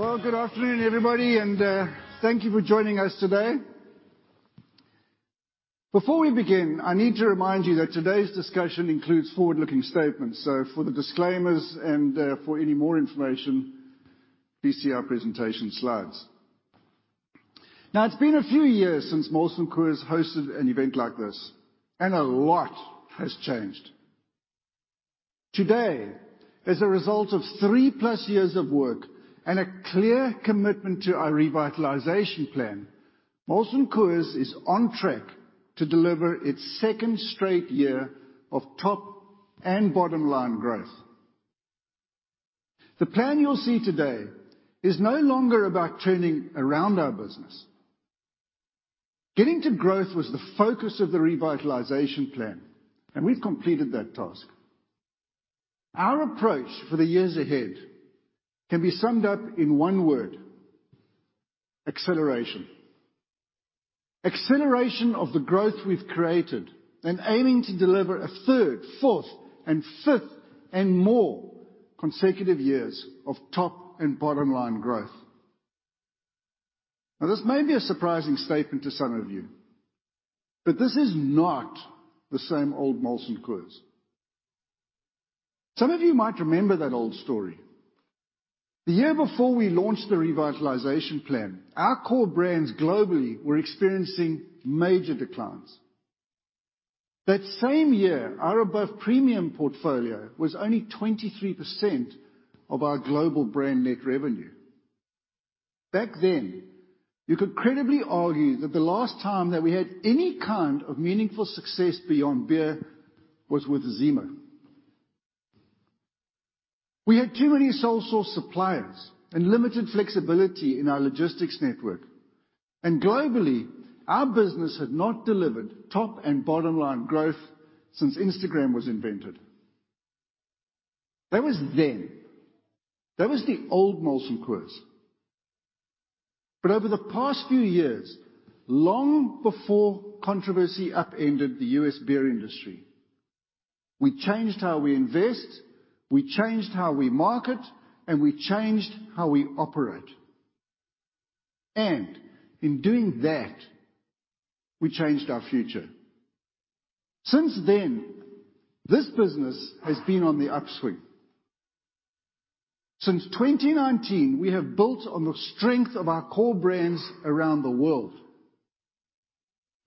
Well, good afternoon, everybody, and thank you for joining us today. Before we begin, I need to remind you that today's discussion includes forward-looking statements. So for the disclaimers and for any more information, please see our presentation slides. Now, it's been a few years since Molson Coors hosted an event like this, and a lot has changed. Today, as a result of three-plus years of work and a clear commitment to our revitalization plan, Molson Coors is on track to deliver its second straight year of top and bottom-line growth. The plan you'll see today is no longer about turning around our business. Getting to growth was the focus of the revitalization plan, and we've completed that task. Our approach for the years ahead can be summed up in one word: acceleration. Acceleration of the growth we've created and aiming to deliver a third, fourth, and fifth, and more consecutive years of top and bottom-line growth. Now, this may be a surprising statement to some of you, but this is not the same old Molson Coors. Some of you might remember that old story. The year before we launched the revitalization plan, our core brands globally were experiencing major declines. That same year, our above-premium portfolio was only 23% of our global brand net revenue. Back then, you could credibly argue that the last time that we had any kind of meaningful success beyond beer was with Zima. We had too many sole-source suppliers and limited flexibility in our logistics network, and globally, our business had not delivered top and bottom-line growth since Instagram was invented. That was then. That was the old Molson Coors. But over the past few years, long before controversy upended the U.S. beer industry, we changed how we invest, we changed how we market, and we changed how we operate. In doing that, we changed our future. Since then, this business has been on the upswing. Since 2019, we have built on the strength of our core brands around the world.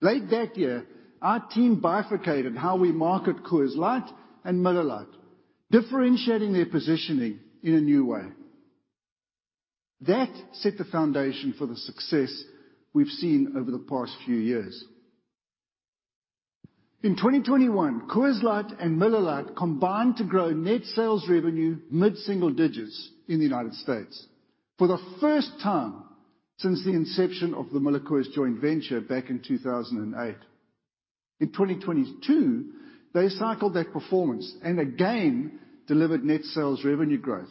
Late that year, our team bifurcated how we market Coors Light and Miller Lite, differentiating their positioning in a new way. That set the foundation for the success we've seen over the past few years. In 2021, Coors Light and Miller Lite combined to grow net sales revenue mid-single digits in the United States for the first time since the inception of the MillerCoors joint venture back in 2008. In 2022, they cycled that performance and again, delivered net sales revenue growth.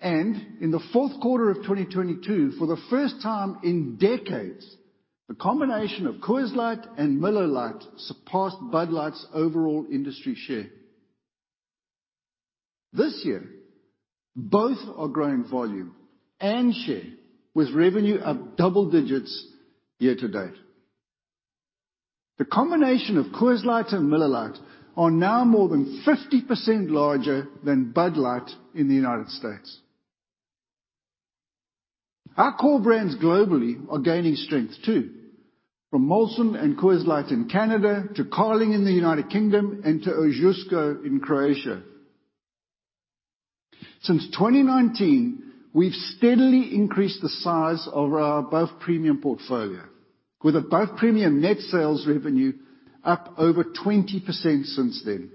In the fourth quarter of 2022, for the first time in decades, the combination of Coors Light and Miller Lite surpassed Bud Light's overall industry share. This year, both are growing volume and share, with revenue up double digits year to date. The combination of Coors Light and Miller Lite are now more than 50% larger than Bud Light in the United States. Our core brands globally are gaining strength, too, from Molson and Coors Light in Canada to Carling in the United Kingdom and to Ožujsko in Croatia. Since 2019, we've steadily increased the size of our above-premium portfolio, with above-premium net sales revenue up over 20% since then.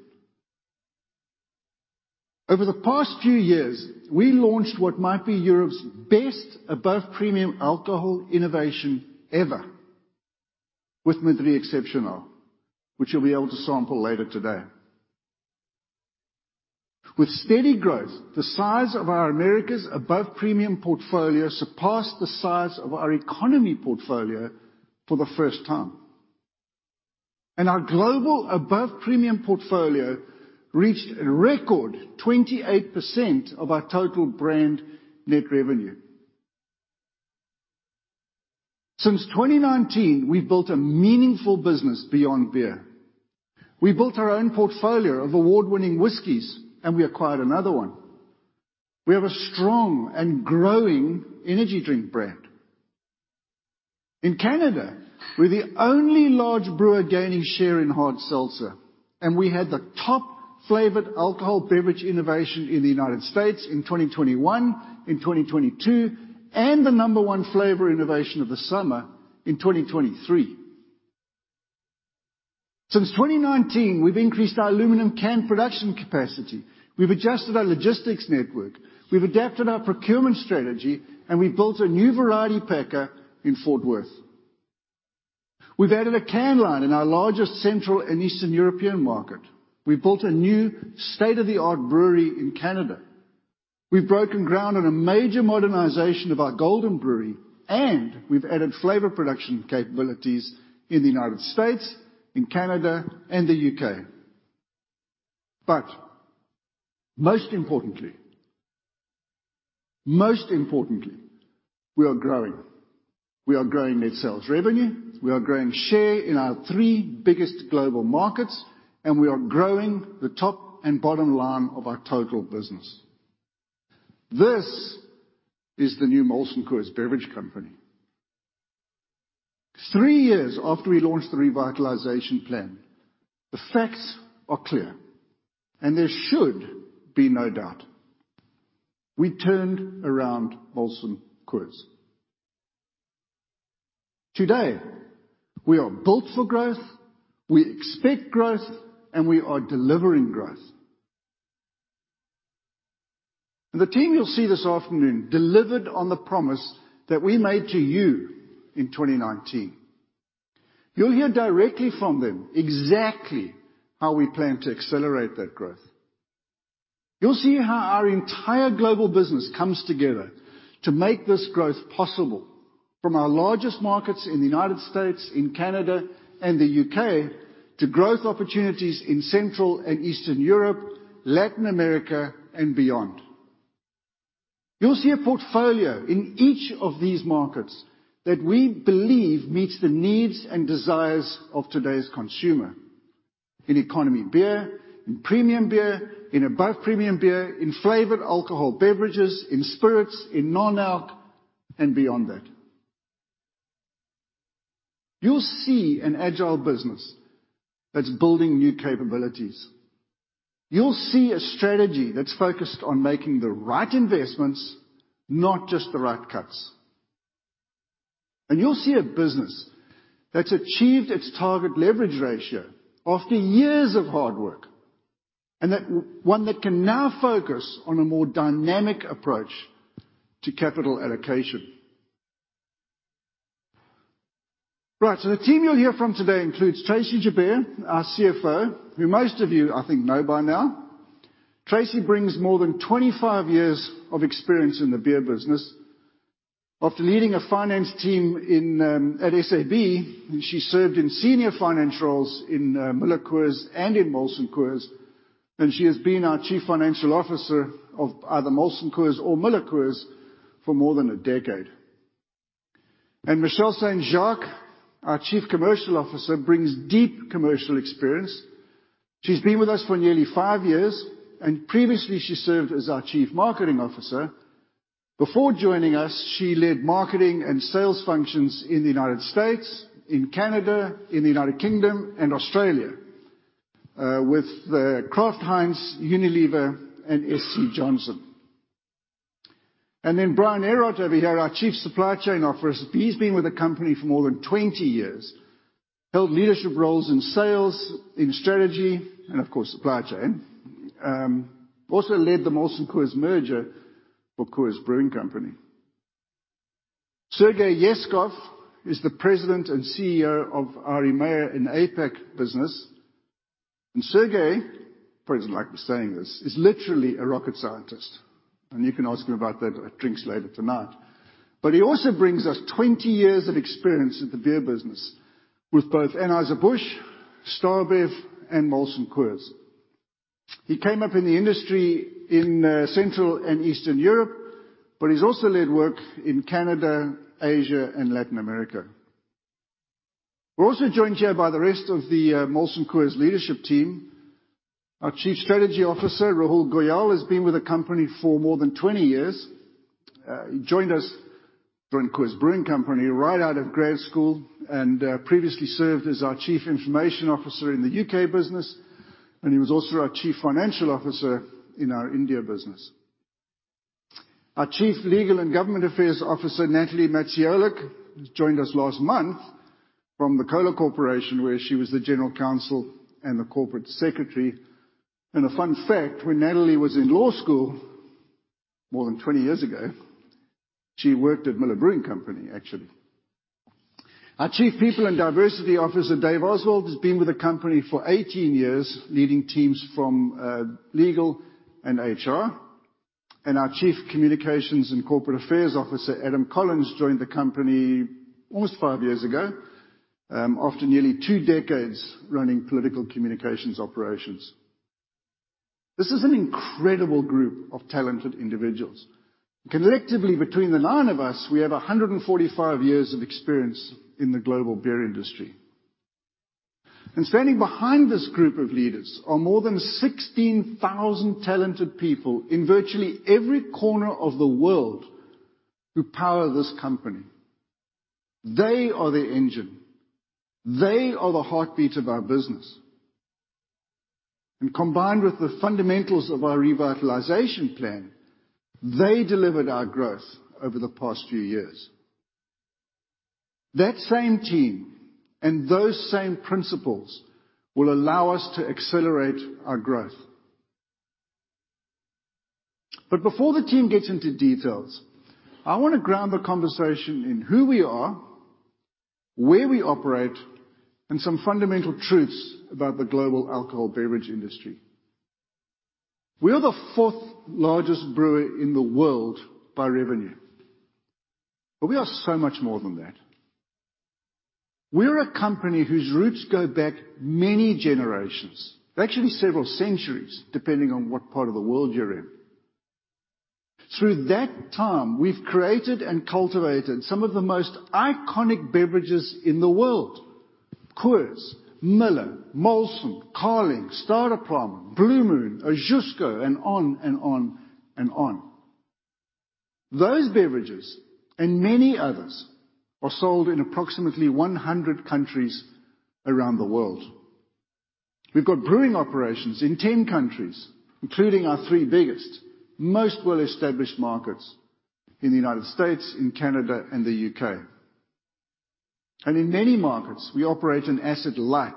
Over the past few years, we launched what might be Europe's best above-premium alcohol innovation ever with Madrí Excepcional, which you'll be able to sample later today. With steady growth, the size of our Americas' above-premium portfolio surpassed the size of our economy portfolio for the first time, and our global above-premium portfolio reached a record 28% of our total brand net revenue. Since 2019, we've built a meaningful business beyond beer. We built our own portfolio of award-winning whiskeys, and we acquired another one. We have a strong and growing energy drink brand. In Canada, we're the only large brewer gaining share in hard seltzer, and we had the top flavored alcohol beverage innovation in the United States in 2021, in 2022, and the number one flavor innovation of the summer in 2023. Since 2019, we've increased our aluminum can production capacity, we've adjusted our logistics network, we've adapted our procurement strategy, and we've built a new variety packer in Fort Worth. We've added a can line in our largest Central and Eastern European market. We've built a new state-of-the-art brewery in Canada. We've broken ground on a major modernization of our Golden brewery, and we've added flavor production capabilities in the United States, in Canada, and the U.K.... But most importantly, most importantly, we are growing. We are growing net sales revenue, we are growing share in our three biggest global markets, and we are growing the top and bottom line of our total business. This is the new Molson Coors Beverage Company. Three years after we launched the revitalization plan, the facts are clear, and there should be no doubt. We turned around Molson Coors. Today, we are built for growth, we expect growth, and we are delivering growth. And the team you'll see this afternoon delivered on the promise that we made to you in 2019. You'll hear directly from them exactly how we plan to accelerate that growth. You'll see how our entire global business comes together to make this growth possible, from our largest markets in the United States, in Canada, and the U.K., to growth opportunities in Central and Eastern Europe, Latin America, and beyond. You'll see a portfolio in each of these markets that we believe meets the needs and desires of today's consumer. In economy beer, in premium beer, in above premium beer, in flavored alcohol beverages, in spirits, in non-alc, and beyond that. You'll see an agile business that's building new capabilities. You'll see a strategy that's focused on making the right investments, not just the right cuts. And you'll see a business that's achieved its target leverage ratio after years of hard work, and that one that can now focus on a more dynamic approach to capital allocation. Right, so the team you'll hear from today includes Tracey Joubert, our CFO, who most of you, I think, know by now. Tracey brings more than 25 years of experience in the beer business. After leading a finance team in at SAB, she served in senior finance roles in MillerCoors and in Molson Coors, and she has been our Chief Financial Officer of either Molson Coors or MillerCoors for more than a decade. Michelle St. Jacques, our Chief Commercial Officer, brings deep commercial experience. She's been with us for nearly 5 years, and previously she served as our Chief Marketing Officer. Before joining us, she led marketing and sales functions in the United States, in Canada, in the United Kingdom, and Australia with the Kraft Heinz, Unilever, and SC Johnson. Then Brian Erhardt over here, our Chief Supply Chain Officer. He's been with the company for more than 20 years. Held leadership roles in sales, in strategy, and of course, supply chain. Also led the Molson Coors merger for Coors Brewing Company. Sergey Yeskov is the President and CEO of our EMEA & APAC business. And Sergey, like was saying, is literally a rocket scientist. You can ask him about that at drinks later tonight. He also brings us 20 years of experience in the beer business with both Anheuser-Busch, StarBev, and Molson Coors. He came up in the industry in Central and Eastern Europe, but he's also led work in Canada, Asia, and Latin America. We're also joined here by the rest of the Molson Coors leadership team. Our Chief Strategy Officer, Rahul Goyal, has been with the company for more than 20 years. He joined us, joined Coors Brewing Company right out of grad school, and previously served as our Chief Information Officer in the U.K. business, and he was also our Chief Financial Officer in our India business. Our Chief Legal and Government Affairs Officer, Natalie Maciolek, joined us last month from the Coca-Cola Company, where she was the general counsel and the corporate secretary. A fun fact, when Natalie was in law school, more than 20 years ago, she worked at Miller Brewing Company, actually. Our Chief People and Diversity Officer, Dave Oswald, has been with the company for 18 years, leading teams from legal and HR. Our Chief Communications and Corporate Affairs Officer, Adam Collins, joined the company almost 5 years ago, after nearly 2 decades running political communications operations. This is an incredible group of talented individuals. Collectively, between the nine of us, we have 145 years of experience in the global beer industry. And standing behind this group of leaders are more than 16,000 talented people in virtually every corner of the world who power this company. They are the engine, they are the heartbeat of our business, and combined with the fundamentals of our revitalization plan, they delivered our growth over the past few years. That same team and those same principles will allow us to accelerate our growth. But before the team gets into details, I wanna ground the conversation in who we are, where we operate, and some fundamental truths about the global alcohol beverage industry. We are the fourth largest brewer in the world by revenue, but we are so much more than that. We're a company whose roots go back many generations, actually several centuries, depending on what part of the world you're in. Through that time, we've created and cultivated some of the most iconic beverages in the world: Coors, Miller, Molson, Carling, Staropramen, Blue Moon, Ožujsko, and on and on and on. Those beverages and many others are sold in approximately 100 countries around the world. We've got brewing operations in 10 countries, including our 3 biggest, most well-established markets in the U.S., in Canada, and the U.K. And in many markets, we operate an asset-light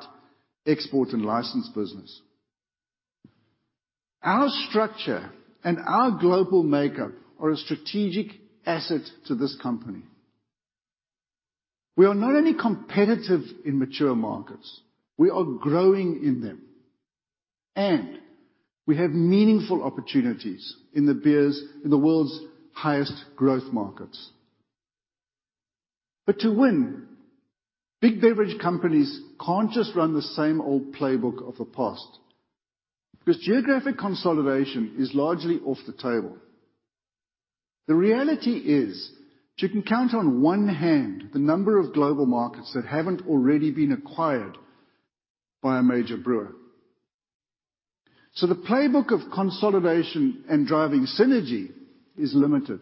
export and license business. Our structure and our global makeup are a strategic asset to this company. We are not only competitive in mature markets, we are growing in them, and we have meaningful opportunities in the beers in the world's highest growth markets. But to win, big beverage companies can't just run the same old playbook of the past, because geographic consolidation is largely off the table. The reality is, you can count on one hand the number of global markets that haven't already been acquired by a major brewer. So the playbook of consolidation and driving synergy is limited.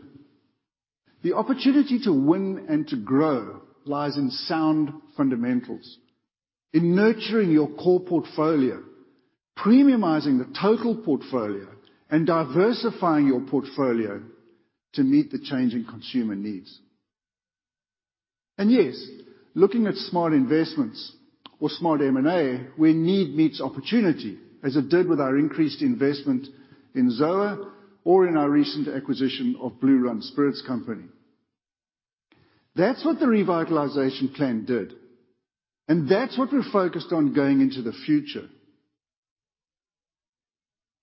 The opportunity to win and to grow lies in sound fundamentals, in nurturing your core portfolio, premiumizing the total portfolio, and diversifying your portfolio to meet the changing consumer needs. And yes, looking at smart investments or smart M&A, where need meets opportunity, as it did with our increased investment in ZOA or in our recent acquisition of Blue Run Spirits Company. That's what the revitalization plan did, and that's what we're focused on going into the future.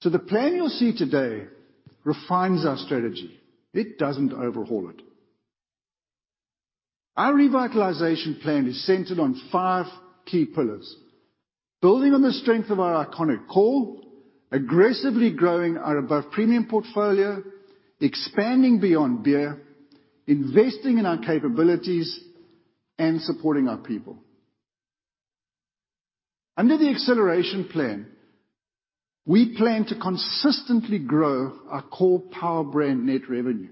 So the plan you'll see today refines our strategy. It doesn't overhaul it. Our revitalization plan is centered on five key pillars: building on the strength of our iconic core, aggressively growing our above-premium portfolio, expanding beyond beer, investing in our capabilities, and supporting our people. Under the acceleration plan, we plan to consistently grow our core power brand net revenue.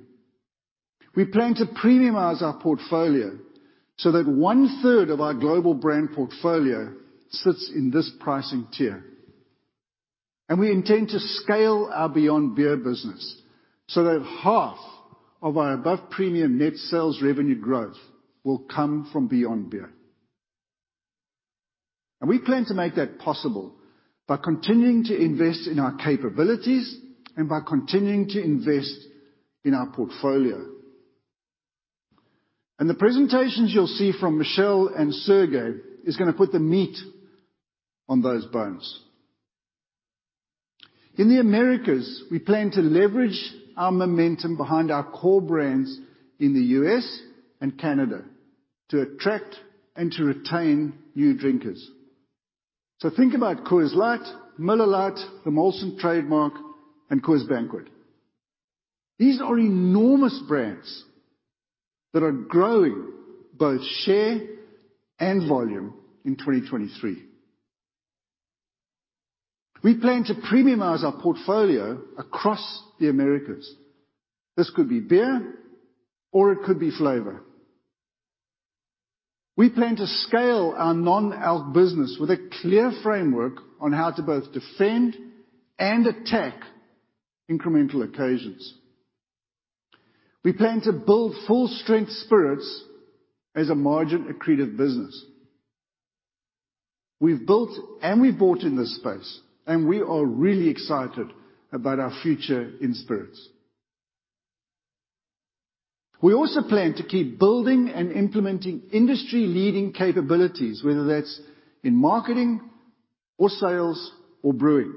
We plan to premiumize our portfolio so that one-third of our global brand portfolio sits in this pricing tier. We intend to scale our beyond beer business so that half of our above-premium net sales revenue growth will come from beyond beer. We plan to make that possible by continuing to invest in our capabilities and by continuing to invest in our portfolio. The presentations you'll see from Michelle and Sergey is gonna put the meat on those bones. In the Americas, we plan to leverage our momentum behind our core brands in the U.S. and Canada to attract and to retain new drinkers. So think about Coors Light, Miller Lite, the Molson trademark, and Coors Banquet. These are enormous brands that are growing both share and volume in 2023. We plan to premiumize our portfolio across the Americas. This could be beer or it could be flavor. We plan to scale our non-alc business with a clear framework on how to both defend and attack incremental occasions. We plan to build full-strength spirits as a margin-accretive business. We've built and we've bought in this space, and we are really excited about our future in spirits. We also plan to keep building and implementing industry-leading capabilities, whether that's in marketing or sales or brewing.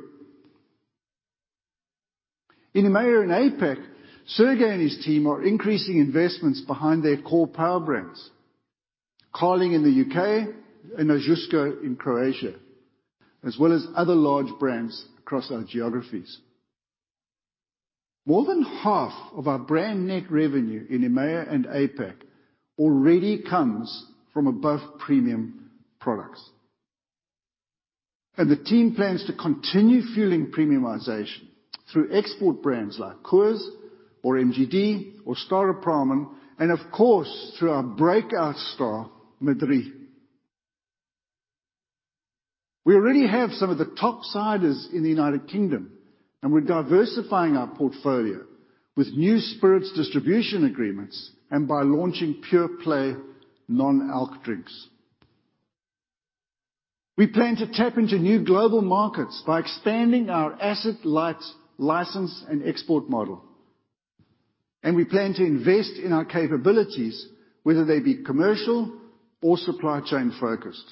In EMEA and APAC, Sergey and his team are increasing investments behind their core power brands. Carling in the UK and Ožujsko in Croatia, as well as other large brands across our geographies. More than half of our brand net revenue in EMEA and APAC already comes from above-premium products, and the team plans to continue fueling premiumization through export brands like Coors or MGD or Staropramen, and of course, through our breakout star, Madrí. We already have some of the top ciders in the United Kingdom, and we're diversifying our portfolio with new spirits distribution agreements and by launching pure-play non-alc drinks. We plan to tap into new global markets by expanding our asset-light license and export model... and we plan to invest in our capabilities, whether they be commercial or supply chain focused.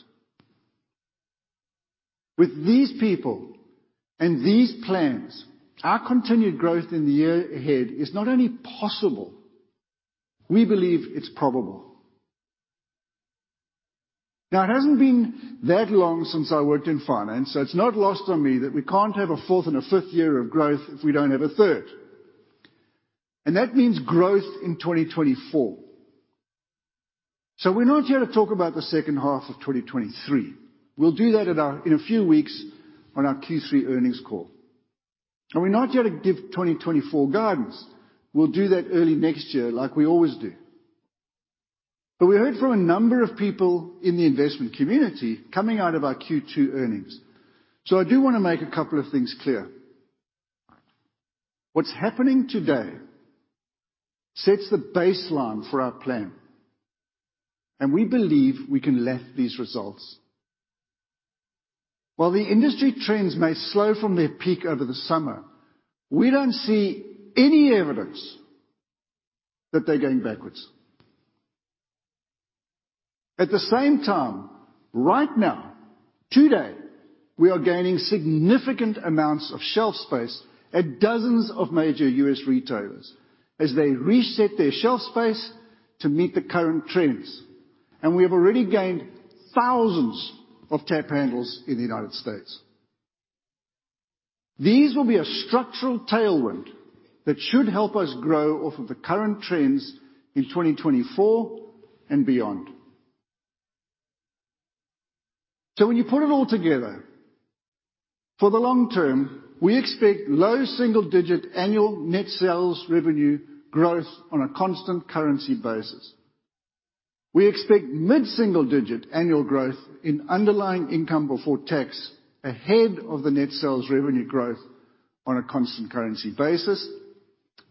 With these people and these plans, our continued growth in the year ahead is not only possible, we believe it's probable. Now, it hasn't been that long since I worked in finance, so it's not lost on me that we can't have a fourth and a fifth year of growth if we don't have a third. That means growth in 2024. We're not here to talk about the second half of 2023. We'll do that in a few weeks on our Q3 earnings call. We're not here to give 2024 guidance. We'll do that early next year, like we always do. But we heard from a number of people in the investment community coming out of our Q2 earnings, so I do wanna make a couple of things clear. What's happening today sets the baseline for our plan, and we believe we can last these results. While the industry trends may slow from their peak over the summer, we don't see any evidence that they're going backwards. At the same time, right now, today, we are gaining significant amounts of shelf space at dozens of major U.S. retailers as they reset their shelf space to meet the current trends, and we have already gained thousands of tap handles in the United States. These will be a structural tailwind that should help us grow off of the current trends in 2024 and beyond. So when you put it all together, for the long term, we expect low single-digit annual net sales revenue growth on a constant currency basis. We expect mid-single-digit annual growth in underlying income before tax, ahead of the net sales revenue growth on a constant currency basis,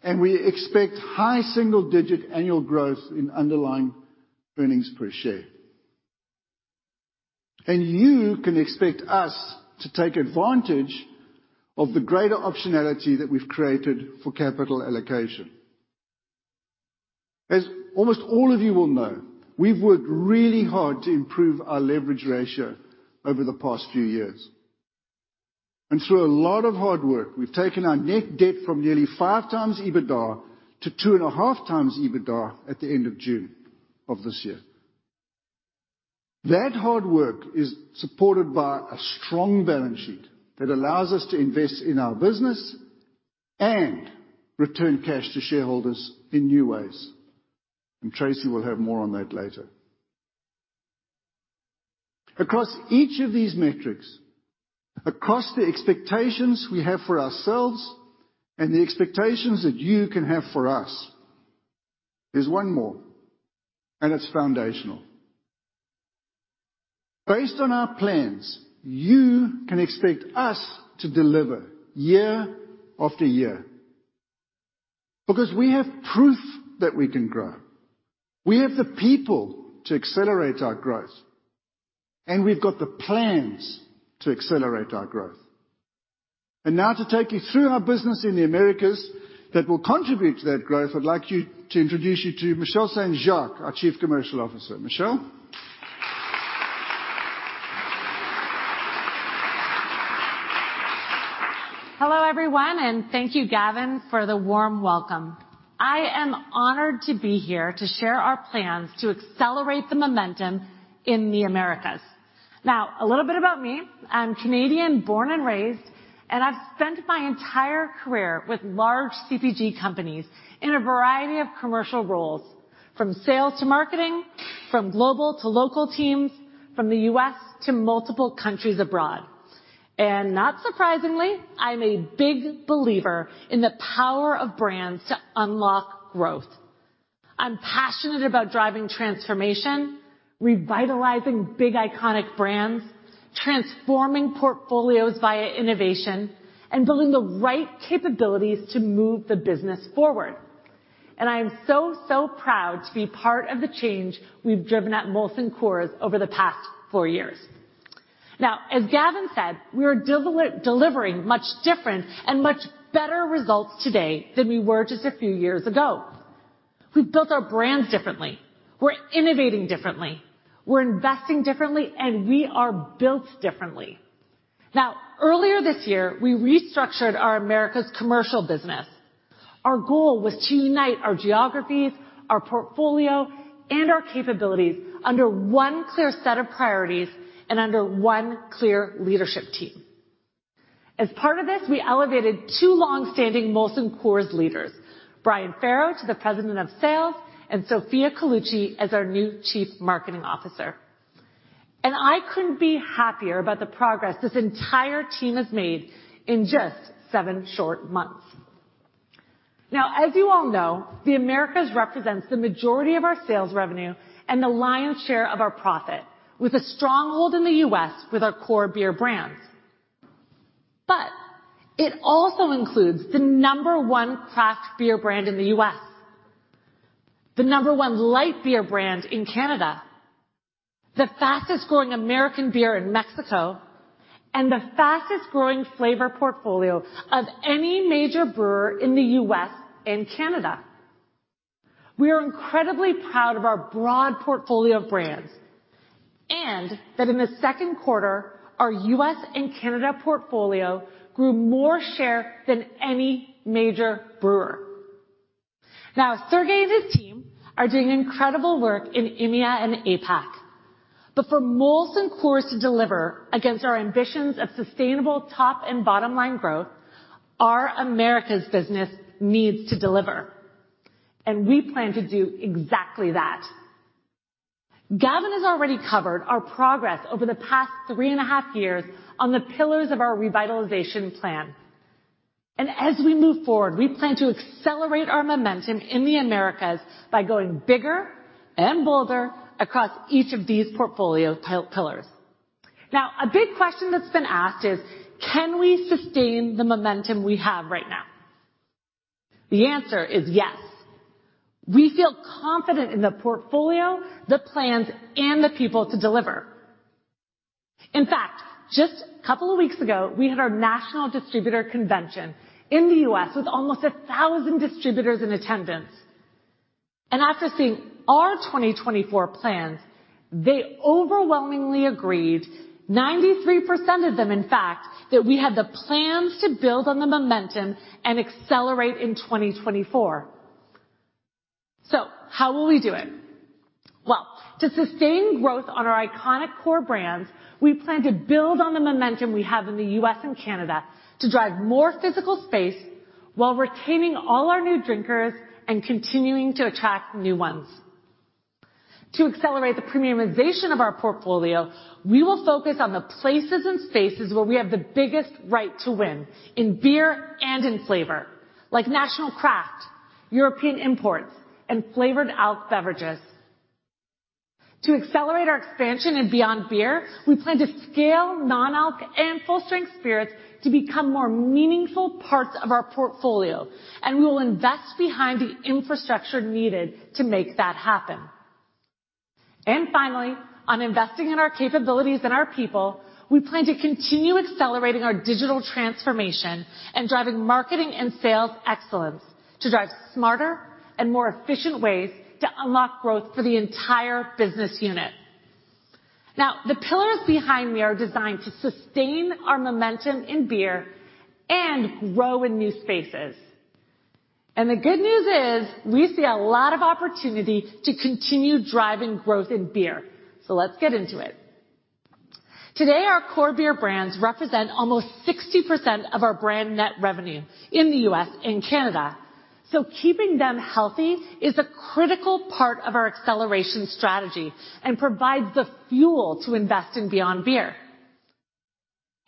and we expect high single-digit annual growth in underlying earnings per share. You can expect us to take advantage of the greater optionality that we've created for capital allocation. As almost all of you will know, we've worked really hard to improve our leverage ratio over the past few years, and through a lot of hard work, we've taken our net debt from nearly 5x EBITDA to 2.5x EBITDA at the end of June of this year. That hard work is supported by a strong balance sheet that allows us to invest in our business and return cash to shareholders in new ways, and Tracey will have more on that later. Across each of these metrics, across the expectations we have for ourselves and the expectations that you can have for us, there's one more, and it's foundational. Based on our plans, you can expect us to deliver year after year. Because we have proof that we can grow, we have the people to accelerate our growth, and we've got the plans to accelerate our growth. Now to take you through our business in the Americas that will contribute to that growth, I'd like to introduce you to Michelle St. Jacques, our Chief Commercial Officer. Michelle? Hello, everyone, and thank you, Gavin, for the warm welcome. I am honored to be here to share our plans to accelerate the momentum in the Americas. Now, a little bit about me. I'm Canadian, born and raised, and I've spent my entire career with large CPG companies in a variety of commercial roles, from sales to marketing, from global to local teams, from the U.S. to multiple countries abroad. And not surprisingly, I'm a big believer in the power of brands to unlock growth. I'm passionate about driving transformation, revitalizing big, iconic brands, transforming portfolios via innovation, and building the right capabilities to move the business forward. And I am so, so proud to be part of the change we've driven at Molson Coors over the past four years. Now, as Gavin said, we are delivering much different and much better results today than we were just a few years ago. We've built our brands differently, we're innovating differently, we're investing differently, and we are built differently. Now, earlier this year, we restructured our Americas commercial business. Our goal was to unite our geographies, our portfolio, and our capabilities under one clear set of priorities and under one clear leadership team. As part of this, we elevated two long-standing Molson Coors leaders, Brian Feiro to the President of Sales and Sofia Colucci as our new Chief Marketing Officer. I couldn't be happier about the progress this entire team has made in just seven short months. Now, as you all know, the Americas represents the majority of our sales revenue and the lion's share of our profit, with a stronghold in the U.S. with our core beer brands. But it also includes the number one craft beer brand in the U.S. The number one light beer brand in Canada, the fastest growing American beer in Mexico, and the fastest growing flavor portfolio of any major brewer in the U.S. and Canada. We are incredibly proud of our broad portfolio of brands, and that in the second quarter, our U.S. and Canada portfolio grew more share than any major brewer. Now, Sergey and his team are doing incredible work in EMEA and APAC, but for Molson Coors to deliver against our ambitions of sustainable top and bottom line growth, our Americas business needs to deliver, and we plan to do exactly that. Gavin has already covered our progress over the past three and a half years on the pillars of our revitalization plan, and as we move forward, we plan to accelerate our momentum in the Americas by going bigger and bolder across each of these portfolio pillars. Now, a big question that's been asked is: Can we sustain the momentum we have right now? The answer is yes. We feel confident in the portfolio, the plans, and the people to deliver. In fact, just a couple of weeks ago, we had our national distributor convention in the U.S. with almost 1,000 distributors in attendance, and after seeing our 2024 plans, they overwhelmingly agreed, 93% of them, in fact, that we had the plans to build on the momentum and accelerate in 2024. So how will we do it? Well, to sustain growth on our iconic core brands, we plan to build on the momentum we have in the U.S. and Canada to drive more physical space while retaining all our new drinkers and continuing to attract new ones. To accelerate the premiumization of our portfolio, we will focus on the places and spaces where we have the biggest right to win in beer and in flavor, like national craft, European imports, and flavored alc beverages. To accelerate our expansion in beyond beer, we plan to scale non-alc and full-strength spirits to become more meaningful parts of our portfolio, and we will invest behind the infrastructure needed to make that happen. Finally, on investing in our capabilities and our people, we plan to continue accelerating our digital transformation and driving marketing and sales excellence to drive smarter and more efficient ways to unlock growth for the entire business unit. Now, the pillars behind me are designed to sustain our momentum in beer and grow in new spaces. The good news is we see a lot of opportunity to continue driving growth in beer. Let's get into it. Today, our core beer brands represent almost 60% of our brand net revenue in the U.S. and Canada, so keeping them healthy is a critical part of our acceleration strategy and provides the fuel to invest in beyond beer.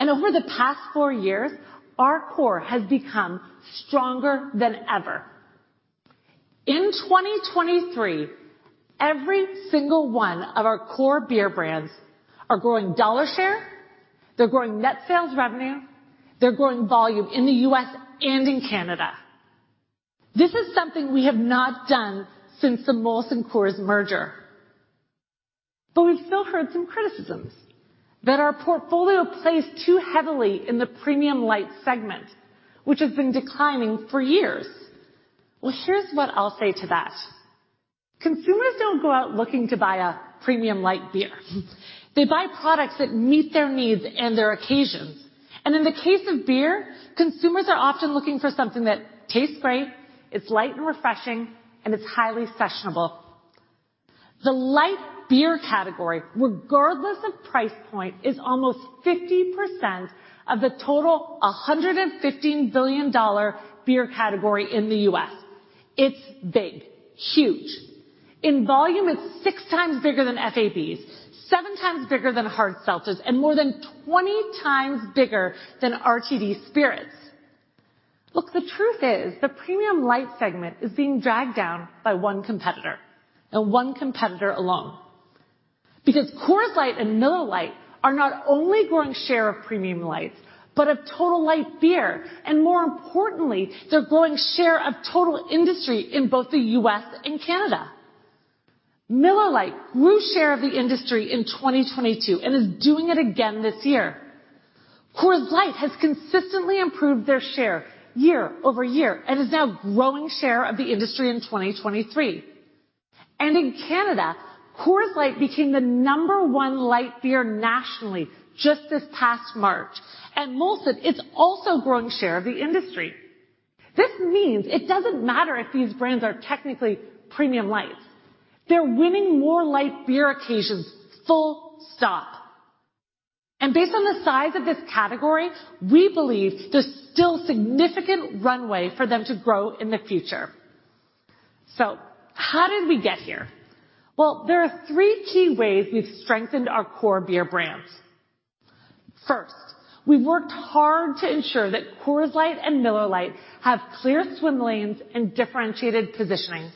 Over the past 4 years, our core has become stronger than ever. In 2023, every single one of our core beer brands are growing dollar share, they're growing net sales revenue, they're growing volume in the U.S. and in Canada. This is something we have not done since the Molson Coors merger. But we've still heard some criticisms that our portfolio plays too heavily in the premium light segment, which has been declining for years. Well, here's what I'll say to that: consumers don't go out looking to buy a premium light beer. They buy products that meet their needs and their occasions. And in the case of beer, consumers are often looking for something that tastes great, it's light and refreshing, and it's highly sessionable. The light beer category, regardless of price point, is almost 50% of the total, a $115 billion beer category in the U.S. It's big, huge. In volume, it's 6 times bigger than FABs, 7 times bigger than hard seltzers, and more than 20 times bigger than RTD Spirits. Look, the truth is, the premium light segment is being dragged down by one competitor, and one competitor alone. Because Coors Light and Miller Lite are not only growing share of premium lights, but of total light beer, and more importantly, they're growing share of total industry in both the U.S. and Canada. Miller Lite grew share of the industry in 2022 and is doing it again this year. Coors Light has consistently improved their share year-over-year and is now growing share of the industry in 2023. And in Canada, Coors Light became the number one light beer nationally just this past March. At Molson, it's also growing share of the industry. This means it doesn't matter if these brands are technically premium light. They're winning more light beer occasions, full stop. And based on the size of this category, we believe there's still significant runway for them to grow in the future. So how did we get here? Well, there are three key ways we've strengthened our core beer brands. First, we've worked hard to ensure that Coors Light and Miller Lite have clear swim lanes and differentiated positionings.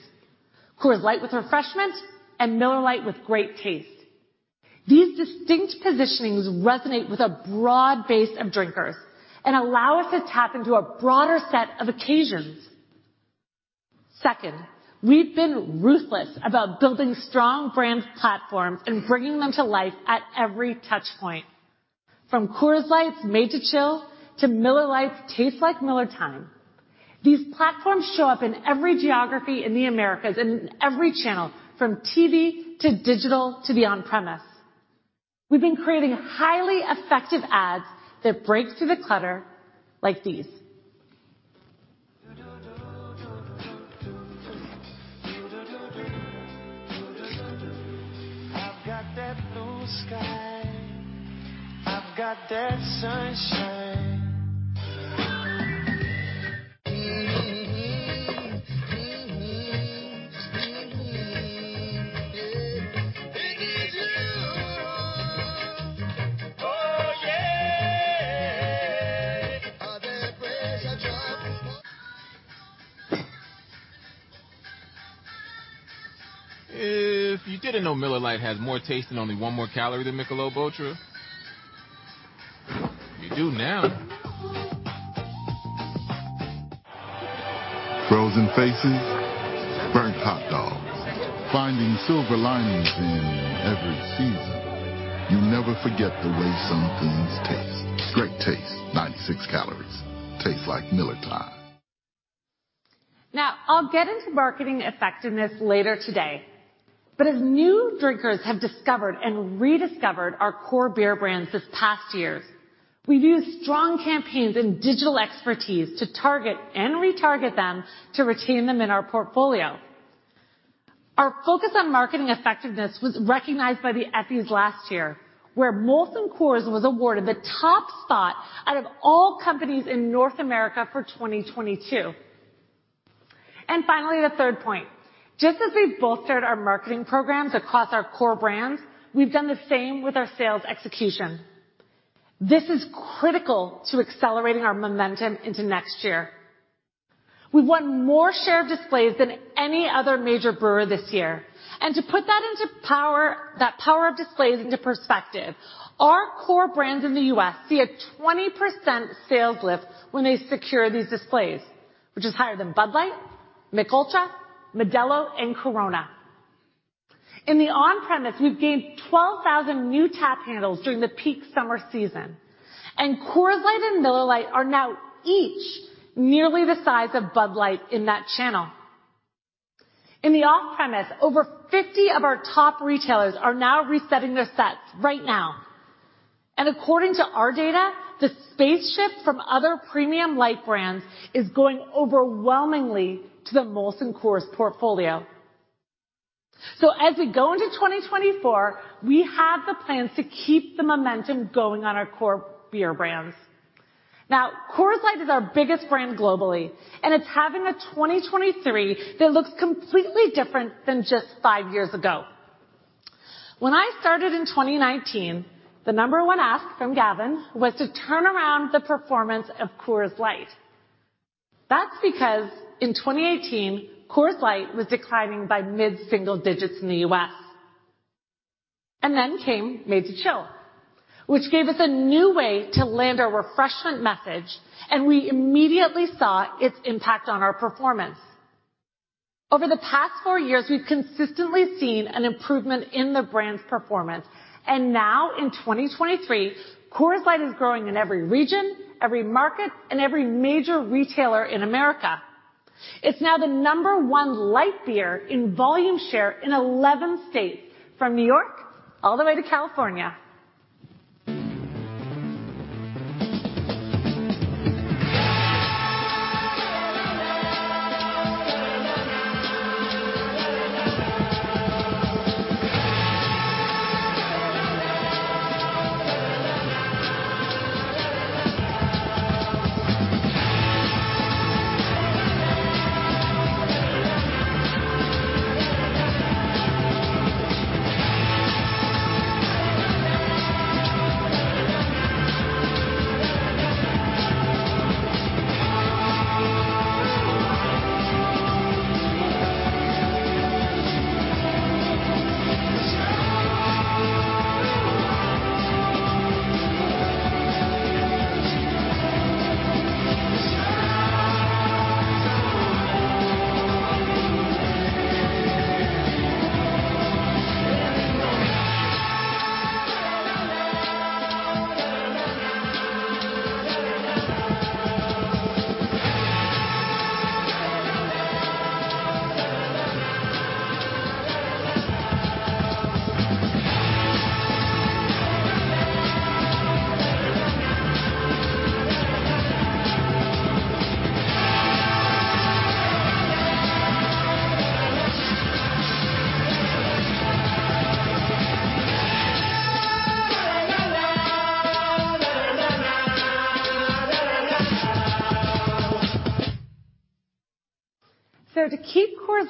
Coors Light with refreshment and Miller Lite with great taste. These distinct positionings resonate with a broad base of drinkers and allow us to tap into a broader set of occasions. Second, we've been ruthless about building strong brand platforms and bringing them to life at every touch point. From Coors Light's Made to Chill to Miller Lite's Tastes like Miller Time. These platforms show up in every geography in the Americas and in every channel, from TV to digital to the on-premise. We've been creating highly effective ads that break through the clutter like these. I've got that blue sky. I've got that sunshine. Mm-mm, mm, yeah. It is you. Oh, yeah. Oh, that fresh and crisp- If you didn't know Miller Lite has more taste and only one more calorie than Michelob ULTRA, you do now. Frozen faces, burnt hot dogs, finding silver linings in every season. You never forget the way some things taste. Great taste, 96 calories. Tastes like Miller Time. Now, I'll get into marketing effectiveness later today. But as new drinkers have discovered and rediscovered our core beer brands this past year, we've used strong campaigns and digital expertise to target and retarget them to retain them in our portfolio. Our focus on marketing effectiveness was recognized by the Effies last year, where Molson Coors was awarded the top spot out of all companies in North America for 2022. And finally, the third point, just as we've bolstered our marketing programs across our core brands, we've done the same with our sales execution. This is critical to accelerating our momentum into next year. We've won more share of displays than any other major brewer this year. To put that into power, that power of displays into perspective, our core brands in the U.S. see a 20% sales lift when they secure these displays, which is higher than Bud Light, Michelob ULTRA, Modelo, and Corona. In the on-premise, we've gained 12,000 new tap handles during the peak summer season, and Coors Light and Miller Lite are now each nearly the size of Bud Light in that channel. In the off-premise, over 50 of our top retailers are now resetting their sets right now, and according to our data, the space shift from other premium light brands is going overwhelmingly to the Molson Coors portfolio. So as we go into 2024, we have the plans to keep the momentum going on our core beer brands. Now, Coors Light is our biggest brand globally, and it's having a 2023 that looks completely different than just five years ago. When I started in 2019, the number one ask from Gavin was to turn around the performance of Coors Light. That's because in 2018, Coors Light was declining by mid-single digits in the U.S. And then came Made to Chill, which gave us a new way to land our refreshment message, and we immediately saw its impact on our performance. Over the past four years, we've consistently seen an improvement in the brand's performance, and now in 2023, Coors Light is growing in every region, every market, and every major retailer in America. It's now the number one light beer in volume share in 11 states, from New York all the way to California.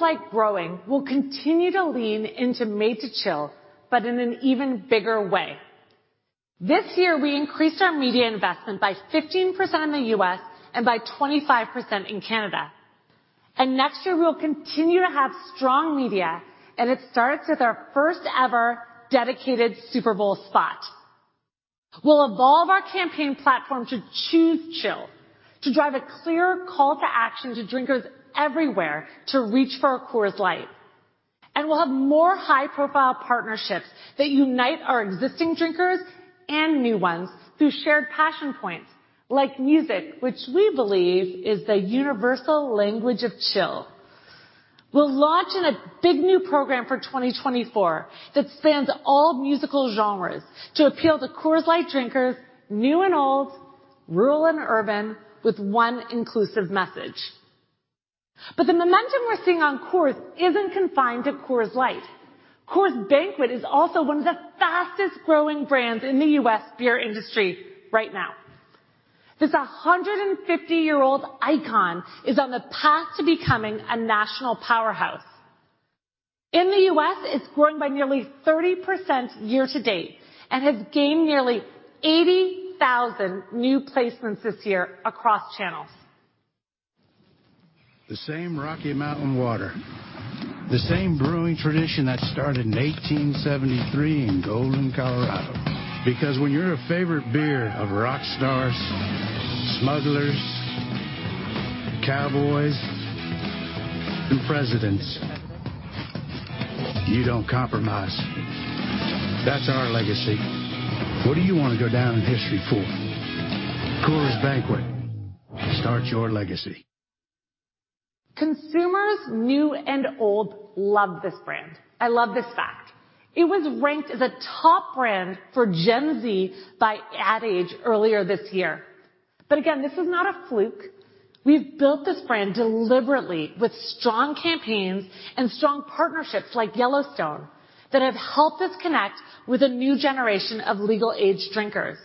To keep Coors Light growing, we'll continue to lean into Made to Chill, but in an even bigger way. This year, we increased our media investment by 15% in the U.S. and by 25% in Canada. Next year, we'll continue to have strong media, and it starts with our first-ever dedicated Super Bowl spot. We'll evolve our campaign platform to Choose Chill, to drive a clear call to action to drinkers everywhere to reach for our Coors Light. We'll have more high-profile partnerships that unite our existing drinkers and new ones through shared passion points like music, which we believe is the universal language of chill. We're launching a big new program for 2024 that spans all musical genres to appeal to Coors Light drinkers, new and old, rural and urban, with one inclusive message. But the momentum we're seeing on Coors isn't confined to Coors Light. Coors Banquet is also one of the fastest-growing brands in the U.S. beer industry right now. This 150-year-old icon is on the path to becoming a national powerhouse. In the U.S., it's grown by nearly 30% year to date and has gained nearly 80,000 new placements this year across channels. The same Rocky Mountain water, the same brewing tradition that started in 1873 in Golden, Colorado. Because when you're a favorite beer of rock stars, smugglers, cowboys, and presidents, you don't compromise. That's our legacy. What do you want to go down in history for? Coors Banquet. Start your legacy. Consumers, new and old, love this brand. I love this fact. It was ranked as a top brand for Gen Z by Ad Age earlier this year. But again, this is not a fluke. We've built this brand deliberately with strong campaigns and strong partnerships like Yellowstone, that have helped us connect with a new generation of legal-age drinkers.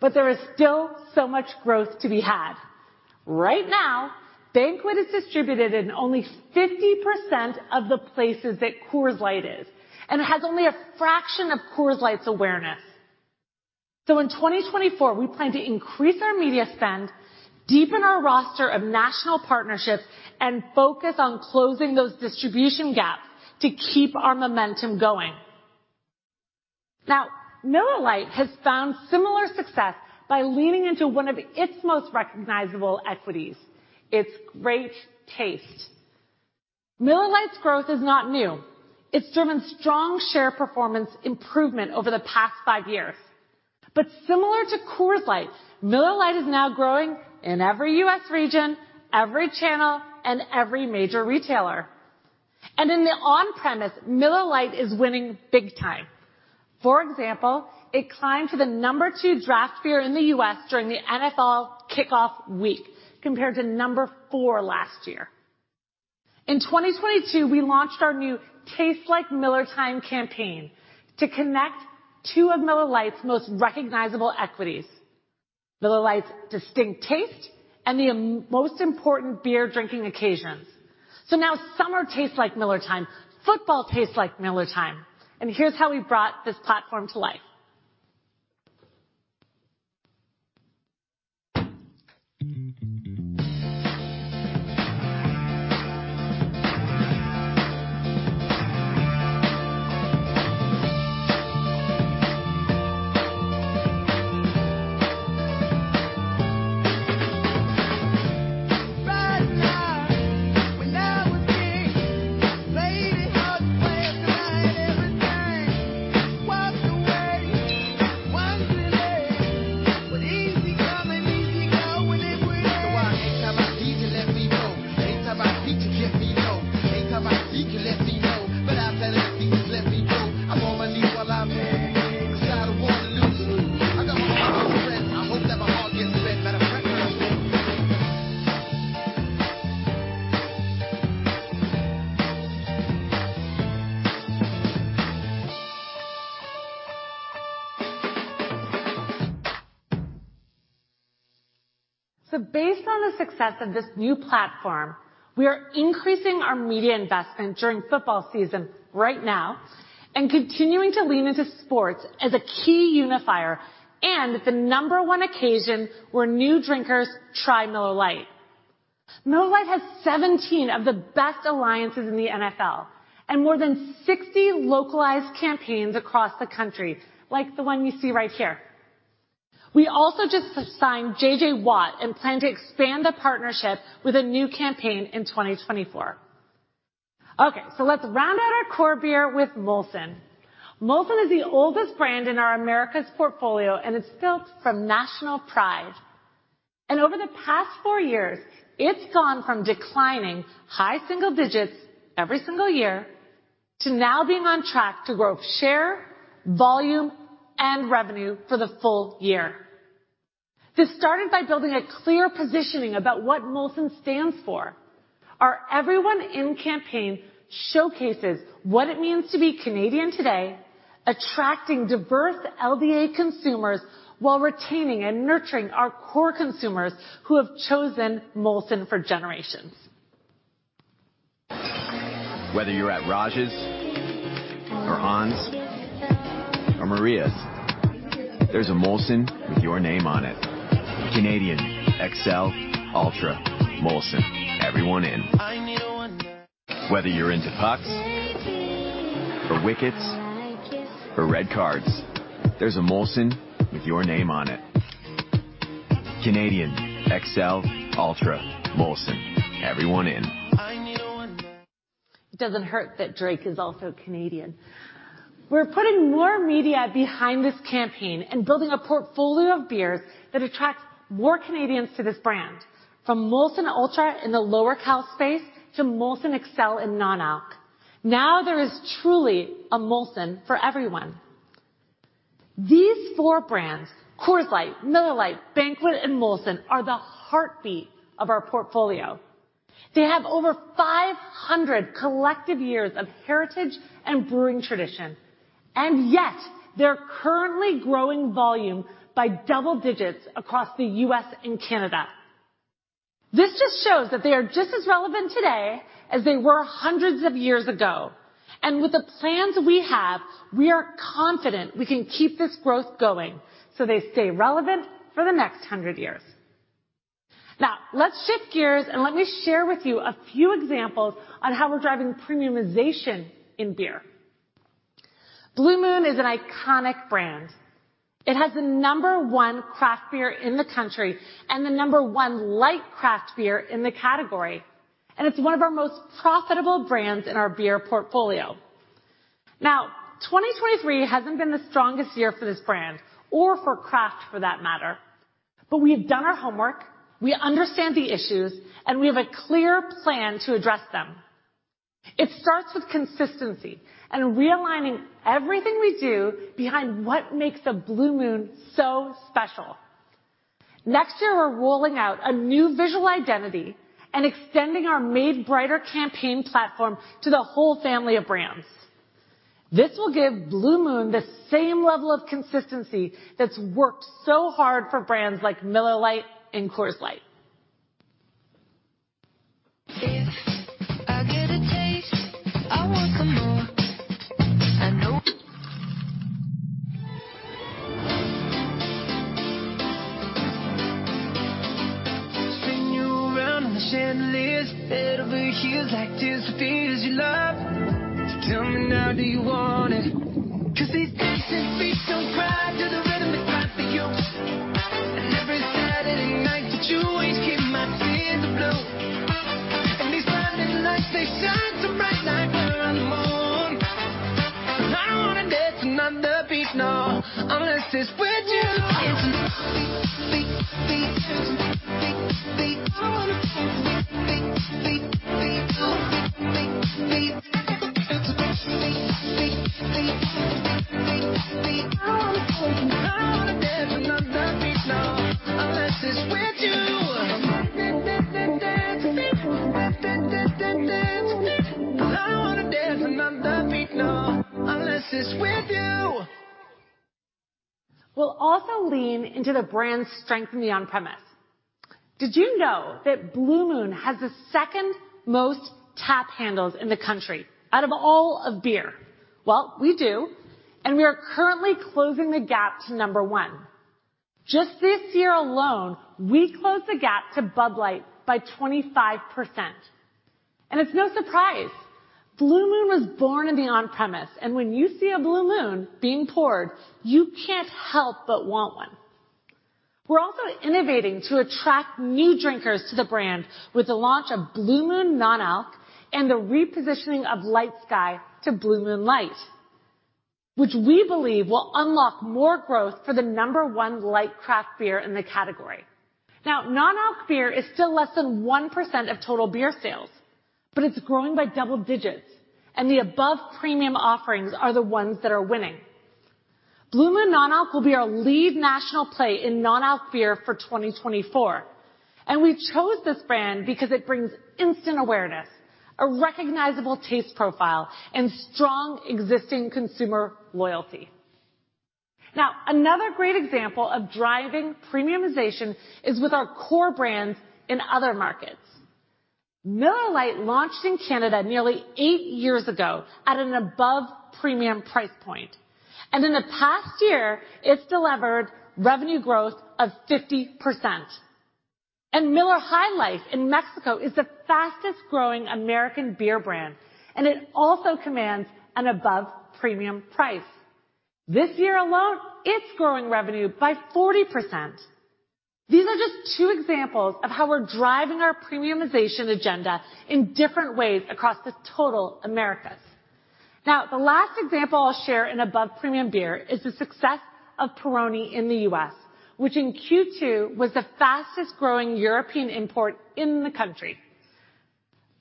But there is still so much growth to be had. Right now, Banquet is distributed in only 50% of the places that Coors Light is, and it has only a fraction of Coors Light's awareness. So in 2024, we plan to increase our media spend, deepen our roster of national partnerships, and focus on closing those distribution gaps to keep our momentum going. Now, Miller Lite has found similar success by leaning into one of its most recognizable equities, its great taste. Miller Lite's growth is not new. It's driven strong share performance improvement over the past five years. But similar to Coors Light, Miller Lite is now growing in every U.S. region, every channel, and every major retailer. In the on-premise, Miller Lite is winning big time. For example, it climbed to the number 2 draft beer in the U.S. during the NFL kickoff week, compared to number 4 last year. In 2022, we launched our new Taste Like Miller Time campaign to connect two of Miller Lite's most recognizable equities, Miller Lite's distinct taste and the most important beer drinking occasions. So now summer tastes like Miller Time. Football tastes like Miller Time, and here's how we brought this platform to life. Bright lights when everything. Play the hardest way every night and everything. Walk away one day. But easy come and easy go, and if it ain't. So, ain't about me, just let me know. Ain't about me, just let me know. Ain't about me, just let me know. But I bet if you just let me go. I'm on my knees while I'm here. 'Cause I don't want to lose. I got my heart set. I hope that my heart gets set, matter of fact. Based on the success of this new platform, we are increasing our media investment during football season right now and continuing to lean into sports as a key unifier and the number one occasion where new drinkers try Miller Lite. Miller Lite has 17 of the best alliances in the NFL and more than 60 localized campaigns across the country, like the one you see right here. We also just signed J.J. Watt and plan to expand the partnership with a new campaign in 2024. Okay, so let's round out our core beer with Molson. Molson is the oldest brand in our Americas portfolio, and it's built from national pride. Over the past four years, it's gone from declining high single digits every single year to now being on track to grow share, volume, and revenue for the full year. This started by building a clear positioning about what Molson stands for. Our Everyone In campaign showcases what it means to be Canadian today, attracting diverse LBA consumers while retaining and nurturing our core consumers who have chosen Molson for generations. ...Whether you're at Raj's or Han's or Michelle's, there's a Molson with your name on it. Canadian Excel, Ultra Molson, everyone in. Whether you're into pucks or wickets or red cards, there's a Molson with your name on it. Canadian Excel, Ultra, Molson, everyone in. It doesn't hurt that Drake is also Canadian. We're putting more media behind this campaign and building a portfolio of beers that attracts more Canadians to this brand, from Molson Ultra in the lower cal space to Molson Exel in Non Alc. Now, there is truly a Molson for everyone. These four brands, Coors Light, Miller Lite, Banquet, and Molson, are the heartbeat of our portfolio. They have over 500 collective years of heritage and brewing tradition, and yet they're currently growing volume by double digits across the U.S. and Canada. This just shows that they are just as relevant today as they were hundreds of years ago, and with the plans we have, we are confident we can keep this growth going so they stay relevant for the next hundred years. Now, let's shift gears, and let me share with you a few examples on how we're driving premiumization in beer. Blue Moon is an iconic brand. It has the number one craft beer in the country and the number one light craft beer in the category, and it's one of our most profitable brands in our beer portfolio. Now, 2023 hasn't been the strongest year for this brand or for craft, for that matter. But we have done our homework, we understand the issues, and we have a clear plan to address them. It starts with consistency and realigning everything we do behind what makes a Blue Moon so special. Next year, we're rolling out a new visual identity and extending our Made Brighter campaign platform to the whole family of brands. This will give Blue Moon the same level of consistency that's worked so hard for brands like Miller Lite and Coors Light. If I get a taste, I want some more. I know... Spin you around on the chandeliers, head over heels, like disappears your love. So tell me, now, do you want it? 'Cause these dancing feet don't cry to the rhythm that cry for you. And every Saturday night that you always get my tears of blue. And these Friday lights, they shine so bright like we're on the moon. So I don't wanna dance another beat, no, unless it's with you. I don't wanna dance another beat, no, unless it's with you. Da, da, da, da, dance, da, da, da, da, dance. I don't wanna dance another beat, no, unless it's with you. We'll also lean into the brand's strength in the on-premise. Did you know that Blue Moon has the second most tap handles in the country out of all of beer? Well, we do, and we are currently closing the gap to number one. Just this year alone, we closed the gap to Bud Light by 25%. And it's no surprise, Blue Moon was born in the on-premise, and when you see a Blue Moon being poured, you can't help but want one. We're also innovating to attract new drinkers to the brand with the launch of Blue Moon Non-Alc and the repositioning of Light Sky to Blue Moon Light, which we believe will unlock more growth for the number one light craft beer in the category. Now, non-alc beer is still less than 1% of total beer sales, but it's growing by double digits, and the above-premium offerings are the ones that are winning. Blue Moon Non-Alc will be our lead national play in non-alc beer for 2024, and we chose this brand because it brings instant awareness, a recognizable taste profile, and strong existing consumer loyalty. Now, another great example of driving premiumization is with our core brands in other markets. Miller Lite launched in Canada nearly 8 years ago at an above-premium price point, and in the past year, it's delivered revenue growth of 50%. Miller High Life in Mexico is the fastest-growing American beer brand, and it also commands an above-premium price. This year alone, it's growing revenue by 40%. These are just two examples of how we're driving our premiumization agenda in different ways across the total Americas. Now, the last example I'll share in above premium beer is the success of Peroni in the U.S., which in Q2 was the fastest-growing European import in the country.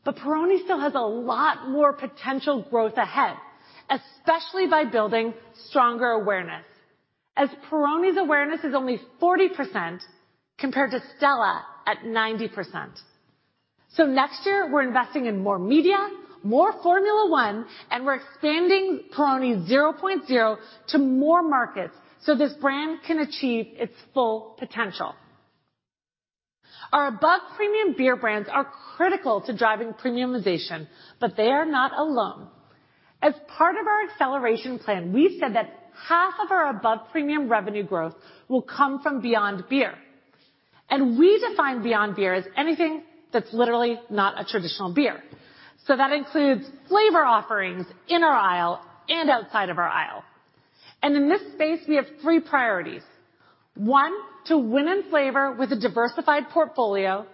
But Peroni still has a lot more potential growth ahead, especially by building stronger awareness, as Peroni's awareness is only 40%, compared to Stella at 90%. So next year, we're investing in more media, more Formula One, and we're expanding Peroni's zero point zero to more markets so this brand can achieve its full potential. Our above premium beer brands are critical to driving premiumization, but they are not alone. As part of our acceleration plan, we've said that half of our above premium revenue growth will come from beyond beer, and we define beyond beer as anything that's literally not a traditional beer. So that includes flavor offerings in our aisle and outside of our aisle. And in this space, we have three priorities. One, to win in flavor with a diversified portfolio.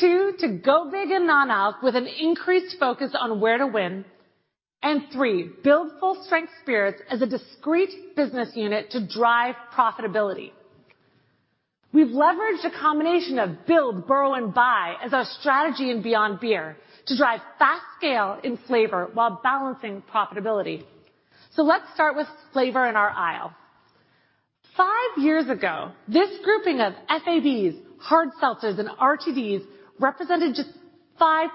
Two, to go big in non-alc with an increased focus on where to win. And three, build Full Strength Spirits as a discrete business unit to drive profitability. We've leveraged a combination of build, borrow, and buy as our strategy in beyond beer to drive fast scale in flavor while balancing profitability. So let's start with flavor in our aisle. Five years ago, this grouping of FABs, hard seltzers, and RTDs represented just 5%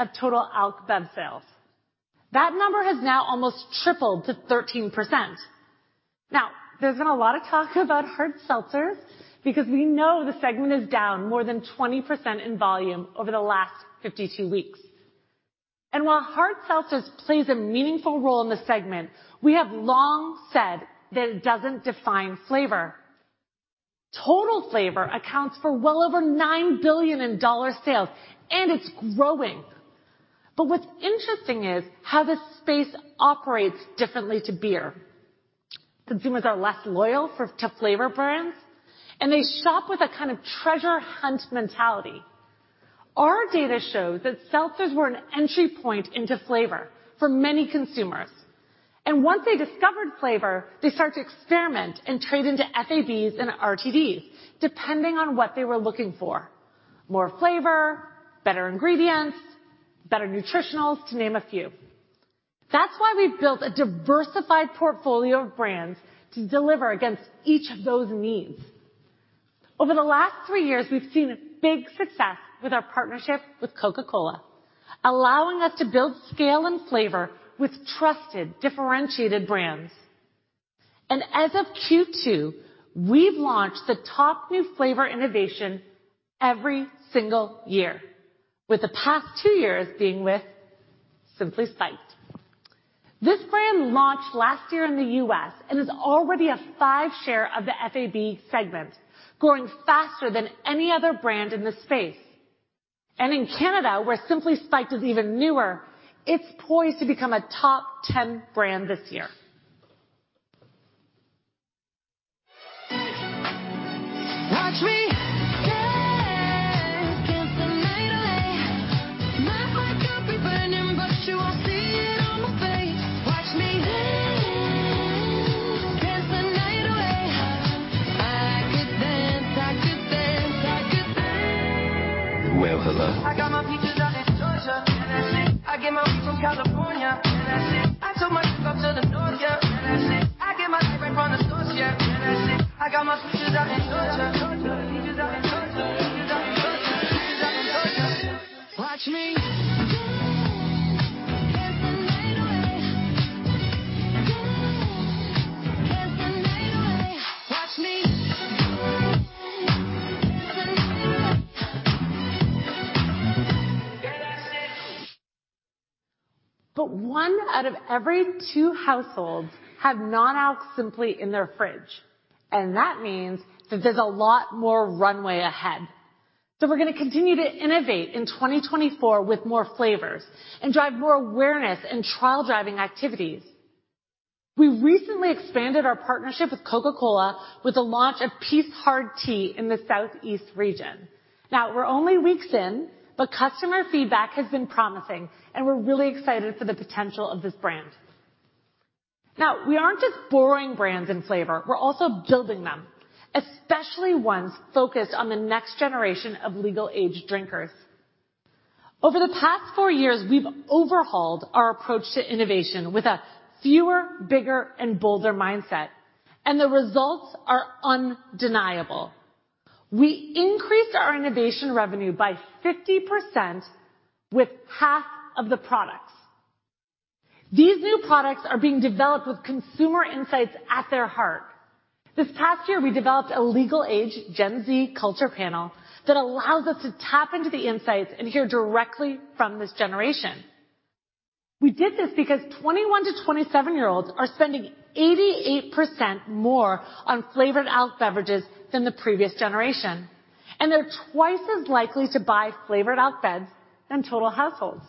of total alc bev sales. That number has now almost tripled to 13%. Now, there's been a lot of talk about hard seltzers because we know the segment is down more than 20% in volume over the last 52 weeks. While hard seltzers plays a meaningful role in the segment, we have long said that it doesn't define flavor. Total flavor accounts for well over $9 billion in dollar sales, and it's growing. But what's interesting is how the space operates differently to beer. Consumers are less loyal for, to flavor brands, and they shop with a kind of treasure hunt mentality. Our data shows that seltzers were an entry point into flavor for many consumers, and once they discovered flavor, they start to experiment and trade into FABs and RTDs, depending on what they were looking for. More flavor, better ingredients, better nutritionals, to name a few. That's why we've built a diversified portfolio of brands to deliver against each of those needs. Over the last three years, we've seen a big success with our partnership with Coca-Cola, allowing us to build scale and flavor with trusted, differentiated brands. As of Q2, we've launched the top new flavor innovation every single year, with the past two years being with Simply Spiked. This brand launched last year in the U.S. and is already a 5% share of the FAB segment, growing faster than any other brand in the space. In Canada, where Simply Spiked is even newer, it's poised to become a top 10 brand this year. Watch me dance, dance the night away. My black heart been burning, but you won't see it on my face. Watch me dance, dance the night away. I could dance, I could dance, I could dance. Well, hello. I got my peaches out in Georgia. Yeah, that's it. I get my weed from California. Yeah, that's it. I took my chick up to the North, yeah. Yeah, that's it. I get my ice right from the source, yeah. Yeah, that's it. I got my peaches out in Georgia. Peaches out in Georgia. Peaches out in Georgia. Peaches out in Georgia. Watch me dance, dance the night away. Dance, dance the night away. Watch me dance, dance the night away. Yeah, that's it! But one out of every two households have non-alc Simply in their fridge, and that means that there's a lot more runway ahead. So we're gonna continue to innovate in 2024 with more flavors and drive more awareness and trial-driving activities. We recently expanded our partnership with Coca-Cola with the launch of Peace Hard Tea in the Southeast region. Now, we're only weeks in, but customer feedback has been promising, and we're really excited for the potential of this brand. Now, we aren't just borrowing brands in flavor, we're also building them, especially ones focused on the next generation of legal age drinkers. Over the past four years, we've overhauled our approach to innovation with a fewer, bigger, and bolder mindset, and the results are undeniable. We increased our innovation revenue by 50% with half of the products. These new products are being developed with consumer insights at their heart. This past year, we developed a legal age Gen Z culture panel that allows us to tap into the insights and hear directly from this generation. We did this because 21- to 27-year-olds are spending 88% more on flavored alc beverages than the previous generation, and they're twice as likely to buy flavored alc bevs than total households.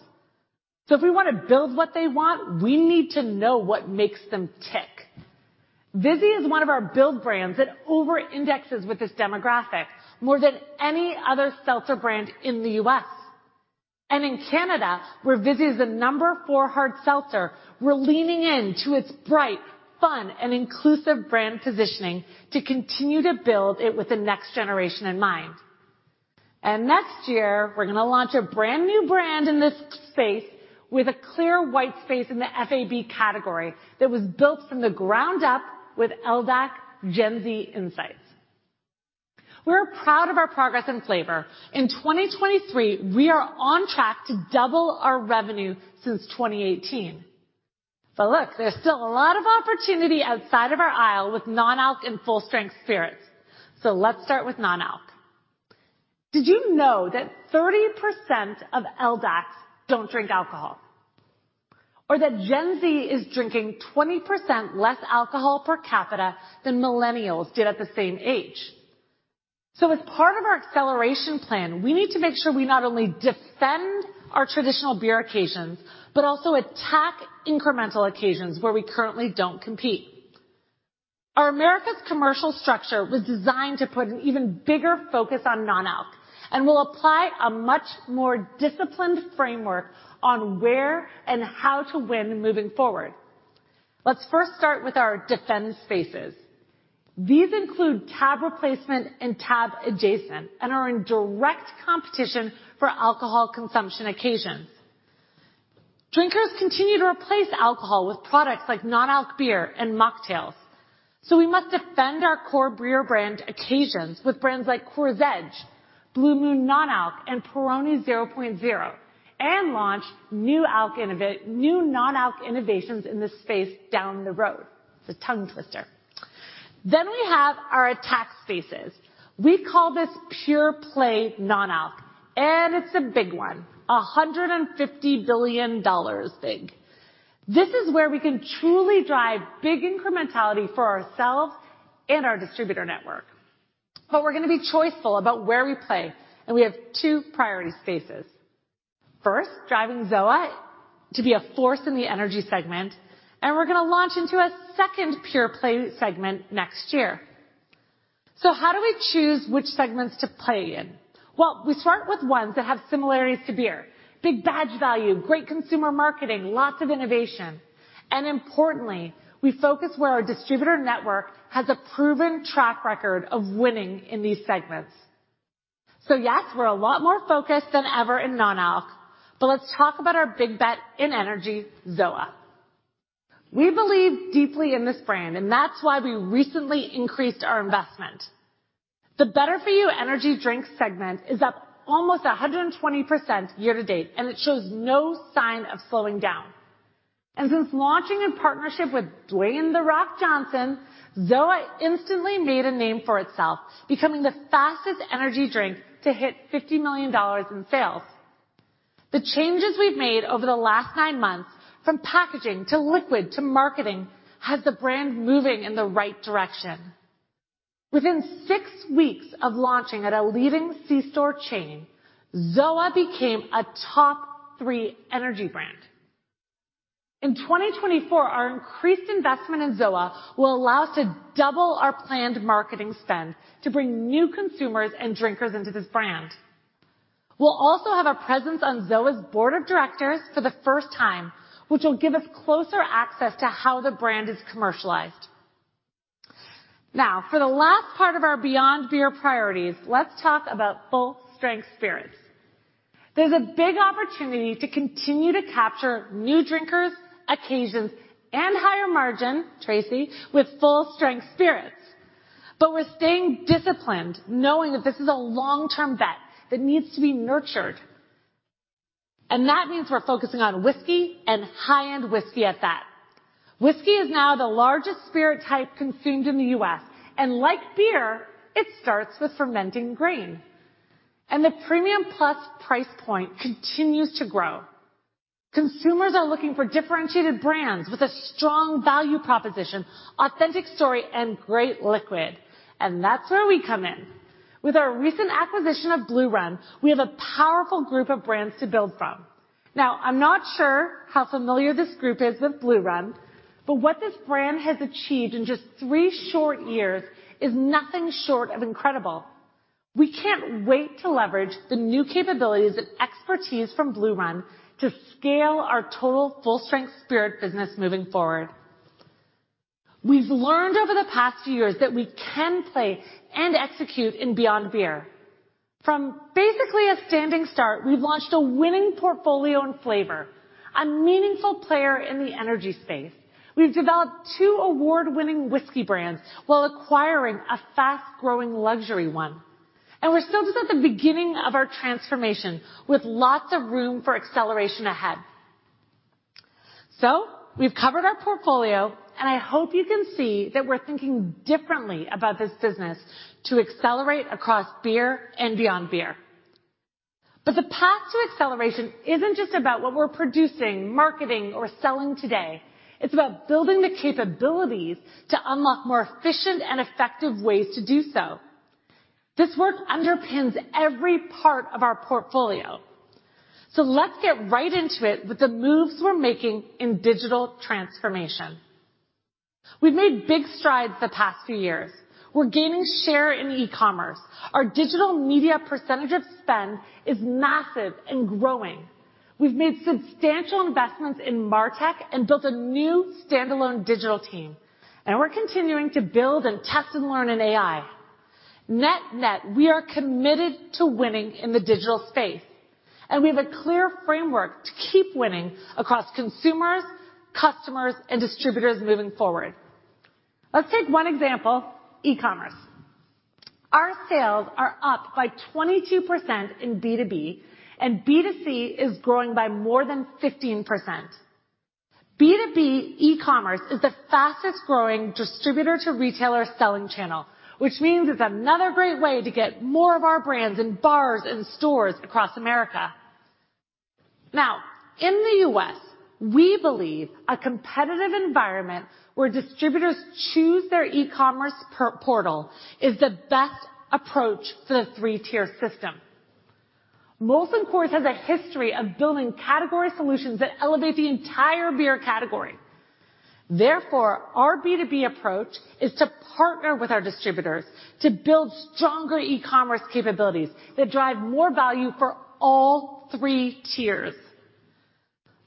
So if we want to build what they want, we need to know what makes them tick. Vizzy is one of our build brands that over indexes with this demographic more than any other seltzer brand in the U.S. And in Canada, where Vizzy is the number 4 hard seltzer, we're leaning into its bright, fun, and inclusive brand positioning to continue to build it with the next generation in mind. Next year, we're gonna launch a brand-new brand in this space with a clear white space in the FAB category that was built from the ground up with LDA Gen Z Insights. We're proud of our progress in flavor. In 2023, we are on track to double our revenue since 2018... But look, there's still a lot of opportunity outside of our aisle with non-alc and full-strength spirits. So let's start with non-alc. Did you know that 30% of LDAs don't drink alcohol? Or that Gen Z is drinking 20% less alcohol per capita than millennials did at the same age. So as part of our acceleration plan, we need to make sure we not only defend our traditional beer occasions, but also attack incremental occasions where we currently don't compete. Our America's commercial structure was designed to put an even bigger focus on non-alc, and we'll apply a much more disciplined framework on where and how to win moving forward. Let's first start with our defense spaces. These include tab replacement and tab adjacent, and are in direct competition for alcohol consumption occasions. Drinkers continue to replace alcohol with products like non-alc beer and mocktails, so we must defend our core beer brand occasions with brands like Coors Edge, Blue Moon Non-Alc, and Peroni 0.0, and launch new non-alc innovations in this space down the road. It's a tongue twister. Then we have our attack spaces. We call this pure play non-alc, and it's a big one, $150 billion big. This is where we can truly drive big incrementality for ourselves and our distributor network. We're gonna be choiceful about where we play, and we have two priority spaces. First, driving ZOA to be a force in the energy segment, and we're gonna launch into a second pure play segment next year. How do we choose which segments to play in? Well, we start with ones that have similarities to beer, big badge value, great consumer marketing, lots of innovation, and importantly, we focus where our distributor network has a proven track record of winning in these segments. Yes, we're a lot more focused than ever in non-alc, but let's talk about our big bet in energy, ZOA. We believe deeply in this brand, and that's why we recently increased our investment. The Better For You energy drink segment is up almost 120% year to date, and it shows no sign of slowing down. Since launching in partnership with Dwayne The Rock Johnson, ZOA instantly made a name for itself, becoming the fastest energy drink to hit $50 million in sales. The changes we've made over the last nine months, from packaging, to liquid, to marketing, has the brand moving in the right direction. Within six weeks of launching at a leading C store chain, ZOA became a top three energy brand. In 2024, our increased investment in ZOA will allow us to double our planned marketing spend to bring new consumers and drinkers into this brand. We'll also have a presence on ZOA's board of directors for the first time, which will give us closer access to how the brand is commercialized. Now, for the last part of our beyond beer priorities, let's talk about full-strength spirits. There's a big opportunity to continue to capture new drinkers, occasions, and higher margin, Tracey, with full-strength spirits. But we're staying disciplined, knowing that this is a long-term bet that needs to be nurtured, and that means we're focusing on whiskey and high-end whiskey at that. Whiskey is now the largest spirit type consumed in the U.S., and like beer, it starts with fermenting grain. And the premium plus price point continues to grow. Consumers are looking for differentiated brands with a strong value proposition, authentic story, and great liquid, and that's where we come in. With our recent acquisition of Blue Run, we have a powerful group of brands to build from. Now, I'm not sure how familiar this group is with Blue Run, but what this brand has achieved in just three short years is nothing short of incredible. We can't wait to leverage the new capabilities and expertise from Blue Run to scale our total full-strength spirit business moving forward. We've learned over the past few years that we can play and execute in beyond beer. From basically a standing start, we've launched a winning portfolio in flavor, a meaningful player in the energy space. We've developed two award-winning whiskey brands while acquiring a fast-growing luxury one. And we're still just at the beginning of our transformation, with lots of room for acceleration ahead. So we've covered our portfolio, and I hope you can see that we're thinking differently about this business to accelerate across beer and beyond beer. But the path to acceleration isn't just about what we're producing, marketing, or selling today. It's about building the capabilities to unlock more efficient and effective ways to do so. This work underpins every part of our portfolio. So let's get right into it with the moves we're making in digital transformation. We've made big strides the past few years. We're gaining share in e-commerce. Our digital media percentage of spend is massive and growing. We've made substantial investments in Martech and built a new standalone digital team, and we're continuing to build and test and learn in AI. Net net, we are committed to winning in the digital space, and we have a clear framework to keep winning across consumers, customers, and distributors moving forward. Let's take one example, e-commerce. Our sales are up by 22% in B2B, and B2C is growing by more than 15%. B2B e-commerce is the fastest growing distributor-to-retailer selling channel, which means it's another great way to get more of our brands in bars and stores across America. Now, in the US, we believe a competitive environment where distributors choose their e-commerce portal is the best approach to the three-tier system. Molson Coors has a history of building category solutions that elevate the entire beer category. Therefore, our B2B approach is to partner with our distributors to build stronger e-commerce capabilities that drive more value for all three tiers.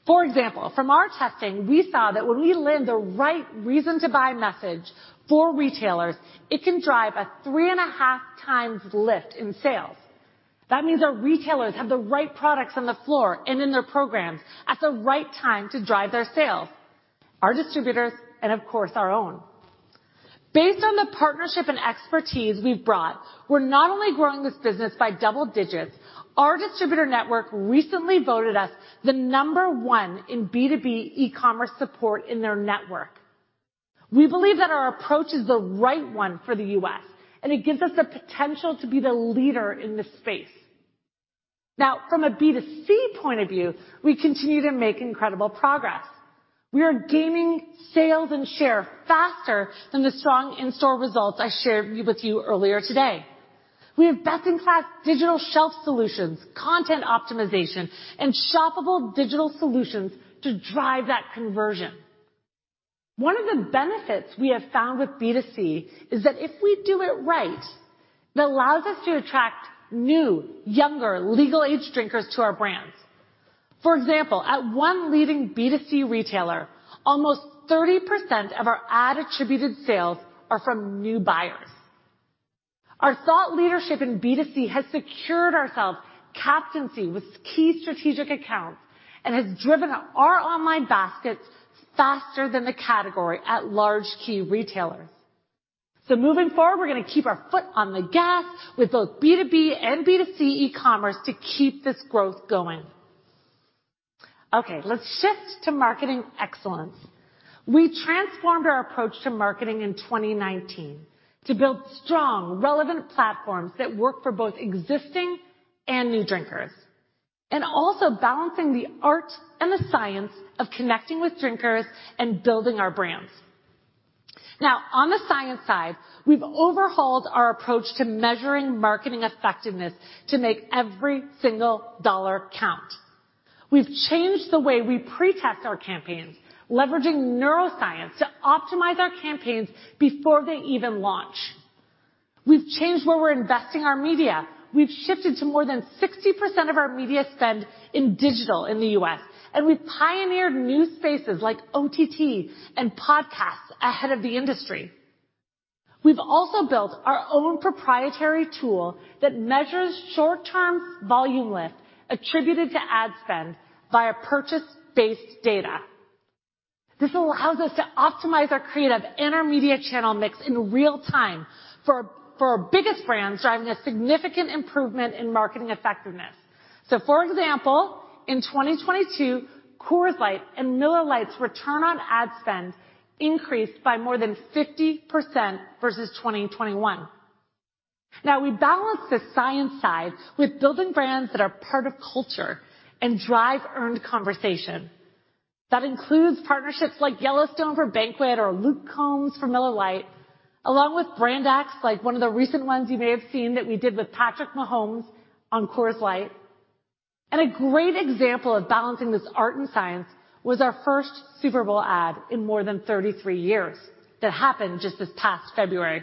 For example, from our testing, we saw that when we land the right reason-to-buy message for retailers, it can drive a 3.5 times lift in sales. That means our retailers have the right products on the floor and in their programs at the right time to drive their sales, our distributors, and of course, our own. Based on the partnership and expertise we've brought, we're not only growing this business by double digits. Our distributor network recently voted us the number one in B2B e-commerce support in their network. We believe that our approach is the right one for the U.S., and it gives us the potential to be the leader in this space. Now, from a B2C point of view, we continue to make incredible progress. We are gaining sales and share faster than the strong in-store results I shared with you earlier today. We have best-in-class digital shelf solutions, content optimization, and shoppable digital solutions to drive that conversion. One of the benefits we have found with B2C is that if we do it right, that allows us to attract new, younger, legal-age drinkers to our brands. For example, at one leading B2C retailer, almost 30% of our ad-attributed sales are from new buyers. Our thought leadership in B2C has secured ourselves captaincy with key strategic accounts and has driven our online baskets faster than the category at large key retailers. So moving forward, we're gonna keep our foot on the gas with both B2B and B2C e-commerce to keep this growth going. Okay, let's shift to marketing excellence. We transformed our approach to marketing in 2019 to build strong, relevant platforms that work for both existing and new drinkers, and also balancing the art and the science of connecting with drinkers and building our brands. Now, on the science side, we've overhauled our approach to measuring marketing effectiveness to make every single dollar count. We've changed the way we pretest our campaigns, leveraging neuroscience to optimize our campaigns before they even launch. We've changed where we're investing our media. We've shifted to more than 60% of our media spend in digital in the U.S., and we've pioneered new spaces like OTT and podcasts ahead of the industry. We've also built our own proprietary tool that measures short-term volume lift attributed to ad spend via purchase-based data. This allows us to optimize our creative and our media channel mix in real time for our biggest brands, driving a significant improvement in marketing effectiveness. So for example, in 2022, Coors Light and Miller Lite's return on ad spend increased by more than 50% versus 2021. Now, we balance the science side with building brands that are part of culture and drive earned conversation. That includes partnerships like Yellowstone for Banquet or Luke Combs for Miller Lite, along with brand acts like one of the recent ones you may have seen that we did with Patrick Mahomes on Coors Light. A great example of balancing this art and science was our first Super Bowl ad in more than 33 years. That happened just this past February.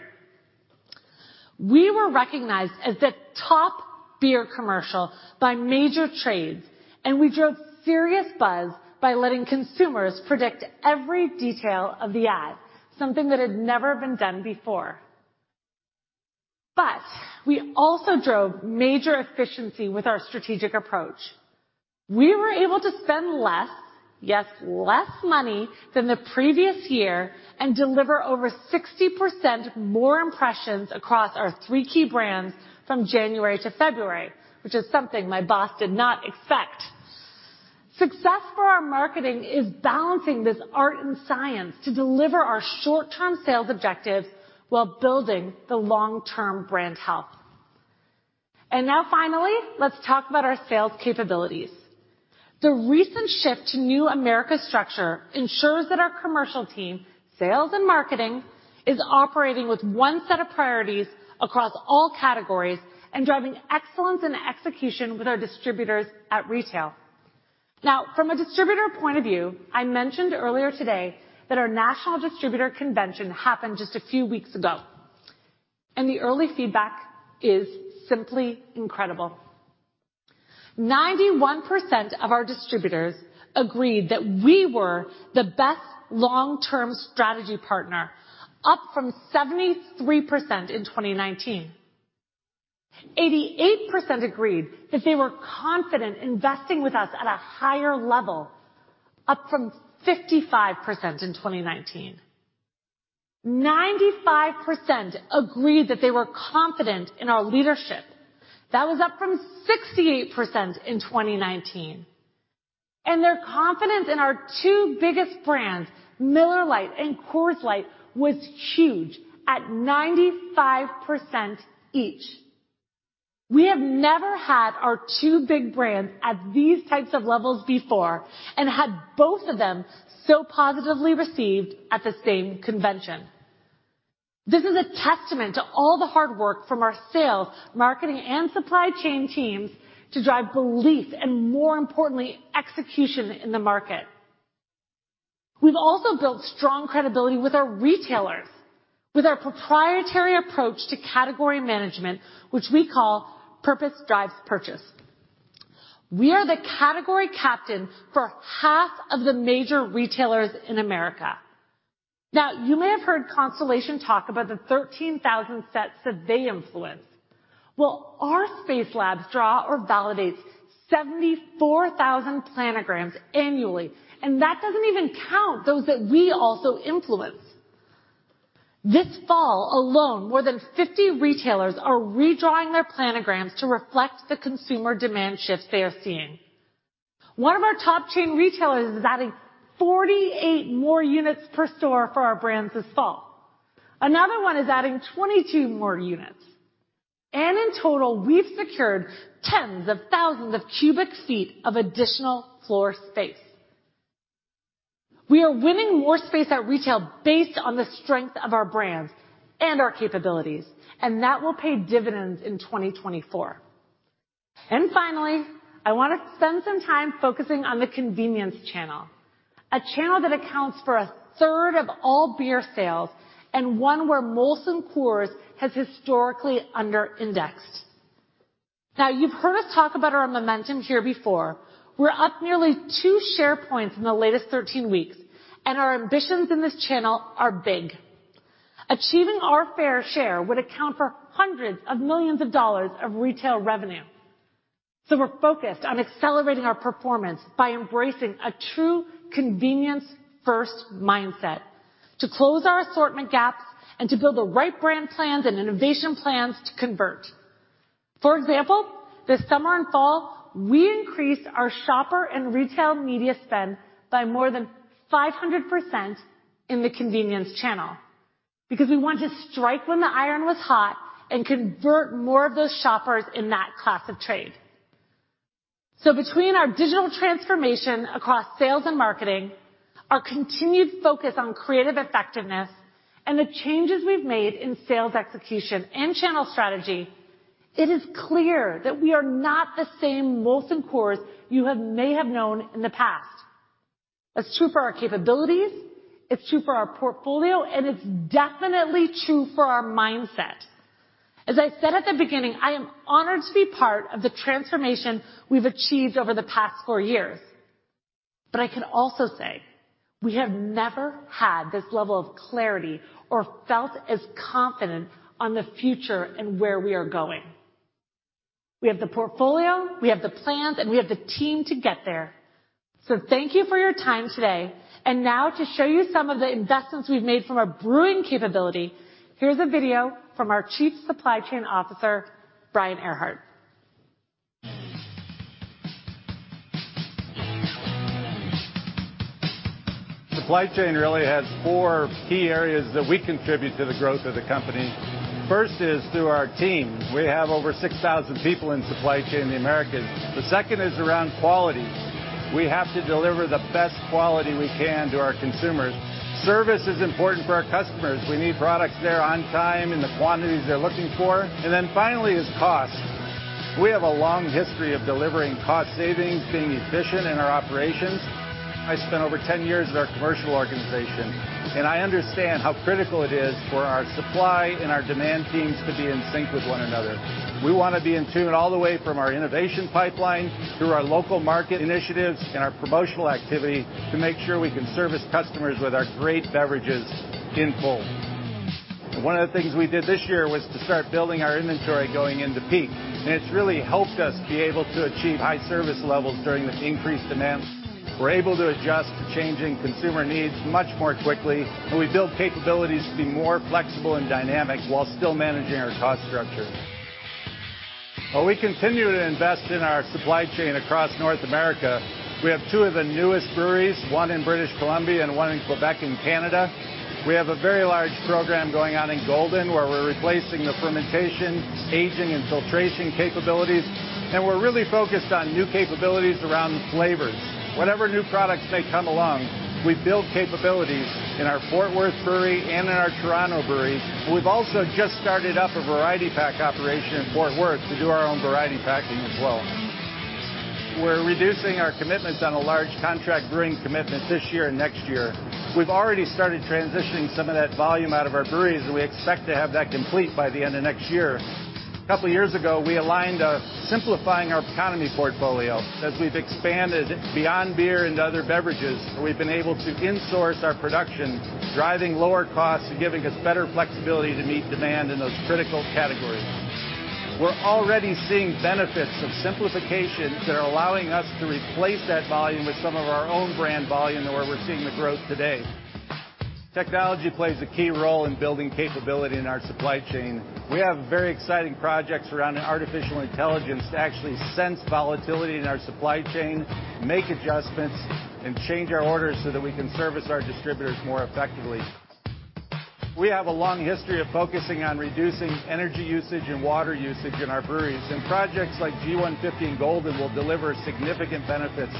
We were recognized as the top beer commercial by major trades, and we drove serious buzz by letting consumers predict every detail of the ad, something that had never been done before. But we also drove major efficiency with our strategic approach. We were able to spend less, yes, less money than the previous year and deliver over 60% more impressions across our three key brands from January to February, which is something my boss did not expect. Success for our marketing is balancing this art and science to deliver our short-term sales objectives while building the long-term brand health. And now, finally, let's talk about our sales capabilities. The recent shift to New Americas structure ensures that our commercial team, sales and marketing, is operating with one set of priorities across all categories and driving excellence and execution with our distributors at retail. Now, from a distributor point of view, I mentioned earlier today that our national distributor convention happened just a few weeks ago, and the early feedback is simply incredible. 91% of our distributors agreed that we were the best long-term strategy partner, up from 73% in 2019.... 88% agreed that they were confident investing with us at a higher level, up from 55% in 2019. 95% agreed that they were confident in our leadership. That was up from 68% in 2019, and their confidence in our two biggest brands, Miller Lite and Coors Light, was huge, at 95% each. We have never had our two big brands at these types of levels before and had both of them so positively received at the same convention. This is a testament to all the hard work from our sales, marketing, and supply chain teams to drive belief, and more importantly, execution in the market. We've also built strong credibility with our retailers, with our proprietary approach to category management, which we call Purpose Drives Purchase. We are the category captain for half of the major retailers in America. Now, you may have heard Constellation talk about the 13,000 sets that they influence. Well, our space labs draw or validate 74,000 planograms annually, and that doesn't even count those that we also influence. This fall alone, more than 50 retailers are redrawing their planograms to reflect the consumer demand shifts they are seeing. One of our top chain retailers is adding 48 more units per store for our brands this fall. Another one is adding 22 more units, and in total, we've secured tens of thousands of cubic feet of additional floor space. We are winning more space at retail based on the strength of our brands and our capabilities, and that will pay dividends in 2024. Finally, I want to spend some time focusing on the convenience channel, a channel that accounts for a third of all beer sales and one where Molson Coors has historically under-indexed. Now, you've heard us talk about our momentum here before. We're up nearly 2 share points in the latest 13 weeks, and our ambitions in this channel are big. Achieving our fair share would account for $hundreds of millions of retail revenue. So we're focused on accelerating our performance by embracing a true convenience-first mindset, to close our assortment gaps and to build the right brand plans and innovation plans to convert. For example, this summer and fall, we increased our shopper and retail media spend by more than 500% in the convenience channel because we want to strike when the iron was hot and convert more of those shoppers in that class of trade. So between our digital transformation across sales and marketing, our continued focus on creative effectiveness, and the changes we've made in sales execution and channel strategy, it is clear that we are not the same Molson Coors you may have known in the past. It's true for our capabilities, it's true for our portfolio, and it's definitely true for our mindset. As I said at the beginning, I am honored to be part of the transformation we've achieved over the past four years, but I can also say we have never had this level of clarity or felt as confident on the future and where we are going. We have the portfolio, we have the plans, and we have the team to get there. Thank you for your time today, and now to show you some of the investments we've made from our brewing capability, here's a video from our Chief Supply Chain Officer, Brian Erhardt. Supply chain really has four key areas that we contribute to the growth of the company. First is through our team. We have over 6,000 people in supply chain in the Americas. The second is around quality. We have to deliver the best quality we can to our consumers. Service is important for our customers. We need products there on time, in the quantities they're looking for. And then finally, is cost. We have a long history of delivering cost savings, being efficient in our operations. I spent over 10 years at our commercial organization, and I understand how critical it is for our supply and our demand teams to be in sync with one another. We want to be in tune all the way from our innovation pipeline through our local market initiatives and our promotional activity, to make sure we can service customers with our great beverages in full. One of the things we did this year was to start building our inventory going into peak, and it's really helped us be able to achieve high service levels during this increased demand. We're able to adjust to changing consumer needs much more quickly, and we build capabilities to be more flexible and dynamic while still managing our cost structure. While we continue to invest in our supply chain across North America, we have two of the newest breweries, one in British Columbia and one in Quebec in Canada. We have a very large program going on in Golden, where we're replacing the fermentation, aging, and filtration capabilities, and we're really focused on new capabilities around the flavors. Whatever new products may come along, we build capabilities in our Fort Worth brewery and in our Toronto brewery. We've also just started up a variety pack operation in Fort Worth to do our own variety packing as well. We're reducing our commitments on a large contract brewing commitment this year and next year. We've already started transitioning some of that volume out of our breweries, and we expect to have that complete by the end of next year. A couple of years ago, we aligned on simplifying our economy portfolio. As we've expanded beyond beer into other beverages, we've been able to in-source our production, driving lower costs and giving us better flexibility to meet demand in those critical categories.... We're already seeing benefits of simplifications that are allowing us to replace that volume with some of our own brand volume, where we're seeing the growth today. Technology plays a key role in building capability in our supply chain. We have very exciting projects around artificial intelligence to actually sense volatility in our supply chain, make adjustments, and change our orders so that we can service our distributors more effectively. We have a long history of focusing on reducing energy usage and water usage in our breweries, and projects like G150 and Golden will deliver significant benefits.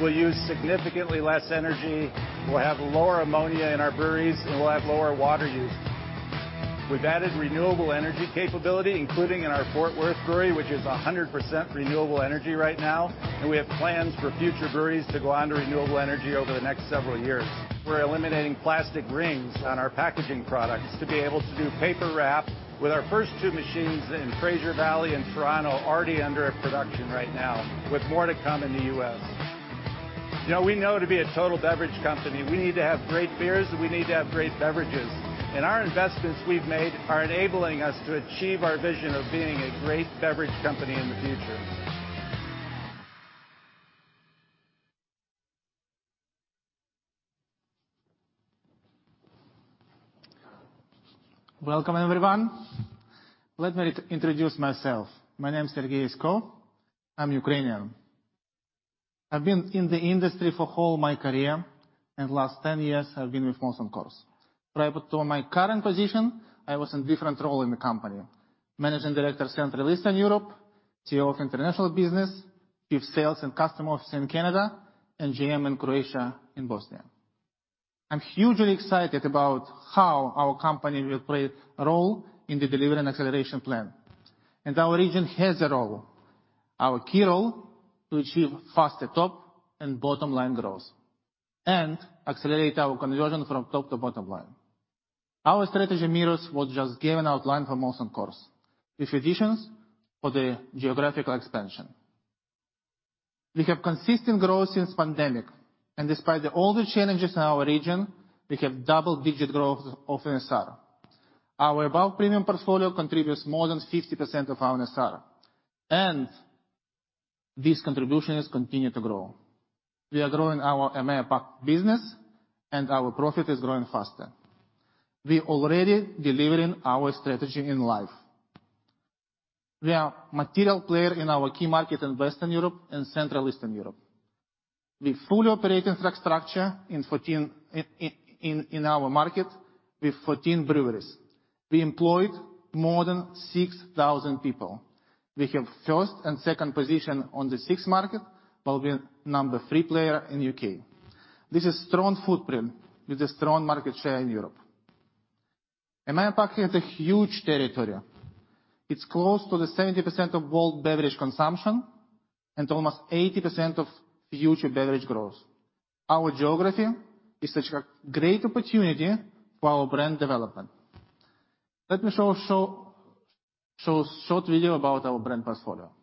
We'll use significantly less energy, we'll have lower ammonia in our breweries, and we'll have lower water use. We've added renewable energy capability, including in our Fort Worth brewery, which is 100% renewable energy right now, and we have plans for future breweries to go onto renewable energy over the next several years. We're eliminating plastic rings on our packaging products to be able to do paper wrap with our first two machines in Fraser Valley and Toronto already under production right now, with more to come in the US. You know, we know to be a total beverage company, we need to have great beers, and we need to have great beverages. Our investments we've made are enabling us to achieve our vision of being a great beverage company in the future. Welcome, everyone. Let me introduce myself. My name is Sergey Yeskov. I'm Ukrainian. I've been in the industry for my whole career, and last 10 years, I've been with Molson Coors. Prior to my current position, I was in different role in the company: managing director, Central Eastern Europe, CEO of international business, chief sales and customer officer in Canada, and GM in Croatia and Bosnia. I'm hugely excited about how our company will play a role in the Delivery and Acceleration Plan, and our region has a role. Our key role, to achieve faster top and bottom line growth and accelerate our conversion from top to bottom line. Our strategy mirrors what just given outline for Molson Coors, with additions for the geographical expansion. We have consistent growth since pandemic, and despite all the challenges in our region, we have double-digit growth of NSR. Our above-premium portfolio contributes more than 50% of our NSR, and these contributions continue to grow. We are growing our EMEA business, and our profit is growing faster. We are already delivering our strategy in EMEA. We are a material player in our key markets in Western Europe and Central and Eastern Europe. We fully operate our infrastructure in 14 of our markets with 14 breweries. We employ more than 6,000 people. We have first- and second-position in the six markets, while being the number-three player in the U.K. This is a strong footprint with a strong market share in Europe. EMEA & APAC is a huge territory. It's close to the 70% of world beverage consumption and almost 80% of future beverage growth. Our geography is such a great opportunity for our brand development. Let me show a short video about our brand portfolio.... Well,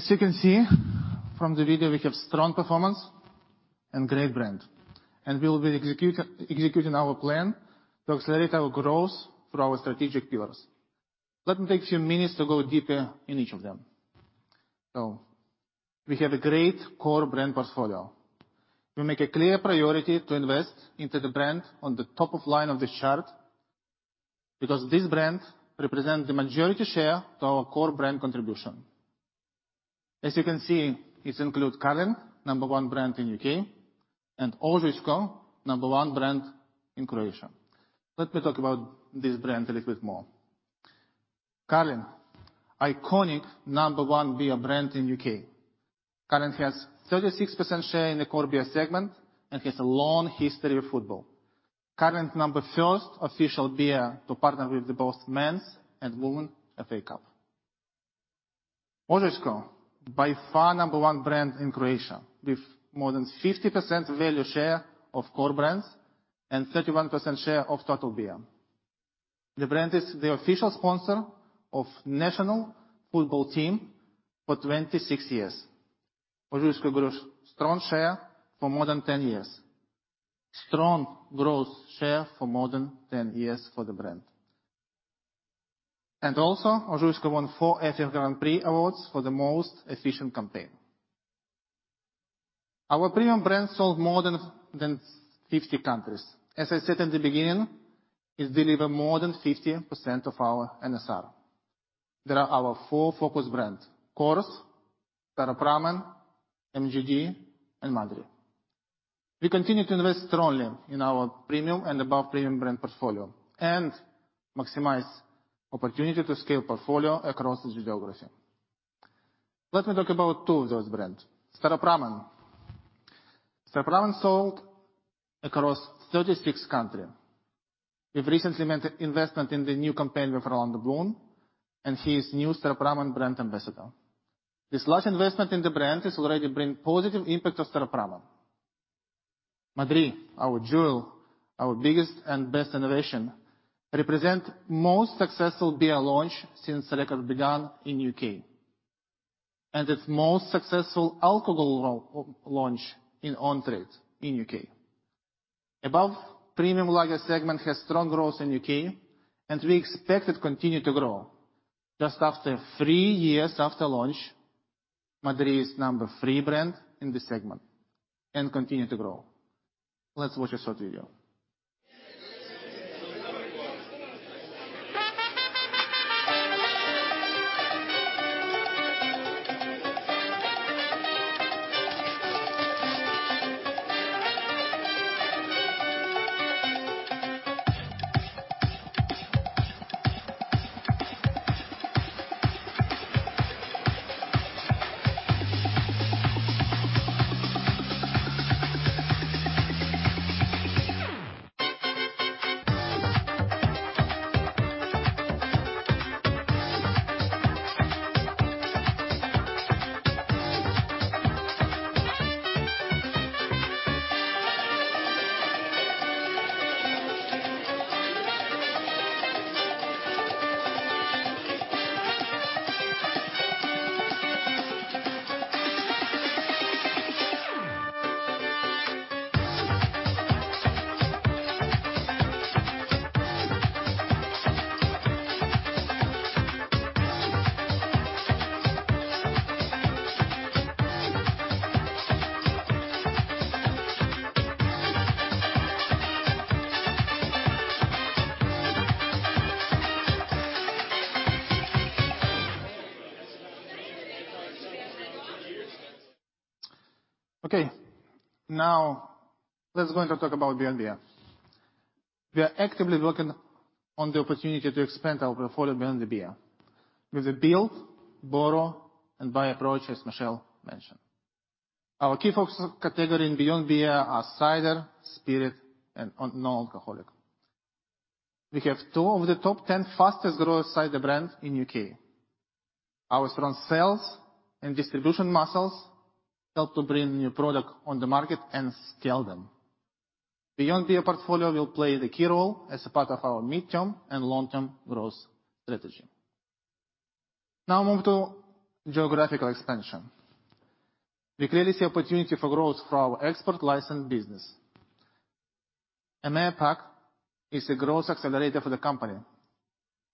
as you can see from the video, we have strong performance and great brand, and we will be executing our plan to accelerate our growth through our strategic pillars. Let me take a few minutes to go deeper in each of them. So we have a great core brand portfolio. We make a clear priority to invest into the brand on the top of line of this chart, because this brand represents the majority share to our core brand contribution. As you can see, this includes Carling, number one brand in U.K., and Ožujsko, number one brand in Croatia. Let me talk about this brand a little bit more. Carling, iconic number one beer brand in U.K. Carling has 36% share in the core beer segment and has a long history of football. Carling is the number one official beer to partner with both the men's and women's FA Cup. Ožujsko, by far, number one brand in Croatia, with more than 50% value share of core brands and 31% share of total beer. The brand is the official sponsor of national football team for 26 years. Ožujsko grow strong share for more than 10 years. Strong growth share for more than 10 years for the brand. And also, Ožujsko won 4 Effie Grand Prix awards for the most efficient campaign. Our premium brands sold more than 50 countries. As I said in the beginning, it deliver more than 50% of our NSR. There are our 4 focus brands: Coors, Peroni, MGD, and Madrí. We continue to invest strongly in our premium and above premium brand portfolio and maximize opportunity to scale portfolio across the geography. Let me talk about two of those brands. Staropramen. Staropramen sold across 36 countries. We've recently made an investment in the new campaign with Orlando Bloom, and he is new Staropramen brand ambassador. This large investment in the brand is already bring positive impact of Staropramen. Madrí, our jewel, our biggest and best innovation, represent most successful beer launch since records began in U.K., and it's most successful alcohol launch in on-trade in U.K. Above-premium lager segment has strong growth in U.K., and we expect it continue to grow. Just after three years after launch, Madrí is number three brand in this segment and continue to grow. Let's watch a short video. Okay, now let's go on to talk about Beyond Beer. We are actively working on the opportunity to expand our portfolio beyond beer with a build, borrow, and buy approach, as Michelle mentioned. Our key focus category in Beyond Beer are cider, spirit, and on, non-alcoholic. We have 2 of the top 10 fastest growing cider brand in U.K. Our strong sales and distribution muscles help to bring new product on the market and scale them. Beyond Beer portfolio will play the key role as a part of our mid-term and long-term growth strategy. Now move to geographical expansion. We create the opportunity for growth for our export license business. EMEA & APAC is a growth accelerator for the company,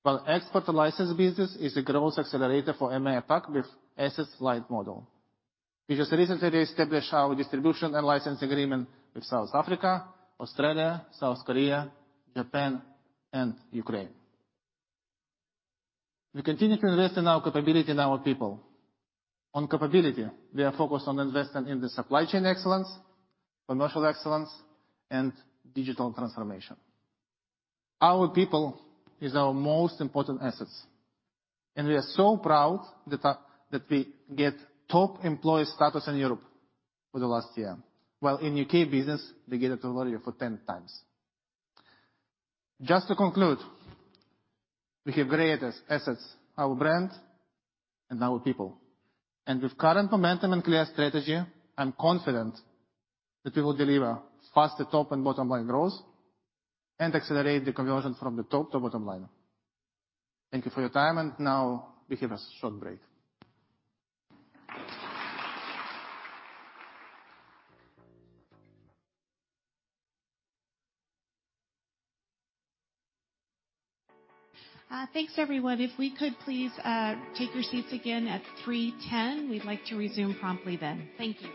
while export license business is a growth accelerator for EMEA & APAC with asset-light model. We just recently reestablished our distribution and licensing agreement with South Africa, Australia, South Korea, Japan, and Ukraine. We continue to invest in our capability and our people. On capability, we are focused on investing in the supply chain excellence, commercial excellence, and digital transformation. Our people is our most important assets, and we are so proud that, that we get top employee status in Europe for the last year, while in U.K. business, we get it already for 10 times. Just to conclude, we have greatest assets, our brand and our people. With current momentum and clear strategy, I'm confident that we will deliver faster top and bottom line growth and accelerate the conversion from the top to bottom line. Thank you for your time, and now we have a short break. Thanks, everyone. If we could please, take your seats again at 3:10 P.M., we'd like to resume promptly then. Thank you. ...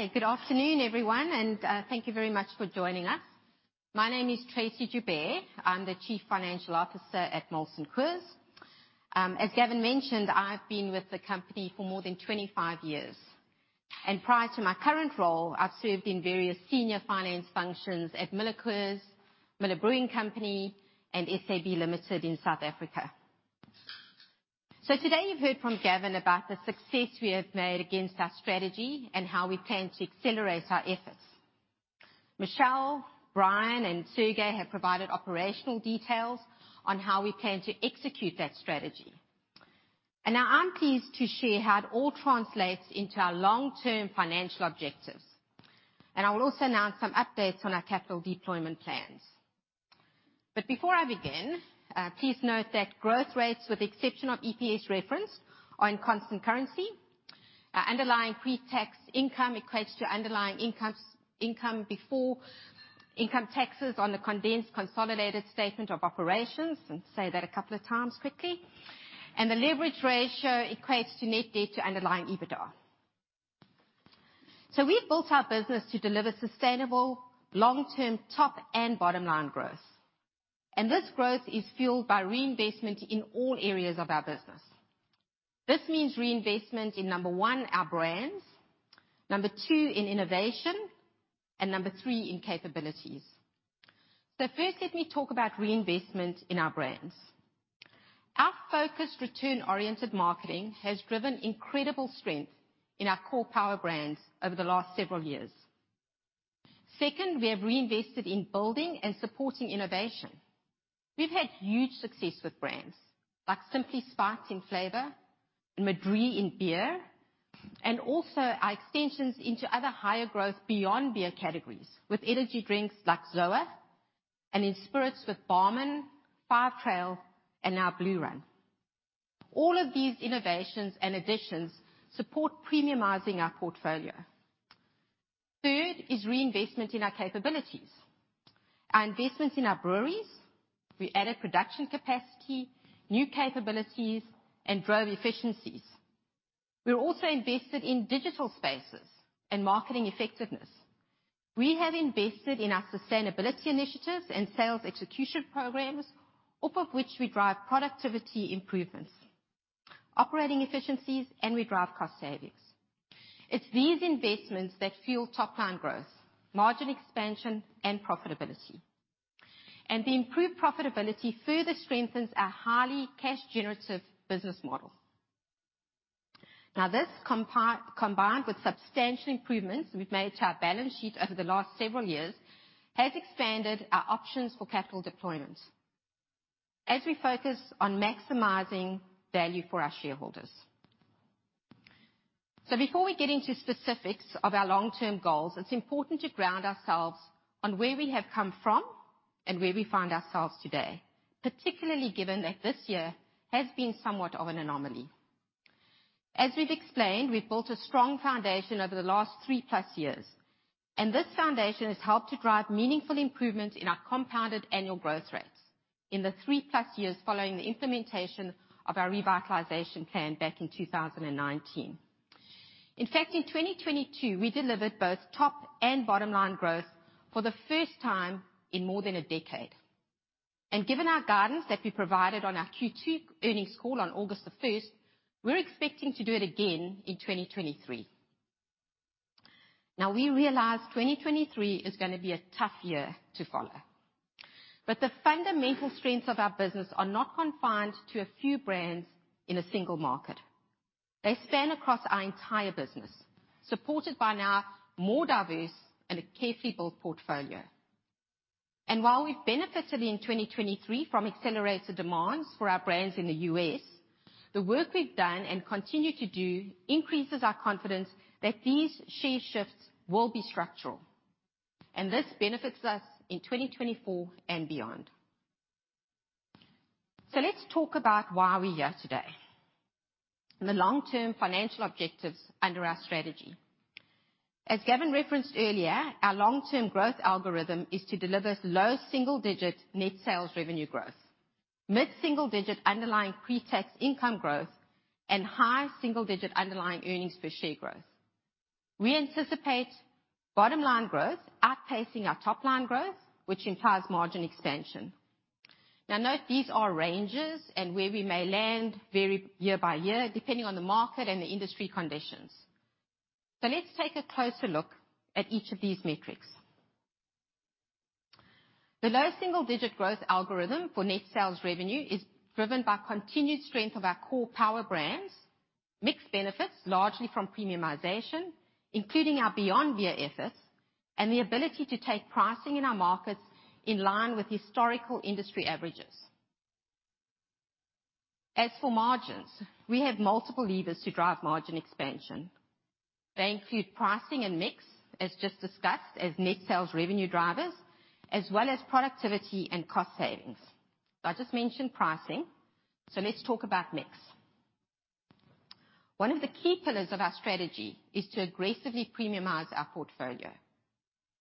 Take your seats. We're going to resume. Over you, ooh, you. Ooh, I leave it all. Give me one good reason why I should never make a change. Baby, if you want me, then all of this will go away. My many artifacts, the list goes on. If you just- Okay, good afternoon, everyone, and thank you very much for joining us. My name is Tracey Joubert. I'm the Chief Financial Officer at Molson Coors. As Gavin mentioned, I've been with the company for more than 25 years, and prior to my current role, I've served in various senior finance functions at MillerCoors, Miller Brewing Company, and SAB Limited in South Africa. So today, you've heard from Gavin about the success we have made against our strategy and how we plan to accelerate our efforts. Michelle, Brian, and Sergey have provided operational details on how we plan to execute that strategy. And now I'm pleased to share how it all translates into our long-term financial objectives. And I will also announce some updates on our capital deployment plans. But before I begin, please note that growth rates, with the exception of EPS referenced, are in constant currency. Underlying pre-tax income equates to underlying income, income before income taxes on the condensed consolidated statement of operations. Let's say that a couple of times quickly. The leverage ratio equates to net debt to underlying EBITDA. We've built our business to deliver sustainable, long-term top and bottom line growth, and this growth is fueled by reinvestment in all areas of our business. This means reinvestment in, number one, our brands, number two, in innovation, and number three, in capabilities. First, let me talk about reinvestment in our brands. Our focused, return-oriented marketing has driven incredible strength in our core power brands over the last several years. Second, we have reinvested in building and supporting innovation. We've had huge success with brands like Simply Spiked flavor and Madrí in beer, and also our extensions into other higher growth beyond beer categories, with energy drinks like ZOA. and in spirits with Barmen, Five & Trail, and now Blue Run. All of these innovations and additions support premiumizing our portfolio. Third is reinvestment in our capabilities. Our investments in our breweries, we added production capacity, new capabilities, and drove efficiencies. We've also invested in digital spaces and marketing effectiveness. We have invested in our sustainability initiatives and sales execution programs, off of which we drive productivity improvements, operating efficiencies, and we drive cost savings. It's these investments that fuel top line growth, margin expansion, and profitability. And the improved profitability further strengthens our highly cash-generative business model. Now, this combined with substantial improvements we've made to our balance sheet over the last several years, has expanded our options for capital deployment as we focus on maximizing value for our shareholders. So before we get into specifics of our long-term goals, it's important to ground ourselves on where we have come from and where we find ourselves today, particularly given that this year has been somewhat of an anomaly. As we've explained, we've built a strong foundation over the last 3+ years, and this foundation has helped to drive meaningful improvements in our compounded annual growth rates in the 3+ years following the implementation of our revitalization plan back in 2019. In fact, in 2022, we delivered both top and bottom line growth for the first time in more than a decade. And given our guidance that we provided on our Q2 earnings call on August 1st, we're expecting to do it again in 2023. Now, we realize 2023 is gonna be a tough year to follow, but the fundamental strengths of our business are not confined to a few brands in a single market. They span across our entire business, supported by our more diverse and a carefully built portfolio. And while we've benefited in 2023 from accelerated demands for our brands in the U.S., the work we've done and continue to do increases our confidence that these share shifts will be structural, and this benefits us in 2024 and beyond. So let's talk about why we're here today, and the long-term financial objectives under our strategy. As Gavin referenced earlier, our long-term growth algorithm is to deliver low single-digit net sales revenue growth, mid-single digit underlying pre-tax income growth, and high single-digit underlying earnings per share growth. We anticipate bottom line growth outpacing our top line growth, which implies margin expansion. Now, note, these are ranges, and where we may land vary year by year, depending on the market and the industry conditions. So let's take a closer look at each of these metrics. The low single-digit growth algorithm for net sales revenue is driven by continued strength of our core power brands, mixed benefits, largely from premiumization, including our Beyond Beer efforts, and the ability to take pricing in our markets in line with historical industry averages. As for margins, we have multiple levers to drive margin expansion. They include pricing and mix, as just discussed, as net sales revenue drivers, as well as productivity and cost savings. I just mentioned pricing, so let's talk about mix. One of the key pillars of our strategy is to aggressively premiumize our portfolio.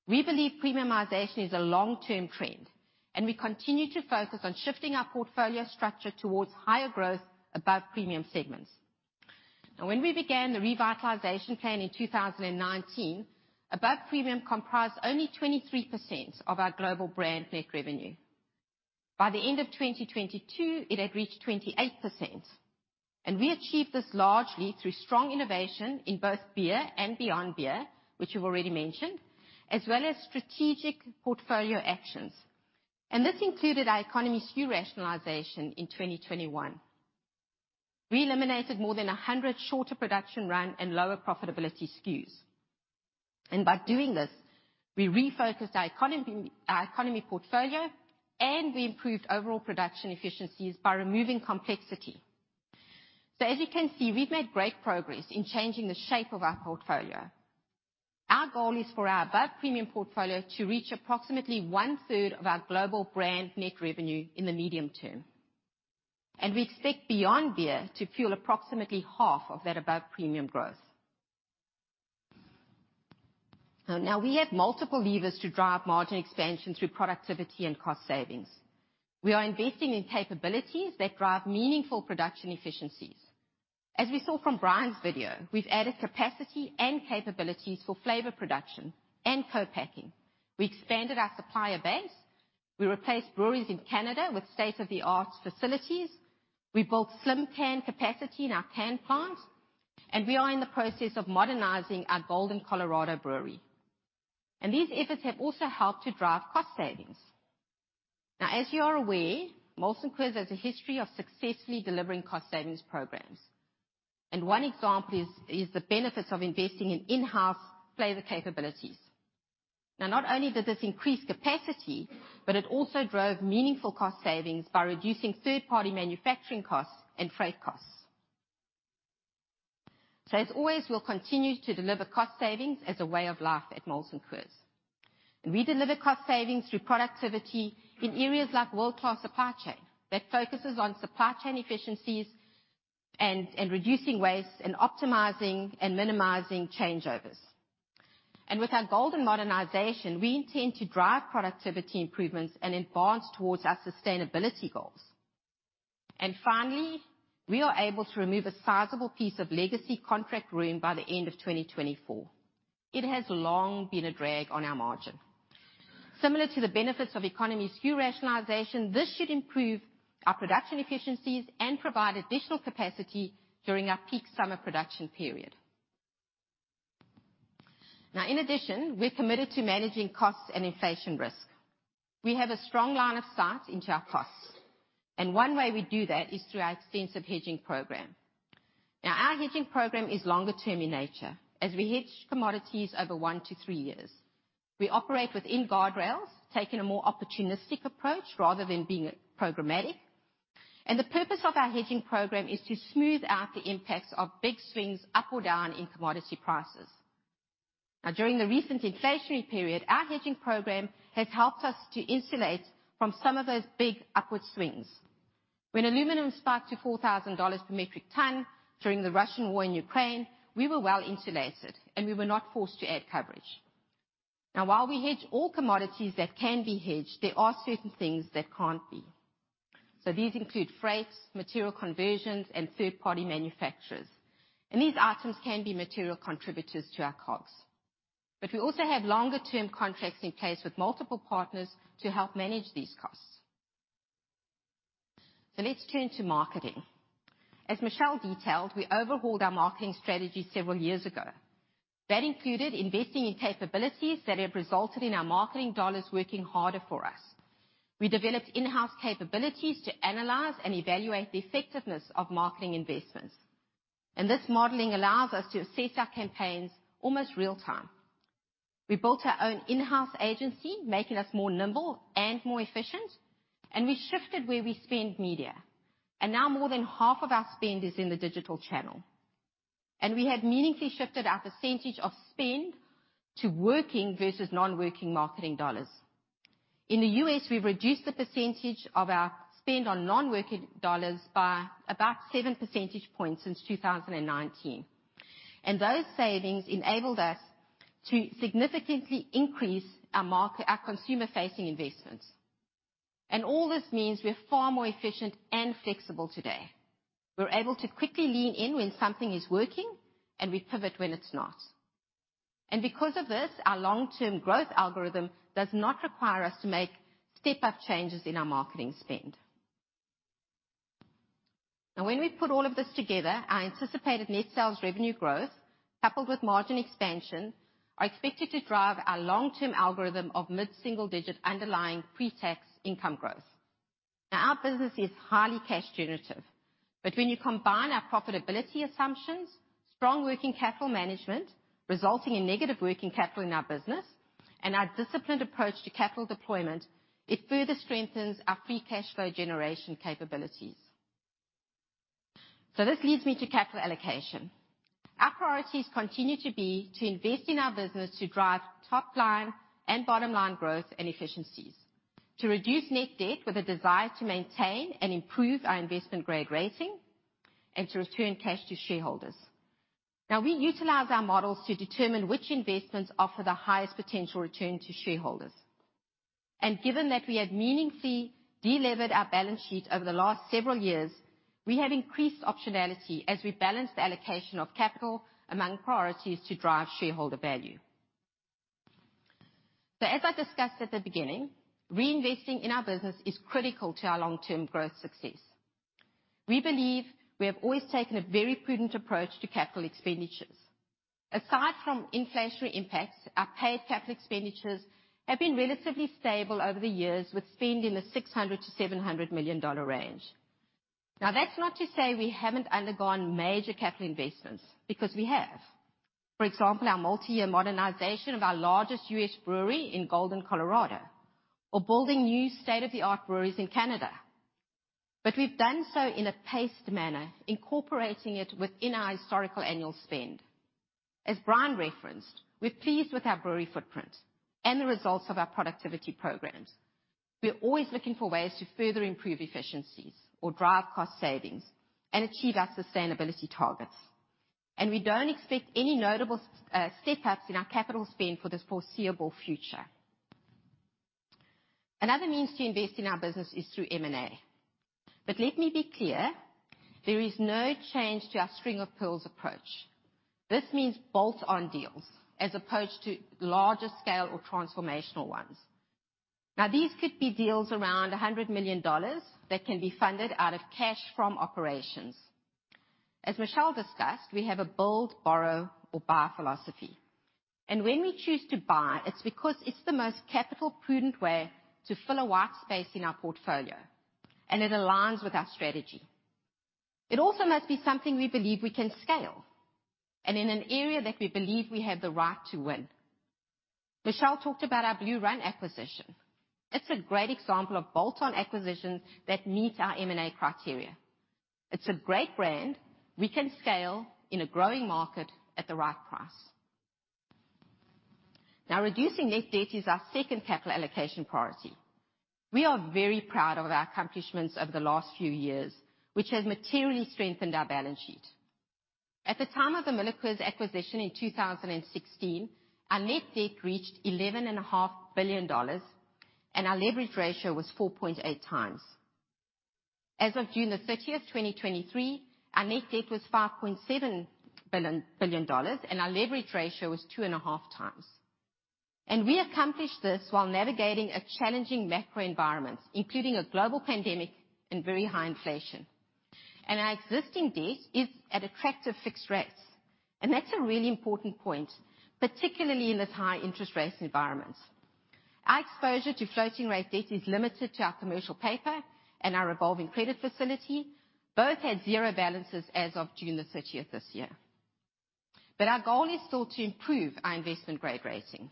We believe premiumization is a long-term trend, and we continue to focus on shifting our portfolio structure towards higher growth, above-premium segments. Now, when we began the revitalization plan in 2019, above-premium comprised only 23% of our global brand net revenue. By the end of 2022, it had reached 28%, and we achieved this largely through strong innovation in both beer and Beyond Beer, which we've already mentioned, as well as strategic portfolio actions. This included our economy SKU rationalization in 2021. We eliminated more than 100 shorter production run and lower profitability SKUs, and by doing this, we refocused our economy, our economy portfolio, and we improved overall production efficiencies by removing complexity. As you can see, we've made great progress in changing the shape of our portfolio. Our goal is for our above-premium portfolio to reach approximately one-third of our global brand net revenue in the medium term, and we expect Beyond Beer to fuel approximately half of that above-premium growth. Now, we have multiple levers to drive margin expansion through productivity and cost savings. We are investing in capabilities that drive meaningful production efficiencies. As we saw from Brian's video, we've added capacity and capabilities for flavor production and co-packing. We expanded our supplier base, we replaced breweries in Canada with state-of-the-art facilities, we built slim can capacity in our can plant, and we are in the process of modernizing our Golden, Colorado brewery. And these efforts have also helped to drive cost savings. Now, as you are aware, Molson Coors has a history of successfully delivering cost savings programs, and one example is the benefits of investing in in-house flavor capabilities. Now, not only does this increase capacity, but it also drove meaningful cost savings by reducing third-party manufacturing costs and freight costs. So as always, we'll continue to deliver cost savings as a way of life at Molson Coors. We deliver cost savings through productivity in areas like world-class supply chain, that focuses on supply chain efficiencies and reducing waste, and optimizing and minimizing changeovers. With our Golden modernization, we intend to drive productivity improvements and advance towards our sustainability goals. Finally, we are able to remove a sizable piece of legacy contract brewing by the end of 2024. It has long been a drag on our margin. Similar to the benefits of economy SKU rationalization, this should improve our production efficiencies and provide additional capacity during our peak summer production period. Now, in addition, we're committed to managing costs and inflation risk. We have a strong line of sight into our costs, and one way we do that is through our extensive hedging program. Now, our hedging program is longer term in nature, as we hedge commodities over 1-3 years. We operate within guardrails, taking a more opportunistic approach rather than being programmatic. And the purpose of our hedging program is to smooth out the impacts of big swings, up or down, in commodity prices. Now, during the recent inflationary period, our hedging program has helped us to insulate from some of those big upward swings. When aluminum spiked to $4,000 per metric ton during the Russian war in Ukraine, we were well-insulated, and we were not forced to add coverage. Now, while we hedge all commodities that can be hedged, there are certain things that can't be. So these include freights, material conversions, and third-party manufacturers, and these items can be material contributors to our COGS. But we also have longer-term contracts in place with multiple partners to help manage these costs. So let's turn to marketing. As Michelle detailed, we overhauled our marketing strategy several years ago. That included investing in capabilities that have resulted in our marketing dollars working harder for us. We developed in-house capabilities to analyze and evaluate the effectiveness of marketing investments, and this modeling allows us to assess our campaigns almost real time. We built our own in-house agency, making us more nimble and more efficient, and we shifted where we spend media, and now more than half of our spend is in the digital channel. And we had meaningfully shifted our percentage of spend to working versus non-working marketing dollars. In the US, we've reduced the percentage of our spend on non-working dollars by about 7 percentage points since 2019, and those savings enabled us to significantly increase our marketing, our consumer-facing investments. All this means we're far more efficient and flexible today. We're able to quickly lean in when something is working, and we pivot when it's not. Because of this, our long-term growth algorithm does not require us to make step-up changes in our marketing spend. Now, when we put all of this together, our anticipated net sales revenue growth, coupled with margin expansion, are expected to drive our long-term algorithm of mid-single digit underlying pre-tax income growth. Now, our business is highly cash generative, but when you combine our profitability assumptions, strong working capital management, resulting in negative working capital in our business, and our disciplined approach to capital deployment, it further strengthens our free cash flow generation capabilities. This leads me to capital allocation. Our priorities continue to be to invest in our business to drive top line and bottom line growth and efficiencies, to reduce net debt with a desire to maintain and improve our investment-grade rating, and to return cash to shareholders. Now, we utilize our models to determine which investments offer the highest potential return to shareholders. Given that we have meaningfully de-levered our balance sheet over the last several years, we have increased optionality as we balance the allocation of capital among priorities to drive shareholder value. So as I discussed at the beginning, reinvesting in our business is critical to our long-term growth success. We believe we have always taken a very prudent approach to capital expenditures. Aside from inflationary impacts, our paid capital expenditures have been relatively stable over the years, with spend in the $600 million-$700 million range. Now, that's not to say we haven't undergone major capital investments, because we have. For example, our multi-year modernization of our largest U.S. brewery in Golden, Colorado, or building new state-of-the-art breweries in Canada. But we've done so in a paced manner, incorporating it within our historical annual spend. As Brian referenced, we're pleased with our brewery footprint and the results of our productivity programs. We're always looking for ways to further improve efficiencies or drive cost savings and achieve our sustainability targets. We don't expect any notable step-ups in our capital spend for the foreseeable future. Another means to invest in our business is through M&A. But let me be clear, there is no change to our string-of-pearls approach. This means bolt-on deals, as opposed to larger scale or transformational ones. Now, these could be deals around $100 million that can be funded out of cash from operations. As Michelle discussed, we have a build, borrow, or buy philosophy, and when we choose to buy, it's because it's the most capital-prudent way to fill a white space in our portfolio, and it aligns with our strategy. It also must be something we believe we can scale, and in an area that we believe we have the right to win.... Michelle talked about our Blue Run acquisition. It's a great example of bolt-on acquisitions that meet our M&A criteria. It's a great brand we can scale in a growing market at the right price. Now, reducing net debt is our second capital allocation priority. We are very proud of our accomplishments over the last few years, which has materially strengthened our balance sheet. At the time of the MillerCoors acquisition in 2016, our net debt reached $11.5 billion, and our leverage ratio was 4.8x. As of June 30, 2023, our net debt was $5.7 billion, and our leverage ratio was 2.5x. We accomplished this while navigating a challenging macro environment, including a global pandemic and very high inflation. Our existing debt is at attractive fixed rates, and that's a really important point, particularly in this high interest rate environment. Our exposure to floating rate debt is limited to our commercial paper and our revolving credit facility. Both had zero balances as of June 30th this year. But our goal is still to improve our investment grade rating.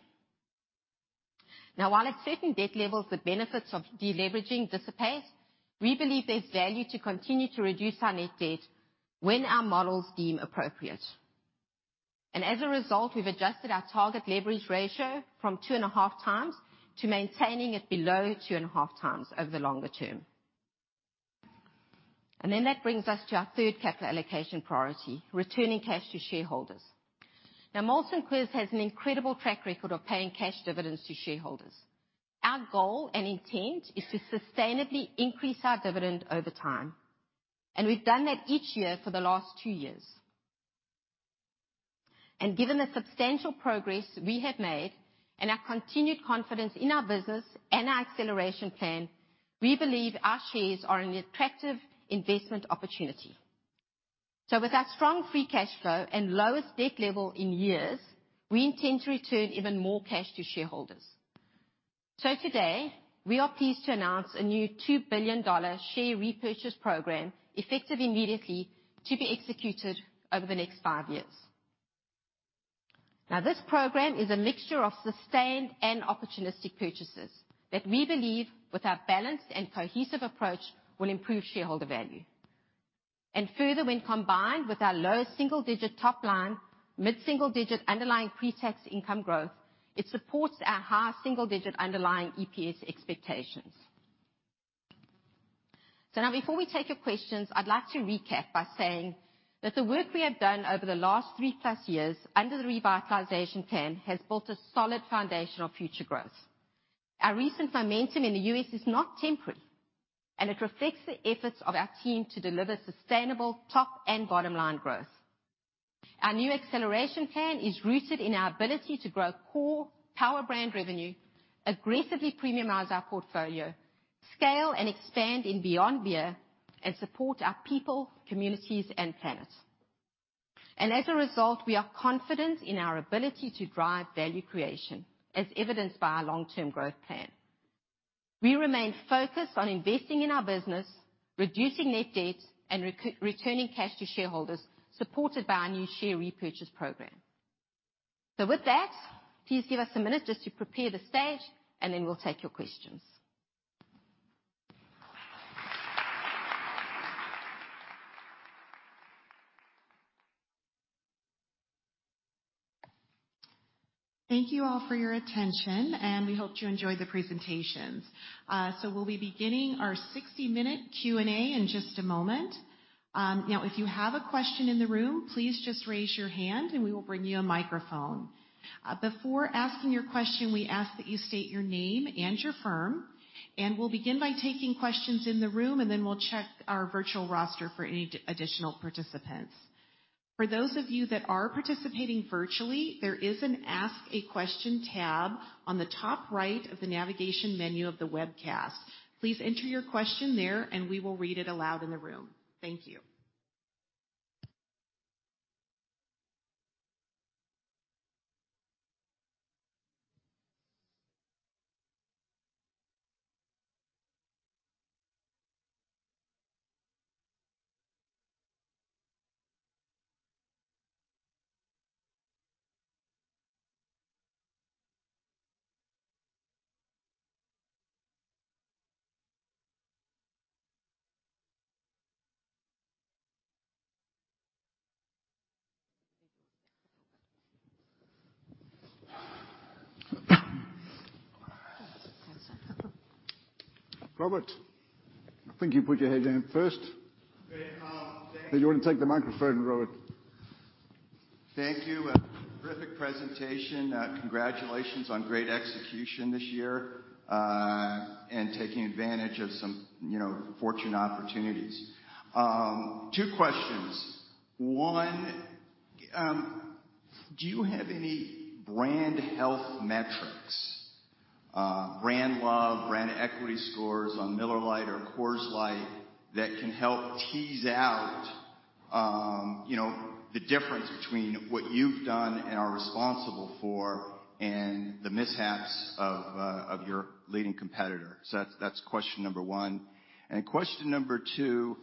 Now, while at certain debt levels, the benefits of deleveraging dissipate, we believe there's value to continue to reduce our net debt when our models deem appropriate. And as a result, we've adjusted our target leverage ratio from 2.5 times to maintaining it below 2.5 times over the longer term. And then that brings us to our third capital allocation priority: returning cash to shareholders. Now, Molson Coors has an incredible track record of paying cash dividends to shareholders. Our goal and intent is to sustainably increase our dividend over time, and we've done that each year for the last 2 years. Given the substantial progress we have made and our continued confidence in our business and our acceleration plan, we believe our shares are an attractive investment opportunity. With our strong free cash flow and lowest debt level in years, we intend to return even more cash to shareholders. Today, we are pleased to announce a new $2 billion share repurchase program, effective immediately, to be executed over the next 5 years. This program is a mixture of sustained and opportunistic purchases that we believe, with our balanced and cohesive approach, will improve shareholder value. Further, when combined with our low single-digit top line, mid-single-digit underlying pre-tax income growth, it supports our high single-digit underlying EPS expectations. Now before we take your questions, I'd like to recap by saying that the work we have done over the last three-plus years under the revitalization plan has built a solid foundation of future growth. Our recent momentum in the U.S. is not temporary, and it reflects the efforts of our team to deliver sustainable top and bottom line growth. Our new acceleration plan is rooted in our ability to grow core power brand revenue, aggressively premiumize our portfolio, scale and expand in beyond beer, and support our people, communities, and planet. As a result, we are confident in our ability to drive value creation, as evidenced by our long-term growth plan. We remain focused on investing in our business, reducing net debt, and returning cash to shareholders, supported by our new share repurchase program. With that, please give us a minute just to prepare the stage, and then we'll take your questions. Thank you all for your attention, and we hope you enjoyed the presentations. So we'll be beginning our 60-minute Q&A in just a moment. Now, if you have a question in the room, please just raise your hand, and we will bring you a microphone. Before asking your question, we ask that you state your name and your firm, and we'll begin by taking questions in the room, and then we'll check our virtual roster for any additional participants. For those of you that are participating virtually, there is an Ask a Question tab on the top right of the navigation menu of the webcast. Please enter your question there, and we will read it aloud in the room. Thank you. Robert, I think you put your hand down first. Great, thank you. Do you want to take the microphone, Robert? Thank you. A terrific presentation. Congratulations on great execution this year, and taking advantage of some, you know, fortunate opportunities. Two questions. One, do you have any brand health metrics, brand love, brand equity scores on Miller Lite or Coors Light, that can help tease out, you know, the difference between what you've done and are responsible for and the mishaps of your leading competitor? So that's question number one. And question number two......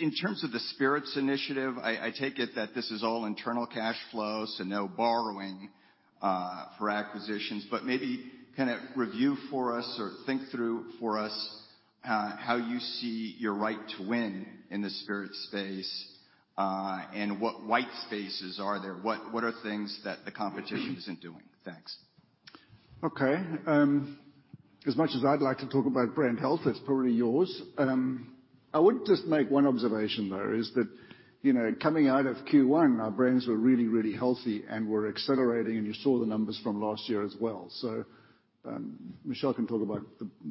In terms of the Spirits initiative, I take it that this is all internal cash flows and no borrowing for acquisitions. But maybe kind of review for us or think through for us, how you see your right to win in the Spirits space, and what white spaces are there? What are things that the competition isn't doing? Thanks. Okay. As much as I'd like to talk about brand health, that's probably yours. I would just make one observation, though, is that, you know, coming out of Q1, our brands were really, really healthy and were accelerating, and you saw the numbers from last year as well. So, Michelle can talk about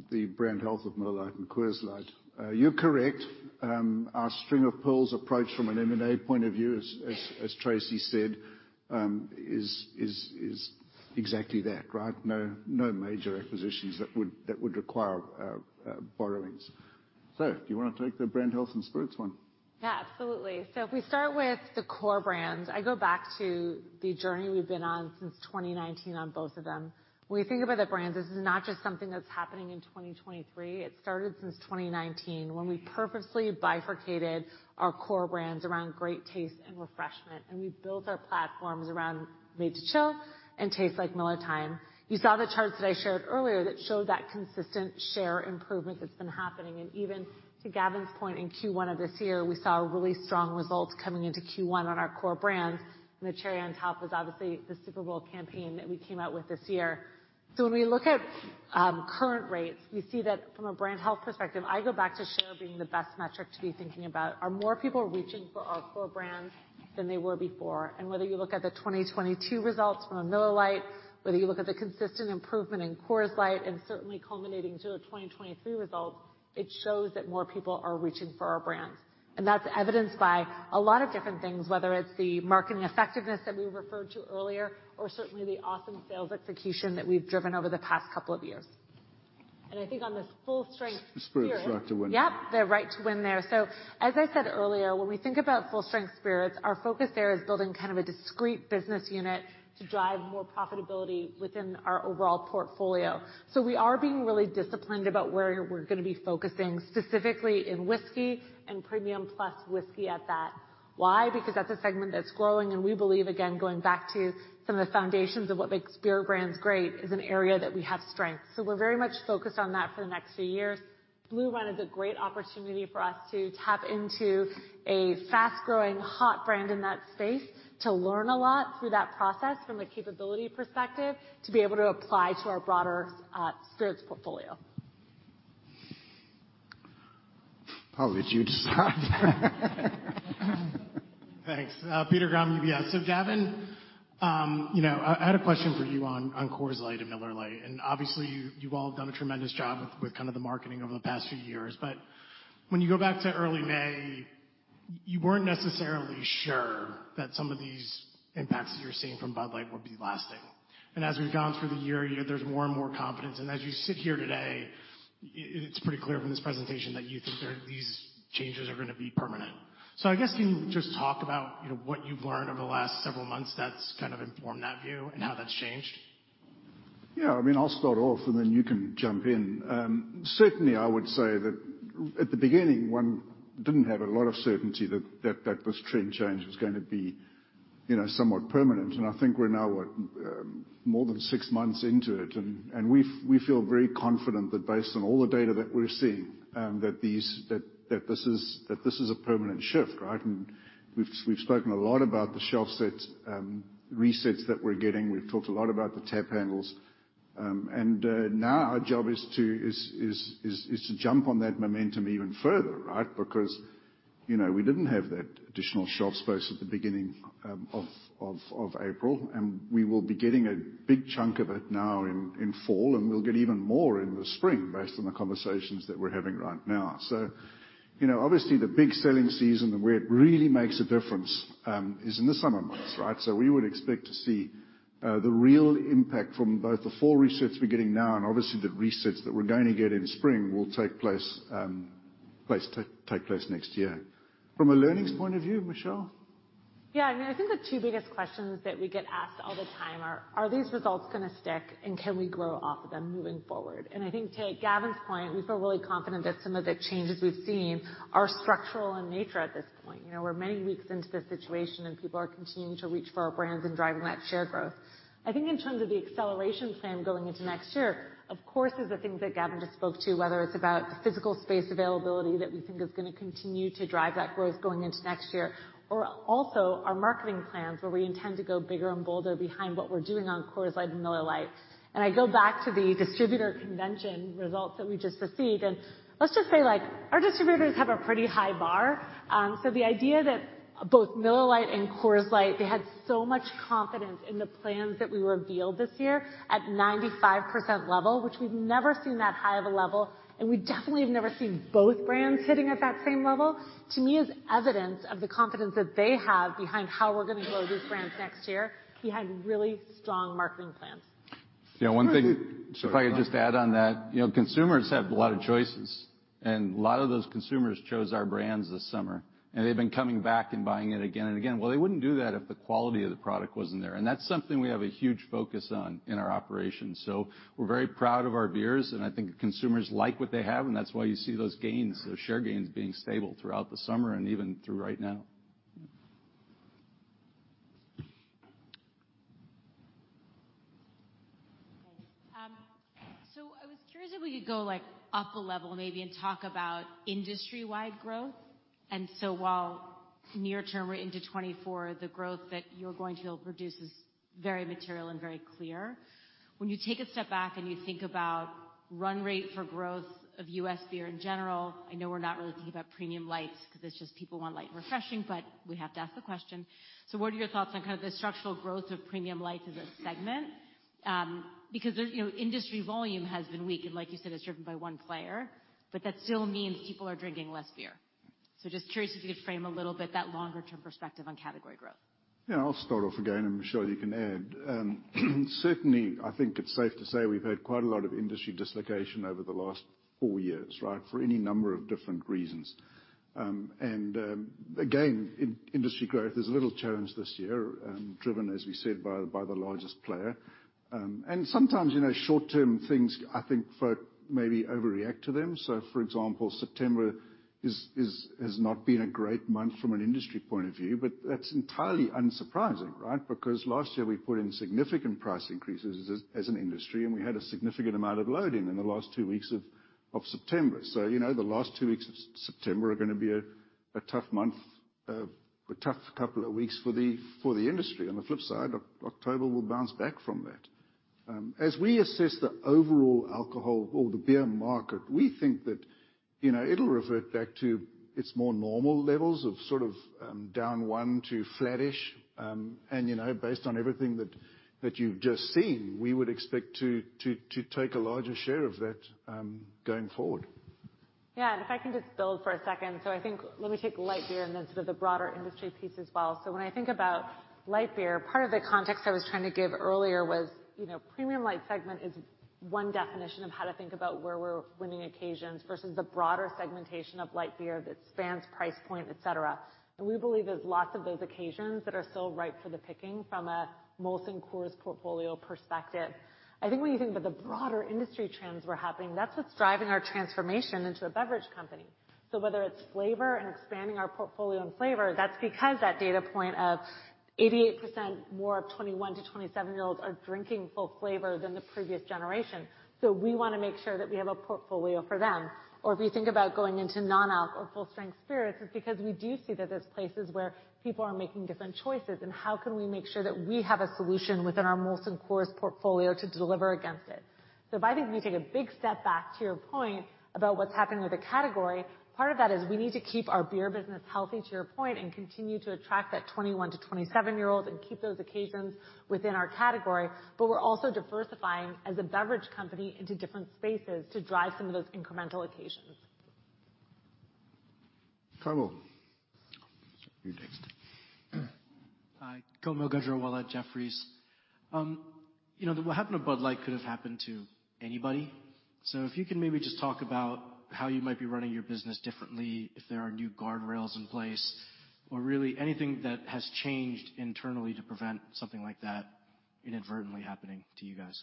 the brand health of Miller Lite and Coors Light. You're correct, our string of pearls approach from an M&A point of view, as Tracey said, is exactly that, right? No major acquisitions that would require borrowings. So do you want to take the brand health and spirits one? Yeah, absolutely. So if we start with the core brands, I go back to the journey we've been on since 2019 on both of them. When we think about the brands, this is not just something that's happening in 2023. It started since 2019, when we purposely bifurcated our core brands around great taste and refreshment, and we built our platforms around Made to Chill and Taste Like Miller Time. You saw the charts that I shared earlier that showed that consistent share improvement that's been happening, and even to Gavin's point, in Q1 of this year, we saw really strong results coming into Q1 on our core brands. And the cherry on top was obviously the Super Bowl campaign that we came out with this year. So when we look at current rates, we see that from a brand health perspective, I go back to share being the best metric to be thinking about. Are more people reaching for our core brands than they were before? And whether you look at the 2022 results from a Miller Lite, whether you look at the consistent improvement in Coors Light and certainly culminating to the 2023 results, it shows that more people are reaching for our brands. And that's evidenced by a lot of different things, whether it's the marketing effectiveness that we referred to earlier or certainly the awesome sales execution that we've driven over the past couple of years. And I think on this full-strength spirit- Spirits Right to Win. Yep, the right to win there. So, as I said earlier, when we think about full-strength spirits, our focus there is building kind of a discrete business unit to drive more profitability within our overall portfolio. So we are being really disciplined about where we're gonna be focusing, specifically in whiskey and premium plus whiskey at that. Why? Because that's a segment that's growing, and we believe, again, going back to some of the foundations of what makes beer brands great, is an area that we have strength. So we're very much focused on that for the next few years. Blue Run is a great opportunity for us to tap into a fast-growing, hot brand in that space, to learn a lot through that process from a capability perspective, to be able to apply to our broader spirits portfolio. I'll let you decide. Thanks. Peter Grom, UBS. So, Gavin, you know, I had a question for you on Coors Light and Miller Lite, and obviously, you've all done a tremendous job with kind of the marketing over the past few years. But when you go back to early May, you weren't necessarily sure that some of these impacts that you're seeing from Bud Light would be lasting. And as we've gone through the year, you know, there's more and more confidence. And as you sit here today, it's pretty clear from this presentation that you think they're... These changes are gonna be permanent. So I guess can you just talk about, you know, what you've learned over the last several months that's kind of informed that view and how that's changed? Yeah, I mean, I'll start off, and then you can jump in. Certainly, I would say that at the beginning, one didn't have a lot of certainty that this trend change was gonna be, you know, somewhat permanent. And I think we're now, what, more than six months into it, and we feel very confident that based on all the data that we're seeing, that this is a permanent shift, right? And we've spoken a lot about the shelf set resets that we're getting. We've talked a lot about the tap handles. And now our job is to jump on that momentum even further, right? Because, you know, we didn't have that additional shelf space at the beginning of April, and we will be getting a big chunk of it now in fall, and we'll get even more in the spring, based on the conversations that we're having right now. So, you know, obviously, the big selling season, where it really makes a difference, is in the summer months, right? So we would expect to see the real impact from both the fall resets we're getting now and obviously, the resets that we're going to get in spring will take place next year. From a learnings point of view, Michelle? Yeah, I mean, I think the two biggest questions that we get asked all the time are: Are these results gonna stick, and can we grow off of them moving forward? I think, to Gavin's point, we feel really confident that some of the changes we've seen are structural in nature at this point. You know, we're many weeks into this situation, and people are continuing to reach for our brands and driving that share growth. I think in terms of the acceleration plan going into next year, of course, are the things that Gavin just spoke to, whether it's about the physical space availability that we think is gonna continue to drive that growth going into next year, or also our marketing plans, where we intend to go bigger and bolder behind what we're doing on Coors Light and Miller Lite. I go back to the distributor convention results that we just received, and let's just say, like, our distributors have a pretty high bar. So the idea that both Miller Lite and Coors Light, they had so much confidence in the plans that we revealed this year at 95% level, which we've never seen that high of a level, and we definitely have never seen both brands sitting at that same level, to me, is evidence of the confidence that they have behind how we're gonna grow these brands next year. We had really strong marketing plans. Yeah, one thing- So-... If I could just add on that, you know, consumers have a lot of choices, and a lot of those consumers chose our brands this summer, and they've been coming back and buying it again and again. Well, they wouldn't do that if the quality of the product wasn't there, and that's something we have a huge focus on in our operations. So we're very proud of our beers, and I think consumers like what they have, and that's why you see those gains, those share gains, being stable throughout the summer and even through right now.... So I was curious if we could go, like, up a level maybe, and talk about industry-wide growth. And so while near term, we're into 2024, the growth that you're going to produce is very material and very clear. When you take a step back and you think about run rate for growth of U.S. beer in general, I know we're not really thinking about premium lights, because it's just people want light and refreshing, but we have to ask the question. So what are your thoughts on kind of the structural growth of premium light as a segment? Because there's, you know, industry volume has been weak, and like you said, it's driven by one player, but that still means people are drinking less beer. So just curious if you could frame a little bit that longer-term perspective on category growth. Yeah, I'll start off again, and Michelle, you can add. Certainly, I think it's safe to say we've had quite a lot of industry dislocation over the last four years, right? For any number of different reasons. And again, in industry growth, there's a little challenge this year, driven, as we said, by the largest player. And sometimes, you know, short-term things, I think, folks maybe overreact to them. So, for example, September has not been a great month from an industry point of view, but that's entirely unsurprising, right? Because last year, we put in significant price increases as an industry, and we had a significant amount of loading in the last two weeks of September. You know, the last two weeks of September are gonna be a tough couple of weeks for the industry. On the flip side, October will bounce back from that. As we assess the overall alcohol or the beer market, we think that, you know, it'll revert back to its more normal levels of sort of down 1 to flattish. And, you know, based on everything that you've just seen, we would expect to take a larger share of that going forward. Yeah, and if I can just build for a second. So I think let me take light beer and then sort of the broader industry piece as well. So when I think about light beer, part of the context I was trying to give earlier was, you know, premium light segment is one definition of how to think about where we're winning occasions versus the broader segmentation of light beer that spans price point, et cetera. And we believe there's lots of those occasions that are still ripe for the picking from a Molson Coors portfolio perspective. I think when you think about the broader industry trends were happening, that's what's driving our transformation into a beverage company. So whether it's flavor and expanding our portfolio and flavor, that's because that data point of 88% more of 21- to 27-year-olds are drinking full flavor than the previous generation. So we wanna make sure that we have a portfolio for them. Or if you think about going into non-alc or full-strength spirits, it's because we do see that there's places where people are making different choices, and how can we make sure that we have a solution within our Molson Coors portfolio to deliver against it? So if I think we take a big step back to your point about what's happening with the category, part of that is we need to keep our beer business healthy, to your point, and continue to attract that 21-27-year-olds and keep those occasions within our category. But we're also diversifying as a beverage company into different spaces to drive some of those incremental occasions. Carlo, you're next. Hi, Komal Gadhrawala, Jefferies. You know, what happened to Bud Light could have happened to anybody. So if you can maybe just talk about how you might be running your business differently, if there are new guardrails in place, or really anything that has changed internally to prevent something like that inadvertently happening to you guys.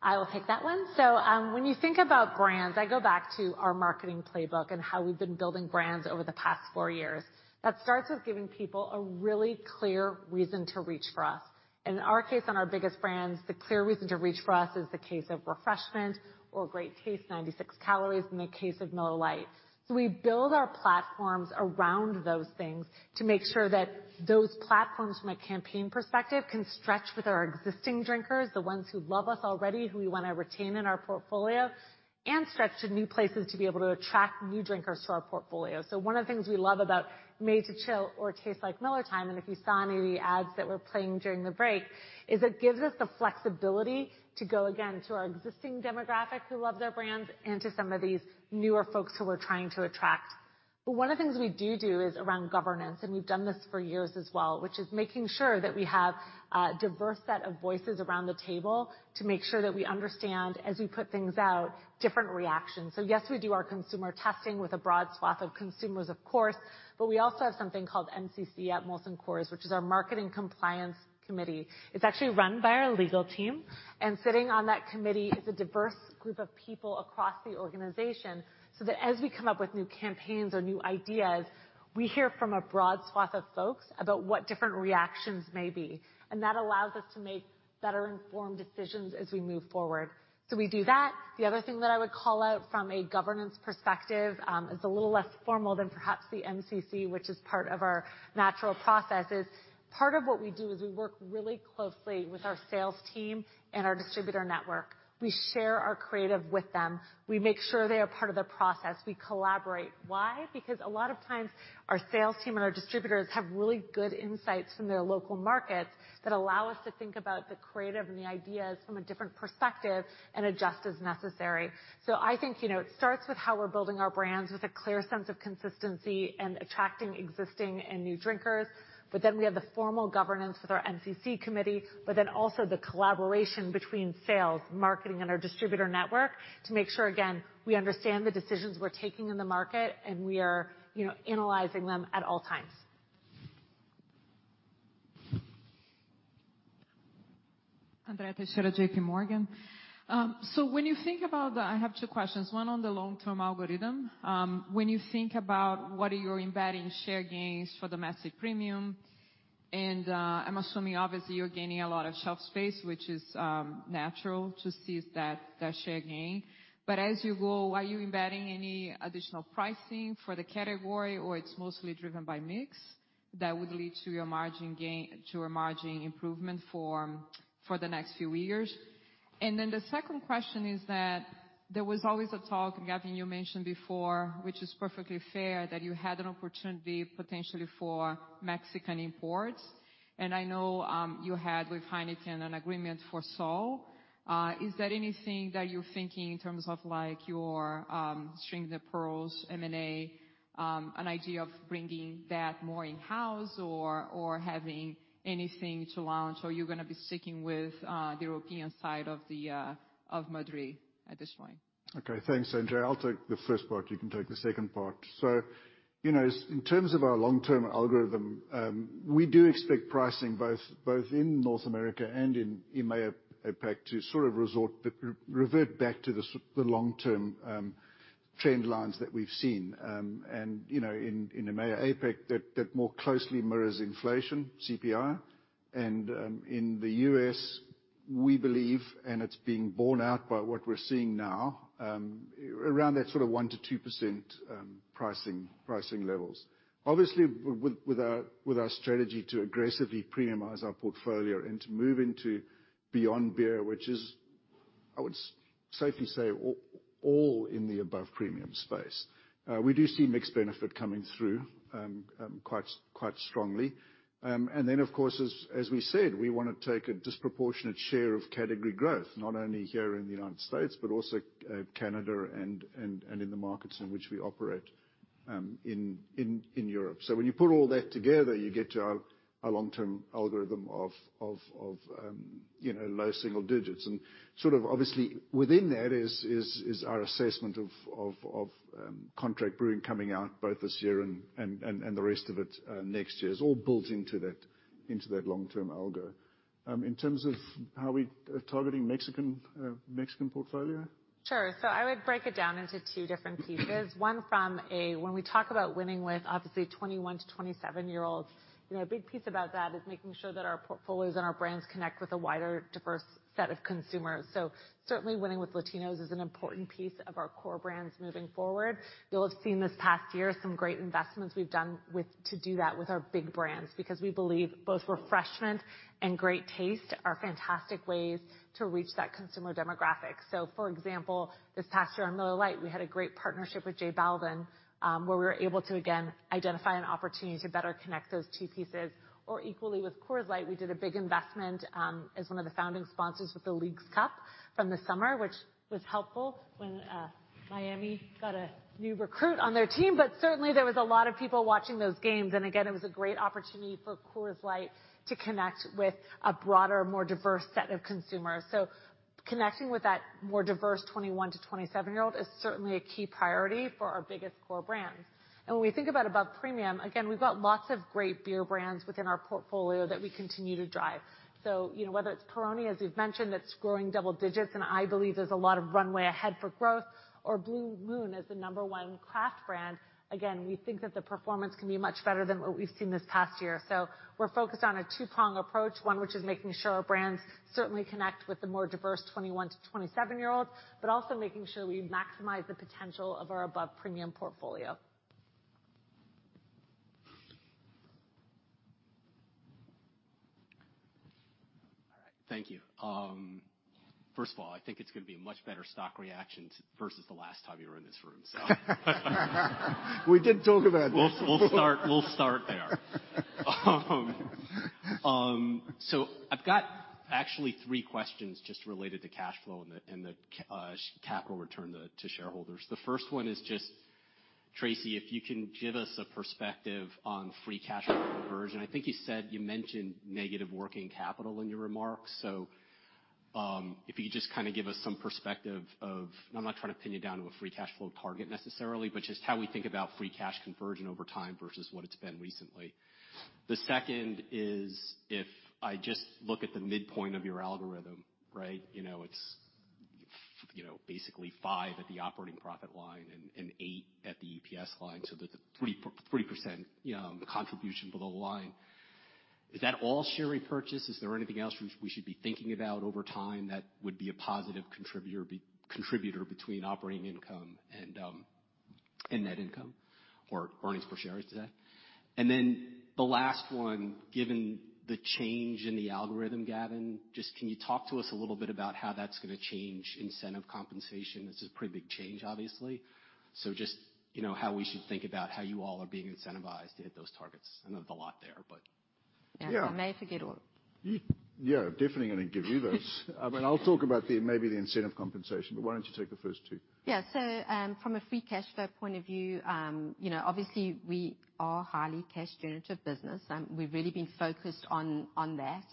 I will take that one. So, when you think about brands, I go back to our marketing playbook and how we've been building brands over the past four years. That starts with giving people a really clear reason to reach for us, and in our case, on our biggest brands, the clear reason to reach for us is the case of refreshment or great taste, 96 calories in the case of Miller Lite. So we build our platforms around those things to make sure that those platforms, from a campaign perspective, can stretch with our existing drinkers, the ones who love us already, who we want to retain in our portfolio, and stretch to new places to be able to attract new drinkers to our portfolio. So one of the things we love about Made to Chill or Taste Like Miller Time, and if you saw any of the ads that were playing during the break, is it gives us the flexibility to go again to our existing demographic who love their brands and to some of these newer folks who we're trying to attract. But one of the things we do, do is around governance, and we've done this for years as well, which is making sure that we have a diverse set of voices around the table to make sure that we understand, as we put things out, different reactions. So yes, we do our consumer testing with a broad swath of consumers, of course, but we also have something called MCC at Molson Coors, which is our Marketing Compliance Committee. It's actually run by our legal team, and sitting on that committee is a diverse group of people across the organization, so that as we come up with new campaigns or new ideas, we hear from a broad swath of folks about what different reactions may be, and that allows us to make better informed decisions as we move forward. So we do that. The other thing that I would call out from a governance perspective is a little less formal than perhaps the MCC, which is part of our natural processes. Part of what we do is we work really closely with our sales team and our distributor network. We share our creative with them. We make sure they are part of the process. We collaborate. Why? Because a lot of times, our sales team and our distributors have really good insights from their local markets that allow us to think about the creative and the ideas from a different perspective and adjust as necessary. So I think, you know, it starts with how we're building our brands with a clear sense of consistency and attracting existing and new drinkers. But then we have the formal governance with our MCC committee, but then also the collaboration between sales, marketing, and our distributor network to make sure, again, we understand the decisions we're taking in the market, and we are, you know, analyzing them at all times.... Andrea Teixeira, JP Morgan. So when you think about the—I have two questions, one on the long-term algorithm. When you think about what are you embedding share gains for domestic premium, and I'm assuming, obviously, you're gaining a lot of shelf space, which is natural to seize that, that share gain. But as you go, are you embedding any additional pricing for the category, or it's mostly driven by mix, that would lead to your margin gain, to a margin improvement for, for the next few years? And then the second question is that there was always a talk, Gavin, you mentioned before, which is perfectly fair, that you had an opportunity potentially for Mexican imports. And I know you had with Heineken an agreement for Sol Is there anything that you're thinking in terms of like your string-of-pearls M&A, an idea of bringing that more in-house or, or having anything to launch? Or you're gonna be sticking with the European side of the of Madrí at this point? Okay. Thanks, Andrea. I'll take the first part, you can take the second part. So, you know, in terms of our long-term algorithm, we do expect pricing both in North America and in EMEA, APAC to sort of resort, revert back to the long-term trend lines that we've seen. And, you know, in EMEA, APAC, that more closely mirrors inflation, CPI, and in the U.S., we believe, and it's being borne out by what we're seeing now, around that sort of 1%-2% pricing levels. Obviously, with our strategy to aggressively premiumize our portfolio and to move into beyond beer, which is, I would safely say, all in the above premium space. We do see mixed benefit coming through, quite strongly. Then, of course, as we said, we wanna take a disproportionate share of category growth, not only here in the United States, but also Canada and in the markets in which we operate, in Europe. So when you put all that together, you get to our long-term algorithm of, you know, low single digits. And sort of obviously, within that is our assessment of, contract brewing coming out both this year and the rest of it, next year. It's all built into that long-term algo. In terms of how we are targeting Mexican portfolio? Sure. So I would break it down into two different pieces. One, When we talk about winning with obviously 21- to 27-year-olds, you know, a big piece about that is making sure that our portfolios and our brands connect with a wider, diverse set of consumers. So certainly, winning with Latinos is an important piece of our core brands moving forward. You'll have seen this past year, some great investments we've done with, to do that with our big brands, because we believe both refreshment and great taste are fantastic ways to reach that consumer demographic. So, for example, this past year on Miller Lite, we had a great partnership with J Balvin, where we were able to again, identify an opportunity to better connect those two pieces. Or equally with Coors Light, we did a big investment, as one of the founding sponsors with the Leagues Cup from the summer, which was helpful when Miami got a new recruit on their team. But certainly, there was a lot of people watching those games, and again, it was a great opportunity for Coors Light to connect with a broader, more diverse set of consumers. So connecting with that more diverse 21- to 27-year-old is certainly a key priority for our biggest core brands. And when we think about above premium, again, we've got lots of great beer brands within our portfolio that we continue to drive. So, you know, whether it's Peroni, as we've mentioned, that's growing double digits, and I believe there's a lot of runway ahead for growth, or Blue Moon is the number one craft brand. Again, we think that the performance can be much better than what we've seen this past year. So we're focused on a two-prong approach, one, which is making sure our brands certainly connect with the more diverse 21-27-year-olds, but also making sure we maximize the potential of our above-premium portfolio. All right. Thank you. First of all, I think it's gonna be a much better stock reaction versus the last time you were in this room, so We did talk about that. We'll start there. So I've got actually three questions just related to cash flow and the capital return to shareholders. The first one is just, Tracey, if you can give us a perspective on free cash flow conversion. I think you said you mentioned negative working capital in your remarks, so if you could just kind of give us some perspective of... I'm not trying to pin you down to a free cash flow target necessarily, but just how we think about free cash conversion over time versus what it's been recently. The second is, if I just look at the midpoint of your algorithm, right, you know, it's, you know, basically 5 at the operating profit line and 8 at the EPS line, so that the 3% contribution below the line. Is that all share repurchase? Is there anything else we should be thinking about over time that would be a positive contributor between operating income and net income or earnings per share, is that? And then the last one, given the change in the algorithm, Gavin, just can you talk to us a little bit about how that's gonna change incentive compensation? This is a pretty big change, obviously. So just, you know, how we should think about how you all are being incentivized to hit those targets. I know there's a lot there.... Yeah, I may forget all. You, yeah, definitely gonna give you those. And I'll talk about the, maybe the incentive compensation, but why don't you take the first two? Yeah, so, from a free cash flow point of view, you know, obviously, we are a highly cash-generative business, and we've really been focused on, on that.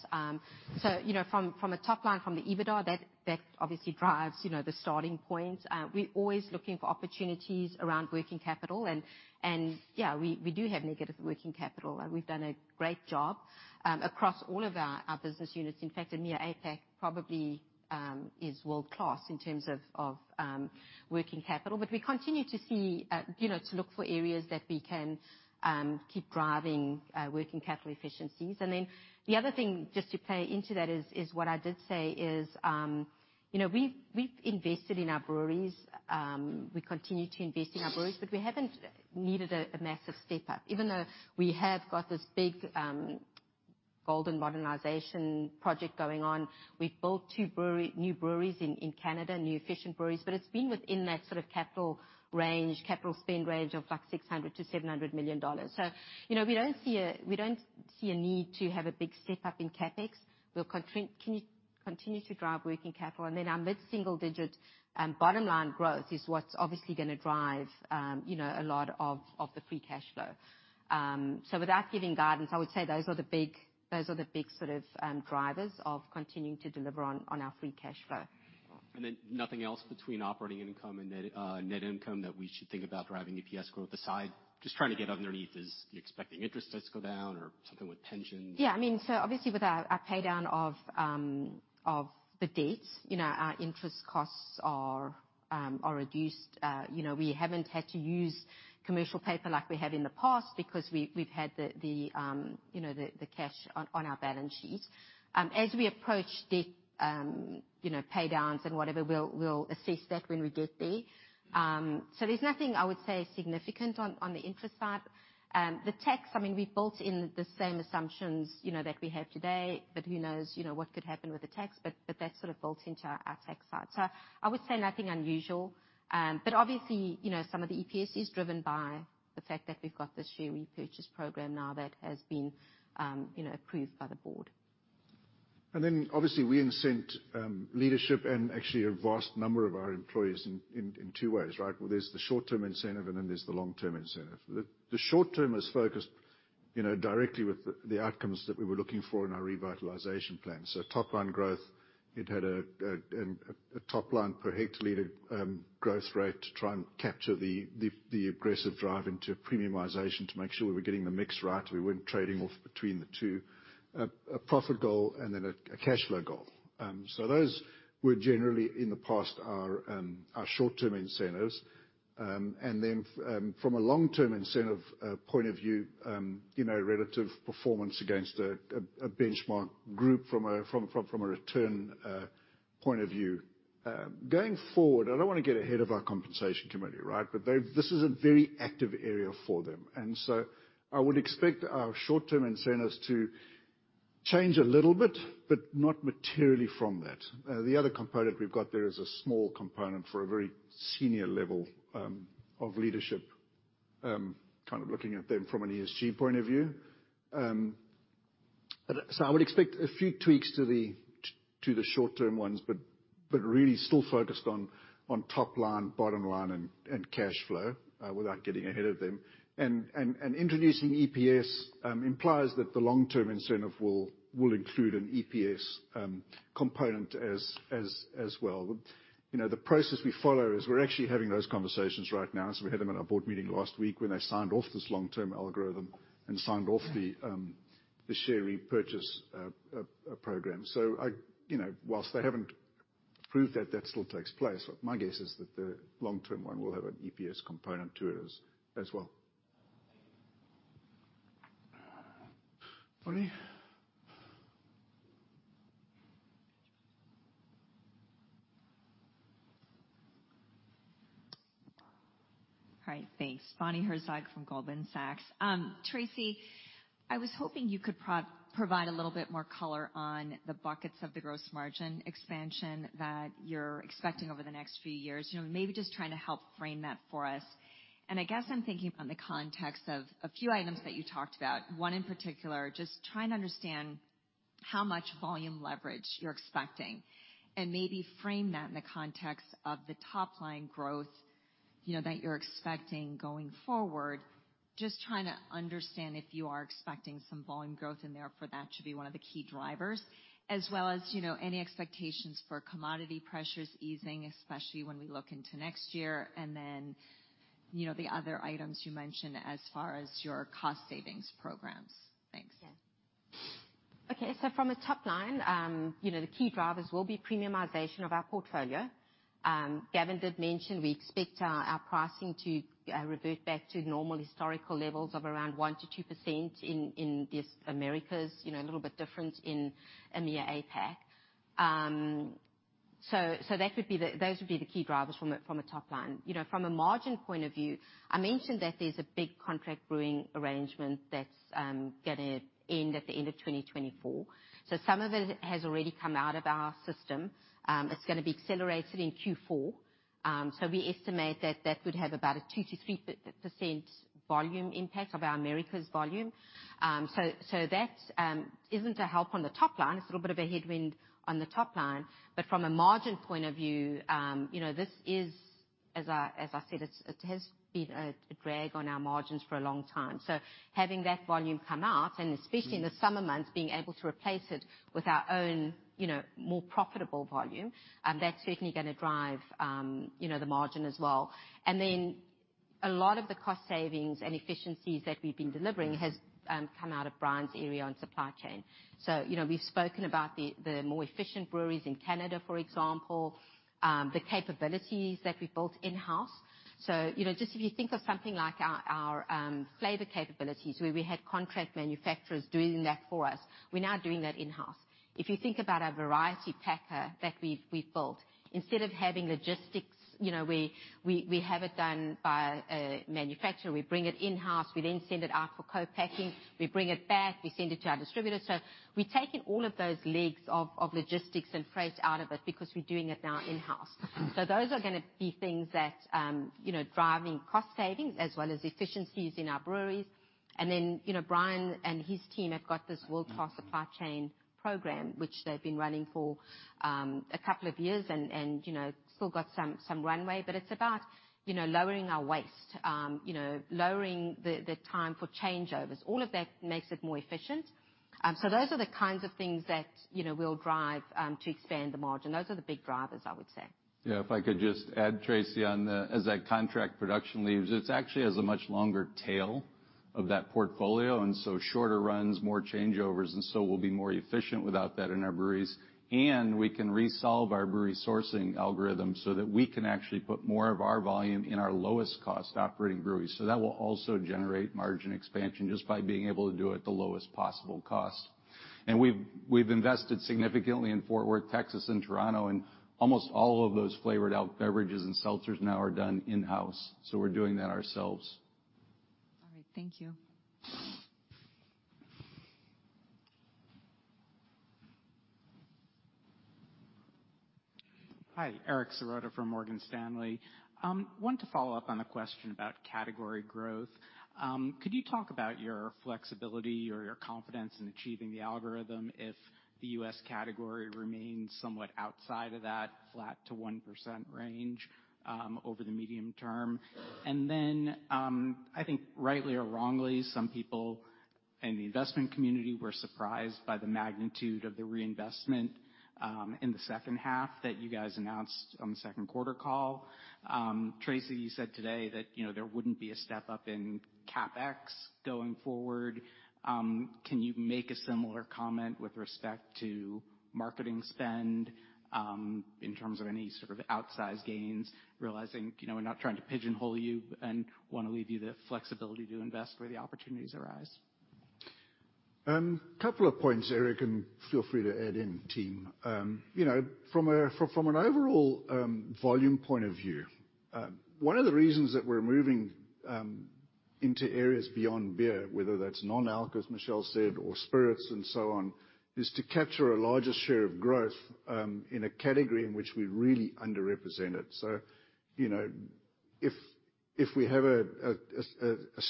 So, you know, from, from a top line, from the EBITDA, that, that obviously drives, you know, the starting point. We're always looking for opportunities around working capital, and, and, yeah, we, we do have negative working capital. We've done a great job, across all of our, our business units. In fact, EMEA, APAC probably, is world-class in terms of, of, working capital. But we continue to see, you know, to look for areas that we can, keep driving, working capital efficiencies. And then the other thing, just to play into that is, is what I did say is, you know, we've, we've invested in our breweries. We continue to invest in our breweries, but we haven't needed a massive step up. Even though we have got this big golden modernization project going on, we've built two new breweries in Canada, new efficient breweries, but it's been within that sort of capital range, capital spend range of, like, $600 million-$700 million. So, you know, we don't see a need to have a big step up in CapEx. We'll continue to drive working capital, and then our mid-single-digit bottom line growth is what's obviously gonna drive you know, a lot of the free cash flow. So without giving guidance, I would say those are the big, those are the big sort of drivers of continuing to deliver on our free cash flow. And then nothing else between operating income and net net income that we should think about driving EPS growth besides... Just trying to get underneath this. Are you expecting interest rates to go down or something with pensions? Yeah, I mean, so obviously, with our pay down of the debts, you know, our interest costs are reduced. You know, we haven't had to use commercial paper like we have in the past because we've had the cash on our balance sheet. As we approach debt pay downs and whatever, we'll assess that when we get there. So there's nothing, I would say, significant on the interest side. The tax, I mean, we've built in the same assumptions, you know, that we have today, but who knows, you know, what could happen with the tax, but that's sort of built into our tax side. So I would say nothing unusual. Obviously, you know, some of the EPS is driven by the fact that we've got this share repurchase program now that has been, you know, approved by the board. And then, obviously, we incent leadership and actually a vast number of our employees in two ways, right? Well, there's the short-term incentive, and then there's the long-term incentive. The short term is focused, you know, directly with the outcomes that we were looking for in our revitalization plan. So top line growth, it had a top line per hectoliter growth rate to try and capture the aggressive drive into premiumization to make sure we were getting the mix right, we weren't trading off between the two. A profit goal and then a cash flow goal. So those were generally, in the past, our short-term incentives. And then from a long-term incentive point of view, you know, relative performance against a benchmark group from a return point of view. Going forward, I don't wanna get ahead of our compensation committee, right? But they've, this is a very active area for them. And so I would expect our short-term incentives to change a little bit, but not materially from that. The other component we've got there is a small component for a very senior level of leadership kind of looking at them from an ESG point of view. So I would expect a few tweaks to the short-term ones, but really still focused on top line, bottom line, and cash flow without getting ahead of them. Introducing EPS implies that the long-term incentive will include an EPS component as well. You know, the process we follow is we're actually having those conversations right now. So we had them at our board meeting last week, when they signed off this long-term algorithm and signed off the share repurchase program. So I... You know, while they haven't approved that, that still takes place. But my guess is that the long-term one will have an EPS component to it as well. Bonnie? All right. Thanks. Bonnie Herzog from Goldman Sachs. Tracey, I was hoping you could provide a little bit more color on the buckets of the gross margin expansion that you're expecting over the next few years. You know, maybe just trying to help frame that for us. I guess I'm thinking about the context of a few items that you talked about. One, in particular, just trying to understand how much volume leverage you're expecting, and maybe frame that in the context of the top line growth, you know, that you're expecting going forward. Just trying to understand if you are expecting some volume growth in there, for that to be one of the key drivers, as well as, you know, any expectations for commodity pressures easing, especially when we look into next year, and then, you know, the other items you mentioned as far as your cost savings programs? Thanks. Yeah. Okay, so from a top line, you know, the key drivers will be premiumization of our portfolio. Gavin did mention we expect our, our pricing to revert back to normal historical levels of around 1%-2% in the Americas. You know, a little bit different in EMEA, APAC. So that would be the—those would be the key drivers from a top line. You know, from a margin point of view, I mentioned that there's a big contract brewing arrangement that's gonna end at the end of 2024. So some of it has already come out of our system. It's gonna be accelerated in Q4. So we estimate that that would have about a 2%-3% volume impact of our Americas volume. So that isn't a help on the top line. It's a little bit of a headwind on the top line. But from a margin point of view, you know, as I said, it has been a drag on our margins for a long time. So having that volume come out, and especially in the summer months, being able to replace it with our own, you know, more profitable volume, that's certainly gonna drive, you know, the margin as well. And then, a lot of the cost savings and efficiencies that we've been delivering has come out of Brian's area on supply chain. So, you know, we've spoken about the more efficient breweries in Canada, for example, the capabilities that we've built in-house. So, you know, just if you think of something like our flavor capabilities, where we had contract manufacturers doing that for us, we're now doing that in-house. If you think about our variety packer that we've built, instead of having logistics, you know, we have it done by a manufacturer. We bring it in-house, we then send it out for co-packing, we bring it back, we send it to our distributors. So we've taken all of those legs of logistics and freight out of it because we're doing it now in-house. So those are gonna be things that, you know, driving cost savings as well as efficiencies in our breweries. And then, you know, Brian and his team have got this world-class supply chain program, which they've been running for a couple of years and, you know, still got some runway, but it's about, you know, lowering our waste, you know, lowering the time for changeovers. All of that makes it more efficient. So those are the kinds of things that, you know, we'll drive to expand the margin. Those are the big drivers, I would say. Yeah. If I could just add, Tracey, on the, as that contract production leaves, it's actually has a much longer tail of that portfolio, and so shorter runs, more changeovers, and so we'll be more efficient without that in our breweries. And we can resolve our brewery sourcing algorithm so that we can actually put more of our volume in our lowest cost operating breweries. So that will also generate margin expansion, just by being able to do it at the lowest possible cost. And we've invested significantly in Fort Worth, Texas, and Toronto, and almost all of those flavored alt beverages and seltzers now are done in-house, so we're doing that ourselves. All right. Thank you. Hi, Eric Serotta from Morgan Stanley. Wanted to follow up on a question about category growth. Could you talk about your flexibility or your confidence in achieving the algorithm if the U.S. category remains somewhat outside of that flat to 1% range, over the medium term? And then, I think rightly or wrongly, some people in the investment community were surprised by the magnitude of the reinvestment in the second half that you guys announced on the second quarter call. Tracey, you said today that, you know, there wouldn't be a step up in CapEx going forward. Can you make a similar comment with respect to marketing spend, in terms of any sort of outsized gains, realizing, you know, we're not trying to pigeonhole you and wanna leave you the flexibility to invest where the opportunities arise. Couple of points, Eric, and feel free to add in, team. You know, from an overall volume point of view, one of the reasons that we're moving into areas beyond beer, whether that's non-alc, as Michelle said, or spirits and so on, is to capture a larger share of growth in a category in which we're really underrepresented. So, you know, if we have a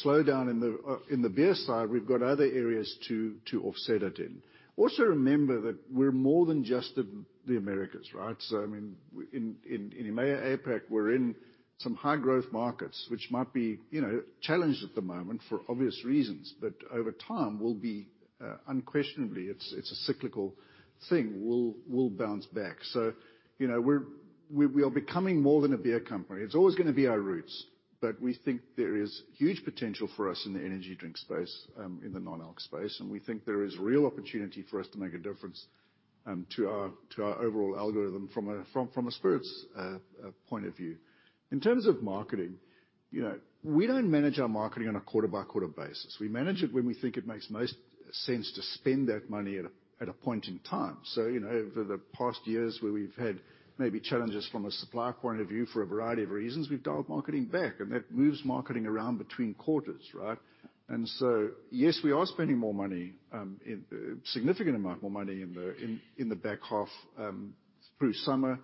slowdown in the beer side, we've got other areas to offset it in. Also, remember that we're more than just the Americas, right? So, I mean, in EMEA, APAC, we're in some high growth markets, which might be, you know, challenged at the moment for obvious reasons, but over time will be unquestionably, it's a cyclical thing. We'll bounce back. So, you know, we are becoming more than a beer company. It's always gonna be our roots, but we think there is huge potential for us in the energy drink space, in the non-alc space. And we think there is real opportunity for us to make a difference, to our overall algorithm from a spirit's point of view. In terms of marketing, you know, we don't manage our marketing on a quarter-by-quarter basis. We manage it when we think it makes most sense to spend that money at a point in time. So, you know, over the past years where we've had maybe challenges from a supply point of view for a variety of reasons, we've dialed marketing back, and that moves marketing around between quarters, right? And so, yes, we are spending more money, in... Significant amount more money in the back half through summer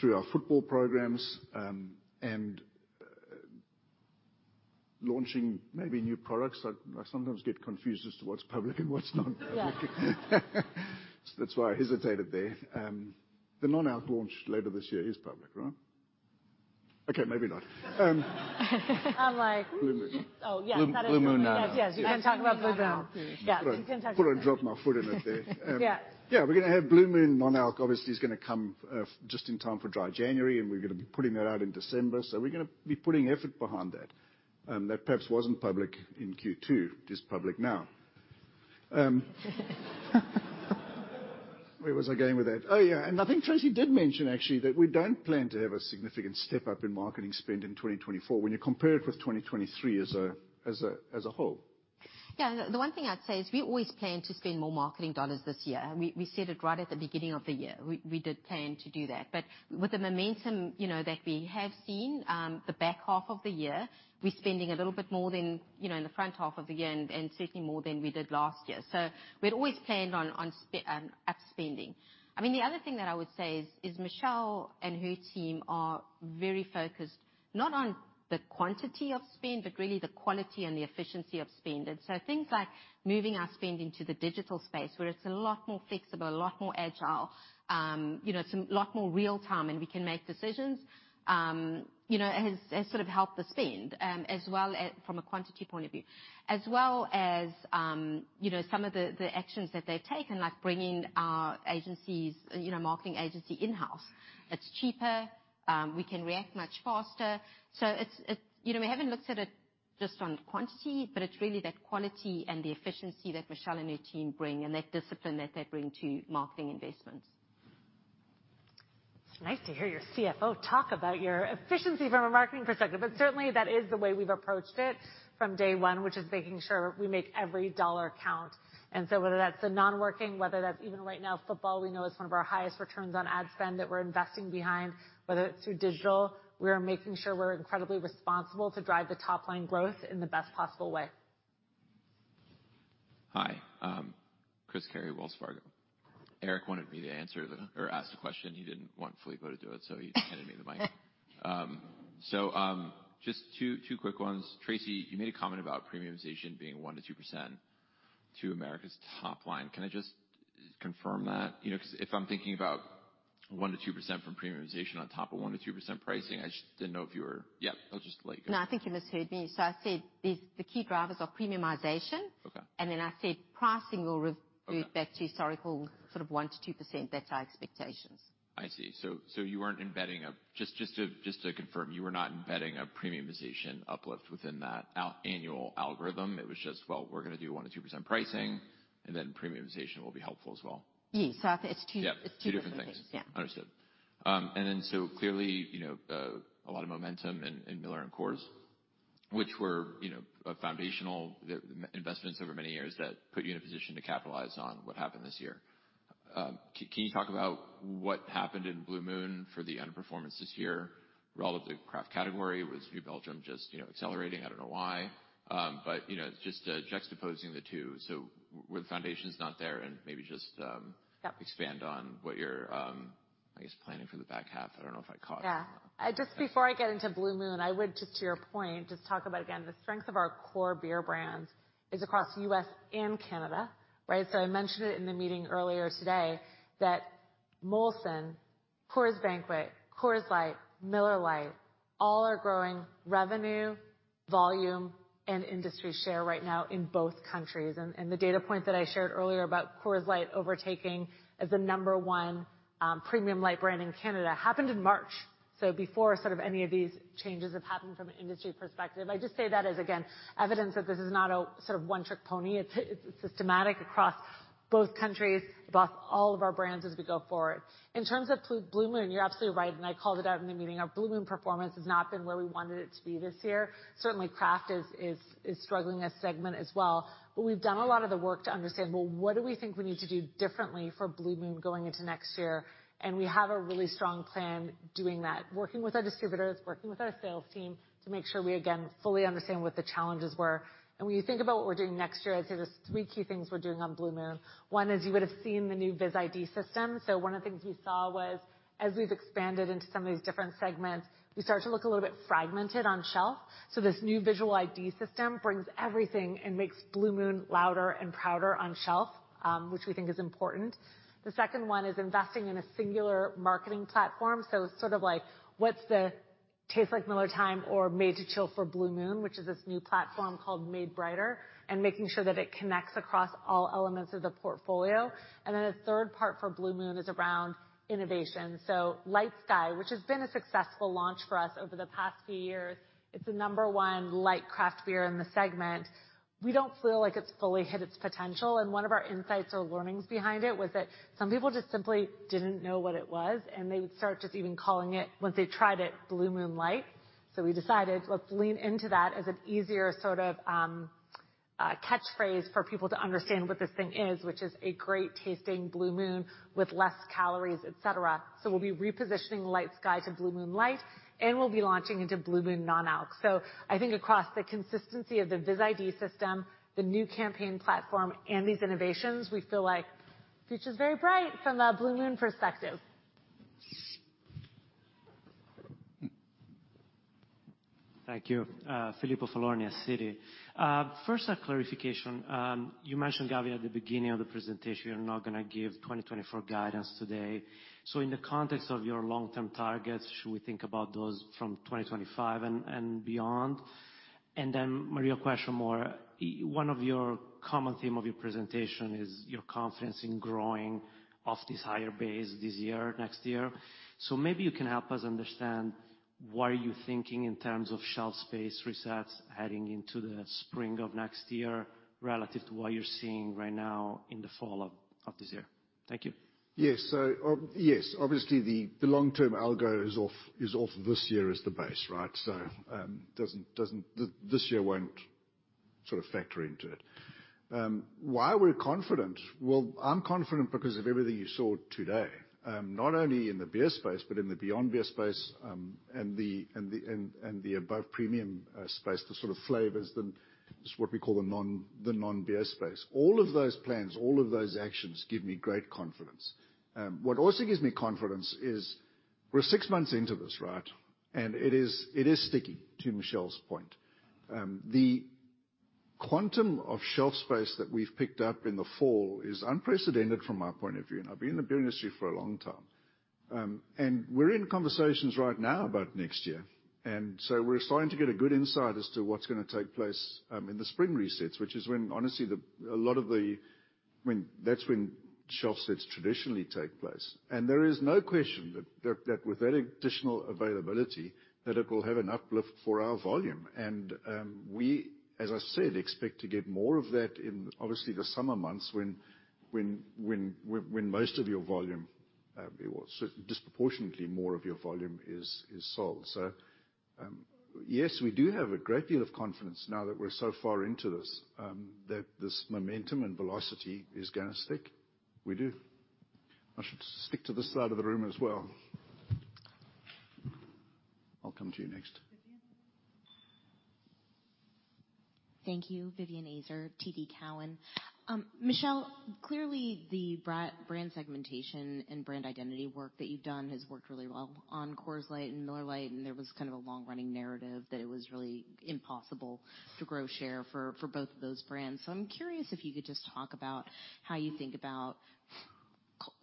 through our football programs and launching maybe new products. I sometimes get confused as to what's public and what's not public. Yeah. That's why I hesitated there. The non-alc launch later this year is public, right? Okay, maybe not. I'm like- Blue Moon. Oh, yeah. Blue, Blue Moon, Non-Alc. Yes. You can talk about Blue Moon. Yeah. You can talk about- Could've dropped my foot in it there. Yeah. Yeah, we're gonna have Blue Moon Non-Alc obviously is gonna come just in time for Dry January, and we're gonna be putting that out in December. So we're gonna be putting effort behind that. That perhaps wasn't public in Q2, it is public now. Where was I going with that? Oh, yeah, and I think Tracey did mention, actually, that we don't plan to have a significant step up in marketing spend in 2024, when you compare it with 2023 as a, as a, as a whole. Yeah. The one thing I'd say is we always planned to spend more marketing dollars this year. We said it right at the beginning of the year. We did plan to do that. But with the momentum, you know, that we have seen, the back half of the year, we're spending a little bit more than, you know, in the front half of the year and certainly more than we did last year. So we'd always planned on up spending. I mean, the other thing that I would say is Michelle and her team are very focused, not on the quantity of spend, but really the quality and the efficiency of spend. So things like moving our spend into the digital space, where it's a lot more flexible, a lot more agile, you know, it's a lot more real time, and we can make decisions, you know, has sort of helped the spend, as well as from a quantity point of view. As well as, you know, some of the actions that they've taken, like bringing our agencies, you know, marketing agency in-house. It's cheaper, we can react much faster. So it's. You know, we haven't looked at it just on quantity, but it's really that quality and the efficiency that Michelle and her team bring, and that discipline that they bring to marketing investments. It's nice to hear your CFO talk about your efficiency from a marketing perspective, but certainly, that is the way we've approached it from day one, which is making sure we make every dollar count. And so whether that's a non-working, whether that's even right now, football, we know is one of our highest returns on ad spend that we're investing behind, whether it's through digital, we are making sure we're incredibly responsible to drive the top-line growth in the best possible way. Hi, Chris Carey, Wells Fargo. Eric wanted me to answer the-- or ask the question. He didn't want Filippo to do it, so he handed me the mic. So, just two quick ones. Traceey, you made a comment about premiumization being 1%-2% to America's top line. Can I just confirm that? You know, 'cause if I'm thinking about 1%-2% from premiumization on top of 1%-2% pricing, I just didn't know if you were... Yeah, I'll just let you go. No, I think you misheard me. So I said, the key drivers are premiumization. Okay. And then I said pricing will re- Okay ...back to historical, sort of 1%-2%. That's our expectations. I see. So you weren't embedding a... Just to confirm, you were not embedding a premiumization uplift within that annual algorithm. It was just, Well, we're gonna do 1%-2% pricing, and then premiumization will be helpful as well. Yes. So I think it's two- Yeah. It's two different things. Two different things. Yeah. Understood. And then, so clearly, you know, a lot of momentum in Miller and Coors, which were, you know, foundational investments over many years that put you in a position to capitalize on what happened this year. Can you talk about what happened in Blue Moon for the underperformance this year, relevantly craft category? Was New Belgium just, you know, accelerating? I don't know why, but, you know, just juxtaposing the two. So were the foundations not there? And maybe just, Yeah. Expand on what you're, I guess, planning for the back half. I don't know if I caught it. Yeah. Just before I get into Blue Moon, I would, just to your point, just talk about, again, the strength of our core beer brands is across U.S. and Canada, right? So I mentioned it in the meeting earlier today, that Molson, Coors Banquet, Coors Light, Miller Lite, all are growing revenue, volume, and industry share right now in both countries. And the data point that I shared earlier about Coors Light overtaking as the number one premium light brand in Canada happened in March. So before sort of any of these changes have happened from an industry perspective. I just say that as, again, evidence that this is not a sort of one-trick pony. It's systematic across both countries, across all of our brands as we go forward. In terms of Blue Moon, you're absolutely right, and I called it out in the meeting. Our Blue Moon performance has not been where we wanted it to be this year. Certainly, craft is struggling as a segment as well, but we've done a lot of the work to understand, well, what do we think we need to do differently for Blue Moon going into next year? We have a really strong plan doing that, working with our distributors, working with our sales team to make sure we, again, fully understand what the challenges were. When you think about what we're doing next year, I'd say there's three key things we're doing on Blue Moon. One is, you would have seen the new Vis ID system. So one of the things you saw was as we've expanded into some of these different segments, we start to look a little bit fragmented on shelf. So this new visual ID system brings everything and makes Blue Moon louder and prouder on shelf, which we think is important. The second one is investing in a singular marketing platform. So sort of like, what's the Tastes Like Miller Time or Made to Chill for Blue Moon, which is this new platform called Made Brighter, and making sure that it connects across all elements of the portfolio. And then a third part for Blue Moon is around innovation. So Light Sky, which has been a successful launch for us over the past few years, it's the number one light craft beer in the segment. We don't feel like it's fully hit its potential, and one of our insights or learnings behind it was that some people just simply didn't know what it was, and they would start just even calling it, once they tried it, Blue Moon Light. So we decided, let's lean into that as an easier sort of catchphrase for people to understand what this thing is, which is a great-tasting Blue Moon with less calories, et cetera. So we'll be repositioning Light Sky to Blue Moon Light, and we'll be launching into Blue Moon Non-Alc. So I think across the consistency of the Vis ID system, the new campaign platform, and these innovations, we feel like future is very bright from a Blue Moon perspective. Thank you. Filippo Falorni, Citi. First, a clarification. You mentioned, Gavin, at the beginning of the presentation, you're not gonna give 2024 guidance today. So in the context of your long-term targets, should we think about those from 2025 and beyond? And then, Maria, a question more. One of your common theme of your presentation is your confidence in growing off this higher base this year, next year. So maybe you can help us understand, what are you thinking in terms of shelf space resets heading into the spring of next year relative to what you're seeing right now in the fall of this year? Thank you. Yes. So, obviously, the long-term algo is off this year as the base, right? So, this year won't sort of factor into it. Why we're confident? Well, I'm confident because of everything you saw today, not only in the beer space, but in the beyond beer space, and the above-premium space, the sort of flavors, the what we call the non-beer space. All of those plans, all of those actions give me great confidence. What also gives me confidence is we're six months into this, right? And it is sticky, to Michelle's point. The quantum of shelf space that we've picked up in the fall is unprecedented from my point of view, and I've been in the beer industry for a long time. We're in conversations right now about next year, and so we're starting to get a good insight as to what's gonna take place in the spring resets, which is when, honestly, I mean, that's when shelf sets traditionally take place. There is no question that with that additional availability, that it will have an uplift for our volume. And we, as I said, expect to get more of that in, obviously, the summer months when most of your volume, well, disproportionately more of your volume is sold. So yes, we do have a great deal of confidence now that we're so far into this that this momentum and velocity is gonna stick. We do. I should stick to this side of the room as well. I'll come to you next. Thank you. Vivian Azer, TD Cowen. Michelle, clearly, the brand segmentation and brand identity work that you've done has worked really well on Coors Light and Miller Lite, and there was kind of a long-running narrative that it was really impossible to grow share for both of those brands. So I'm curious if you could just talk about how you think about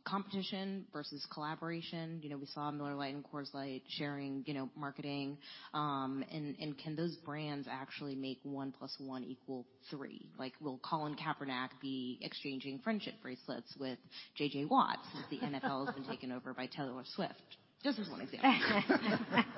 competition versus collaboration. You know, we saw Miller Lite and Coors Light sharing, you know, marketing, and can those brands actually make one plus one equal three? Like, will Colin Kaepernick be exchanging friendship bracelets with J.J. Watt since the NFL has been taken over by Taylor Swift? Just as one example.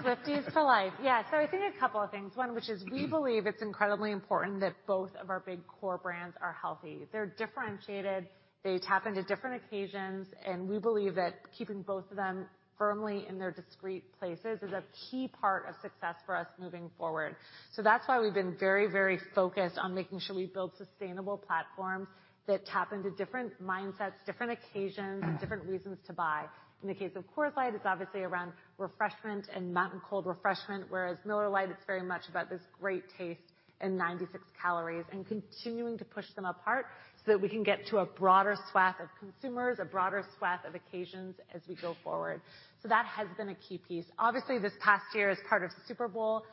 Swiftie is for life. Yeah, so I think a couple of things. One of which is we believe it's incredibly important that both of our big core brands are healthy. They're differentiated, they tap into different occasions, and we believe that keeping both of them firmly in their discrete places is a key part of success for us moving forward. So that's why we've been very, very focused on making sure we build sustainable platforms that tap into different mindsets, different occasions, different reasons to buy. In the case of Coors Light, it's obviously around refreshment and mountain cold refreshment, whereas Miller Lite, it's very much about this great taste and 96 calories, and continuing to push them apart, so that we can get to a broader swath of consumers, a broader swath of occasions as we go forward. So that has been a key piece. Obviously, this past year, as part of Super Bowl,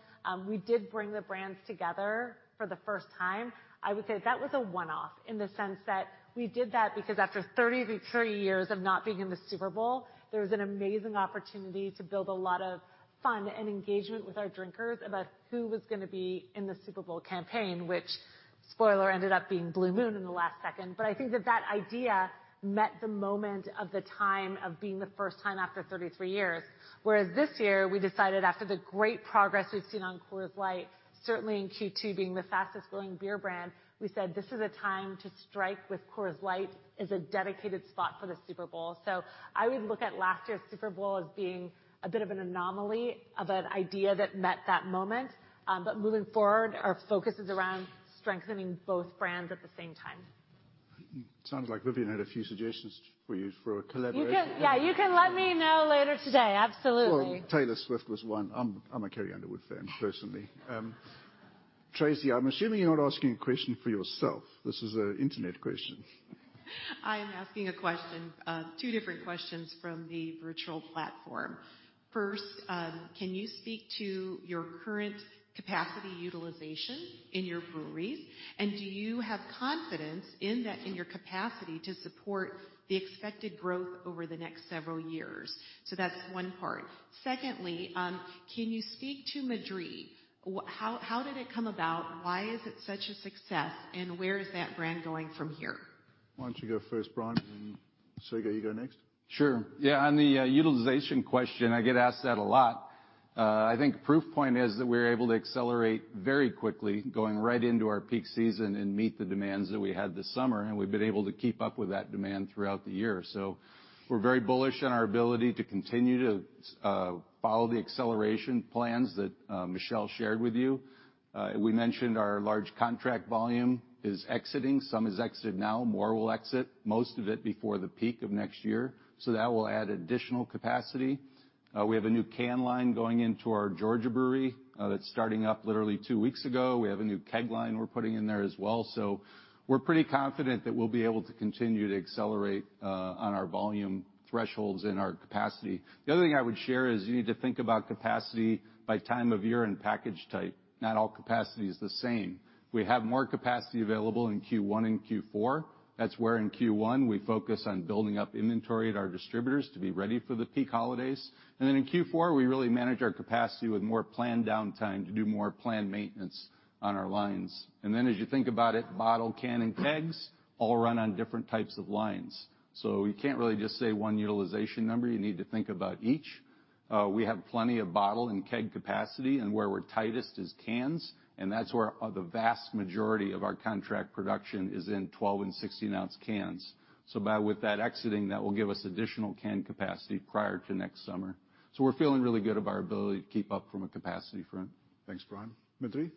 we did bring the brands together for the first time. I would say that was a one-off in the sense that we did that because after 33 years of not being in the Super Bowl, there was an amazing opportunity to build a lot of fun and engagement with our drinkers about who was gonna be in the Super Bowl campaign, which, spoiler, ended up being Blue Moon in the last second. But I think that that idea met the moment of the time of being the first time after 33 years. Whereas this year, we decided after the great progress we've seen on Coors Light, certainly in Q2, being the fastest growing beer brand, we said: This is a time to strike with Coors Light as a dedicated spot for the Super Bowl. I would look at last year's Super Bowl as being a bit of an anomaly, of an idea that met that moment. But moving forward, our focus is around strengthening both brands at the same time. Sounds like Vivian had a few suggestions for you for a collaboration. You can... Yeah, you can let me know later today. Absolutely. Well, Taylor Swift was one. I'm a Carrie Underwood fan, personally. Tracey, I'm assuming you're not asking a question for yourself. This is an internet question. I'm asking a question, two different questions from the virtual platform. First, can you speak to your current capacity utilization in your breweries? And do you have confidence in that, in your capacity to support the expected growth over the next several years? So that's one part. Secondly, can you speak to Madrí? How did it come about? Why is it such a success, and where is that brand going from here? Why don't you go first, Brian, and Sergey, you go next. Sure. Yeah, on the utilization question, I get asked that a lot. I think proof point is that we're able to accelerate very quickly, going right into our peak season, and meet the demands that we had this summer, and we've been able to keep up with that demand throughout the year. So we're very bullish on our ability to continue to follow the acceleration plans that Michelle shared with you. We mentioned our large contract volume is exiting. Some has exited now, more will exit, most of it before the peak of next year. So that will add additional capacity. We have a new can line going into our Georgia brewery, that's starting up literally two weeks ago. We have a new keg line we're putting in there as well. So we're pretty confident that we'll be able to continue to accelerate on our volume thresholds and our capacity. The other thing I would share is, you need to think about capacity by time of year and package type. Not all capacity is the same. We have more capacity available in Q1 and Q4. That's where, in Q1, we focus on building up inventory at our distributors to be ready for the peak holidays. And then in Q4, we really manage our capacity with more planned downtime to do more planned maintenance on our lines. And then as you think about it, bottle, can, and kegs all run on different types of lines, so you can't really just say one utilization number. You need to think about each. We have plenty of bottle and keg capacity, and where we're tightest is cans, and that's where, the vast majority of our contract production is in 12- and 16-ounce cans. So by with that exiting, that will give us additional can capacity prior to next summer. So we're feeling really good about our ability to keep up from a capacity front. Thanks, Brian, Sergey?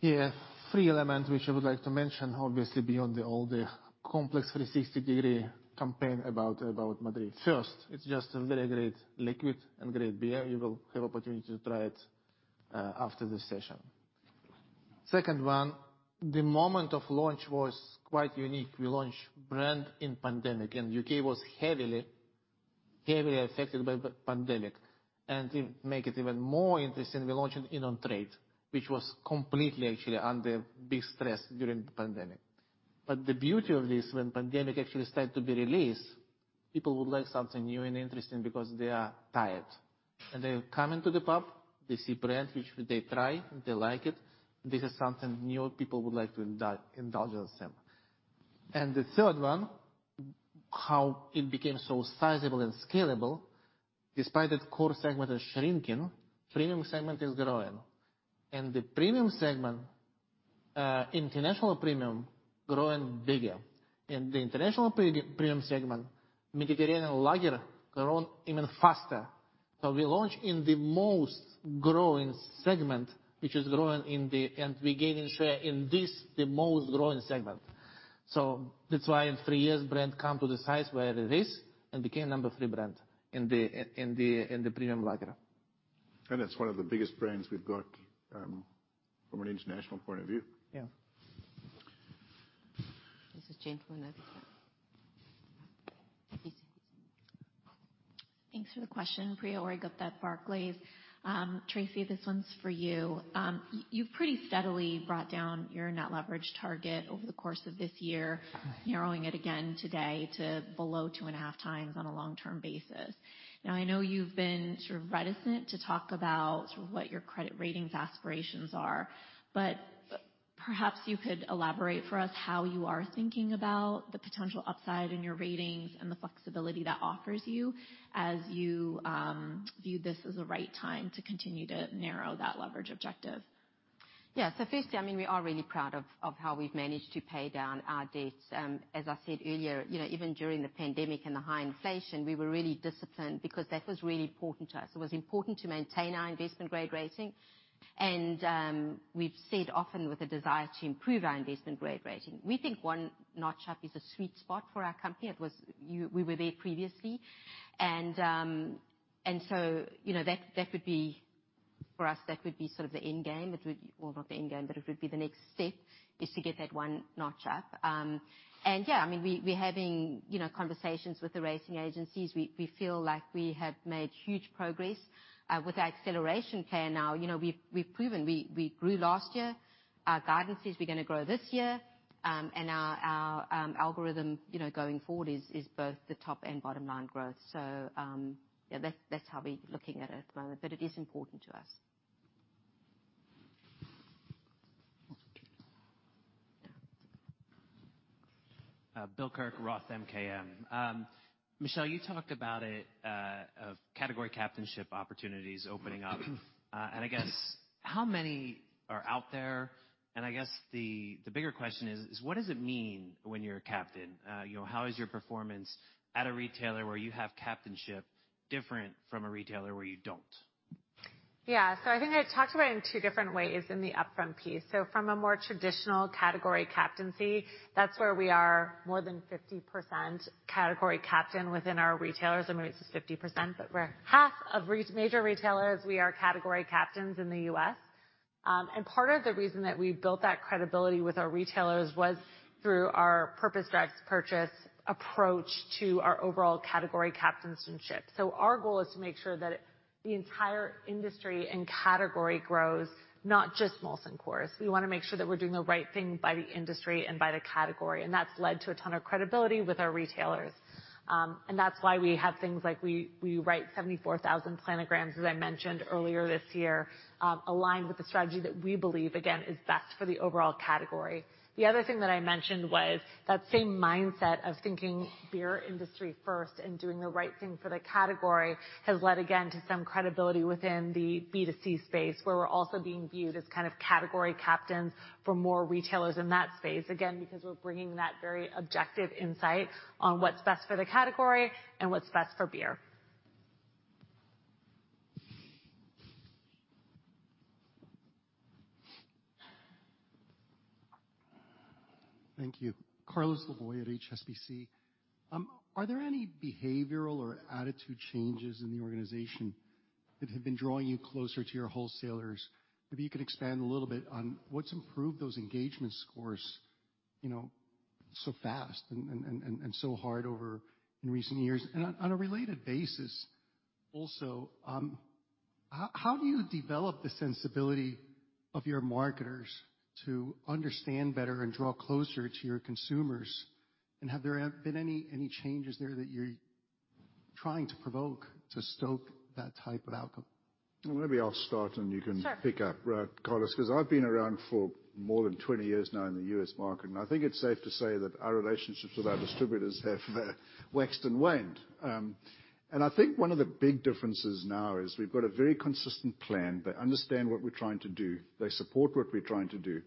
Yeah, three elements which I would like to mention, obviously, beyond the all, the complex 360-degree campaign about, about Madrí. First, it's just a very great liquid and great beer. You will have opportunity to try it after this session. Second one, the moment of launch was quite unique. We launched brand in pandemic, and UK was heavily affected by the pandemic, and to make it even more interesting, we launched in on-trade, which was completely actually under big stress during the pandemic. But the beauty of this, when pandemic actually started to be released, people would like something new and interesting because they are tired, and they're coming to the pub. They see brand, which they try, and they like it. This is something new people would like to indulge themselves. The third one, how it became so sizable and scalable, despite that core segment is shrinking, premium segment is growing. The premium segment, international premium growing bigger. In the international premium segment, Mediterranean lager grown even faster. So we launch in the most growing segment, which is growing and we're gaining share in this, the most growing segment. So that's why in three years, brand come to the size where it is and became number three brand in the premium lager. It's one of the biggest brands we've got, from an international point of view. Yeah. This is Jane from Thanks for the question. Priya Raghubir, Barclays. Tracey, this one's for you. You've pretty steadily brought down your net leverage target over the course of this year, narrowing it again today to below 2.5 times on a long-term basis. Now, I know you've been sort of reticent to talk about sort of what your credit ratings aspirations are, but perhaps you could elaborate for us how you are thinking about the potential upside in your ratings and the flexibility that offers you as you view this as a right time to continue to narrow that leverage objective. Yeah. So firstly, I mean, we are really proud of, of how we've managed to pay down our debts. As I said earlier, you know, even during the pandemic and the high inflation, we were really disciplined because that was really important to us. It was important to maintain our investment-grade rating, and, we've said often with a desire to improve our investment-grade rating. We think one notch up is a sweet spot for our company. It was... We were there previously, and, and so, you know, that, that would be, for us, that would be sort of the end game. It would... Well, not the end game, but it would be the next step, is to get that one notch up. And, yeah, I mean, we, we're having, you know, conversations with the rating agencies. We feel like we have made huge progress with our acceleration plan now. You know, we've proven we grew last year. Our guidance is we're gonna grow this year, and our algorithm, you know, going forward is both the top and bottom line growth. So, yeah, that's how we're looking at it at the moment, but it is important to us. Bill Kirk, Roth MKM. Michelle, you talked about a category captainship opportunities opening up, and I guess, how many are out there? And I guess the bigger question is: what does it mean when you're a captain? You know, how is your performance at a retailer where you have captainship different from a retailer where you don't? Yeah. So I think I talked about it in two different ways in the upfront piece. So from a more traditional category captaincy, that's where we are more than 50% category captain within our retailers. I mean, it's just 50%, but we're half of major retailers, we are category captains in the U.S. And part of the reason that we built that credibility with our retailers was through our purpose-driven purchase approach to our overall category captainship. So our goal is to make sure that the entire industry and category grows, not just Molson Coors. We wanna make sure that we're doing the right thing by the industry and by the category, and that's led to a ton of credibility with our retailers. That's why we have things like we write 74,000 planograms, as I mentioned earlier this year, aligned with the strategy that we believe, again, is best for the overall category. The other thing that I mentioned was that same mindset of thinking beer industry first and doing the right thing for the category has led, again, to some credibility within the B2C space, where we're also being viewed as kind of category captains for more retailers in that space, again, because we're bringing that very objective insight on what's best for the category and what's best for beer. Thank you. Carlos Laboy at HSBC. Are there any behavioral or attitude changes in the organization that have been drawing you closer to your wholesalers? Maybe you could expand a little bit on what's improved those engagement scores, you know, so fast and so hard over in recent years. And on a related basis also, how do you develop the sensibility of your marketers to understand better and draw closer to your consumers? And have there been any changes there that you're trying to provoke to stoke that type of outcome? Well, maybe I'll start, and you can- Sure. Carlos, 'cause I've been around for more than 20 years now in the U.S. market, and I think it's safe to say that our relationships with our distributors have waxed and waned. I think one of the big differences now is we've got a very consistent plan. They understand what we're trying to do, they support what we're trying to do,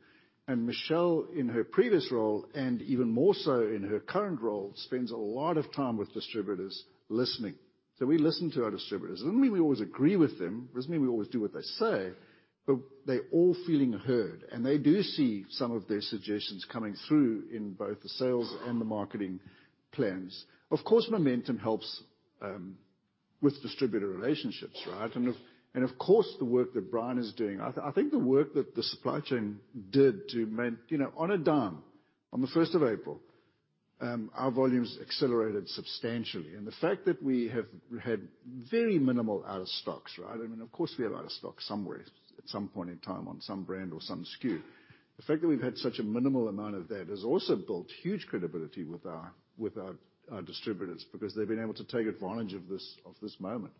and Michelle, in her previous role, and even more so in her current role, spends a lot of time with distributors listening. So we listen to our distributors. It doesn't mean we always agree with them, doesn't mean we always do what they say, but they're all feeling heard, and they do see some of their suggestions coming through in both the sales and the marketing plans. Of course, momentum helps with distributor relationships, right? And of course, the work that Brian is doing. I think the work that the supply chain did to maintain—you know, on a dime—on the first of April, our volumes accelerated substantially. And the fact that we have had very minimal out of stocks, right? I mean, of course, we have out of stock somewhere at some point in time on some brand or some SKU. The fact that we've had such a minimal amount of that has also built huge credibility with our distributors because they've been able to take advantage of this moment.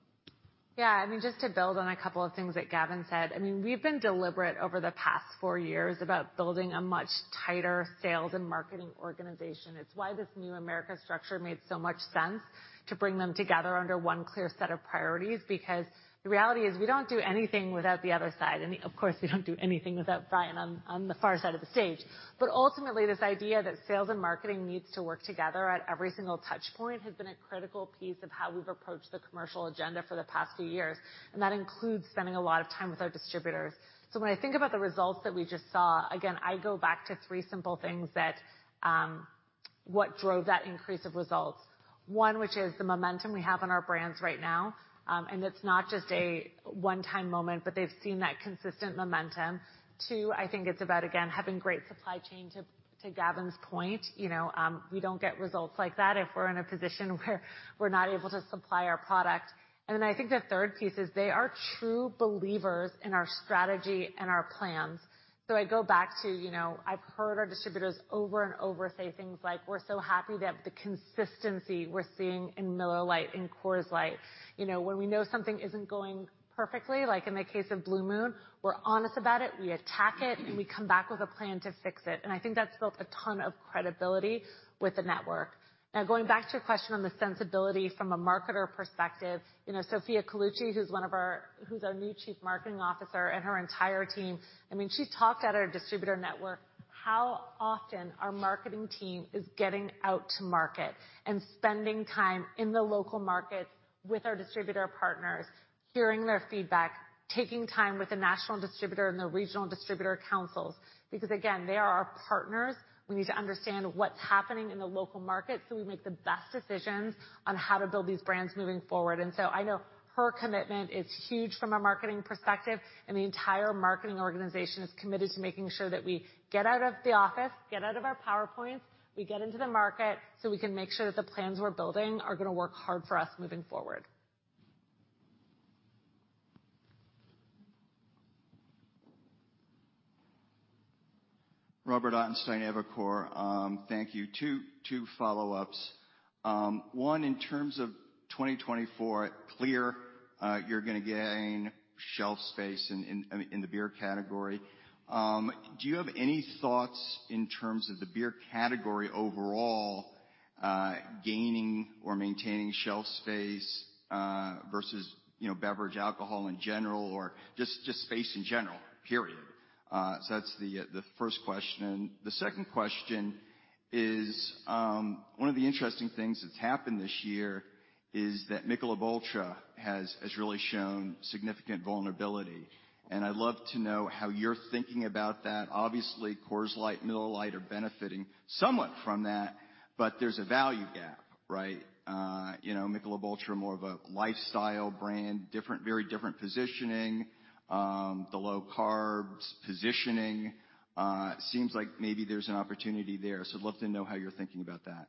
Yeah, I mean, just to build on a couple of things that Gavin said, I mean, we've been deliberate over the past four years about building a much tighter sales and marketing organization. It's why this Americas structure made so much sense to bring them together under one clear set of priorities, because the reality is, we don't do anything without the other side. And, of course, we don't do anything without Brian on the far side of the stage. But ultimately, this idea that sales and marketing needs to work together at every single touch point has been a critical piece of how we've approached the commercial agenda for the past few years, and that includes spending a lot of time with our distributors. So when I think about the results that we just saw, again, I go back to three simple things that what drove that increase of results. One, which is the momentum we have on our brands right now and it's not just a one-time moment, but they've seen that consistent momentum. Two, I think it's about, again, having great supply chain, to Gavin's point. You know, we don't get results like that if we're in a position where we're not able to supply our product. And then I think the third piece is they are true believers in our strategy and our plans. So I go back to, you know, I've heard our distributors over and over say things like: We're so happy that the consistency we're seeing in Miller Lite, in Coors Light. You know, when we know something isn't going perfectly, like in the case of Blue Moon, we're honest about it, we attack it, and we come back with a plan to fix it. And I think that's built a ton of credibility with the network. Now, going back to your question on the sensibility from a marketer perspective, you know, Sofia Colucci, who's our new Chief Marketing Officer, and her entire team, I mean, she talked at our distributor network how often our marketing team is getting out to market and spending time in the local markets with our distributor partners, hearing their feedback, taking time with the national distributor and the regional distributor councils, because, again, they are our partners. We need to understand what's happening in the local market, so we make the best decisions on how to build these brands moving forward. And so I know her commitment is huge from a marketing perspective, and the entire marketing organization is committed to making sure that we get out of the office, get out of our PowerPoints, we get into the market, so we can make sure that the plans we're building are gonna work hard for us moving forward. Robert Ottenstein, Evercore, thank you. Two follow-ups. One, in terms of 2024, clear, you're gonna gain shelf space in, I mean, in the beer category. Do you have any thoughts in terms of the beer category overall, gaining or maintaining shelf space, versus, you know, beverage alcohol in general, or just space in general, period? So that's the first question. The second question is, one of the interesting things that's happened this year is that Michelob ULTRA has really shown significant vulnerability, and I'd love to know how you're thinking about that. Obviously, Coors Light, Miller Lite are benefiting somewhat from that, but there's a value gap, right? You know, Michelob ULTRA, more of a lifestyle brand, very different positioning. The low carbs positioning seems like maybe there's an opportunity there. So I'd love to know how you're thinking about that.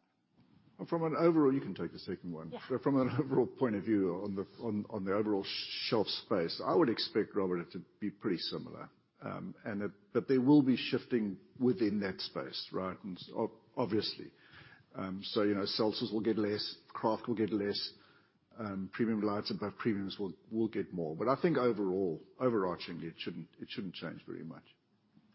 From an overall... You can take the second one. Yeah. But from an overall point of view, on the overall shelf space, I would expect, Robert, it to be pretty similar. But they will be shifting within that space, right? Obviously. So, you know, seltzers will get less, craft will get less, premium lights, above premiums will get more. But I think overall, overarchingly, it shouldn't change very much.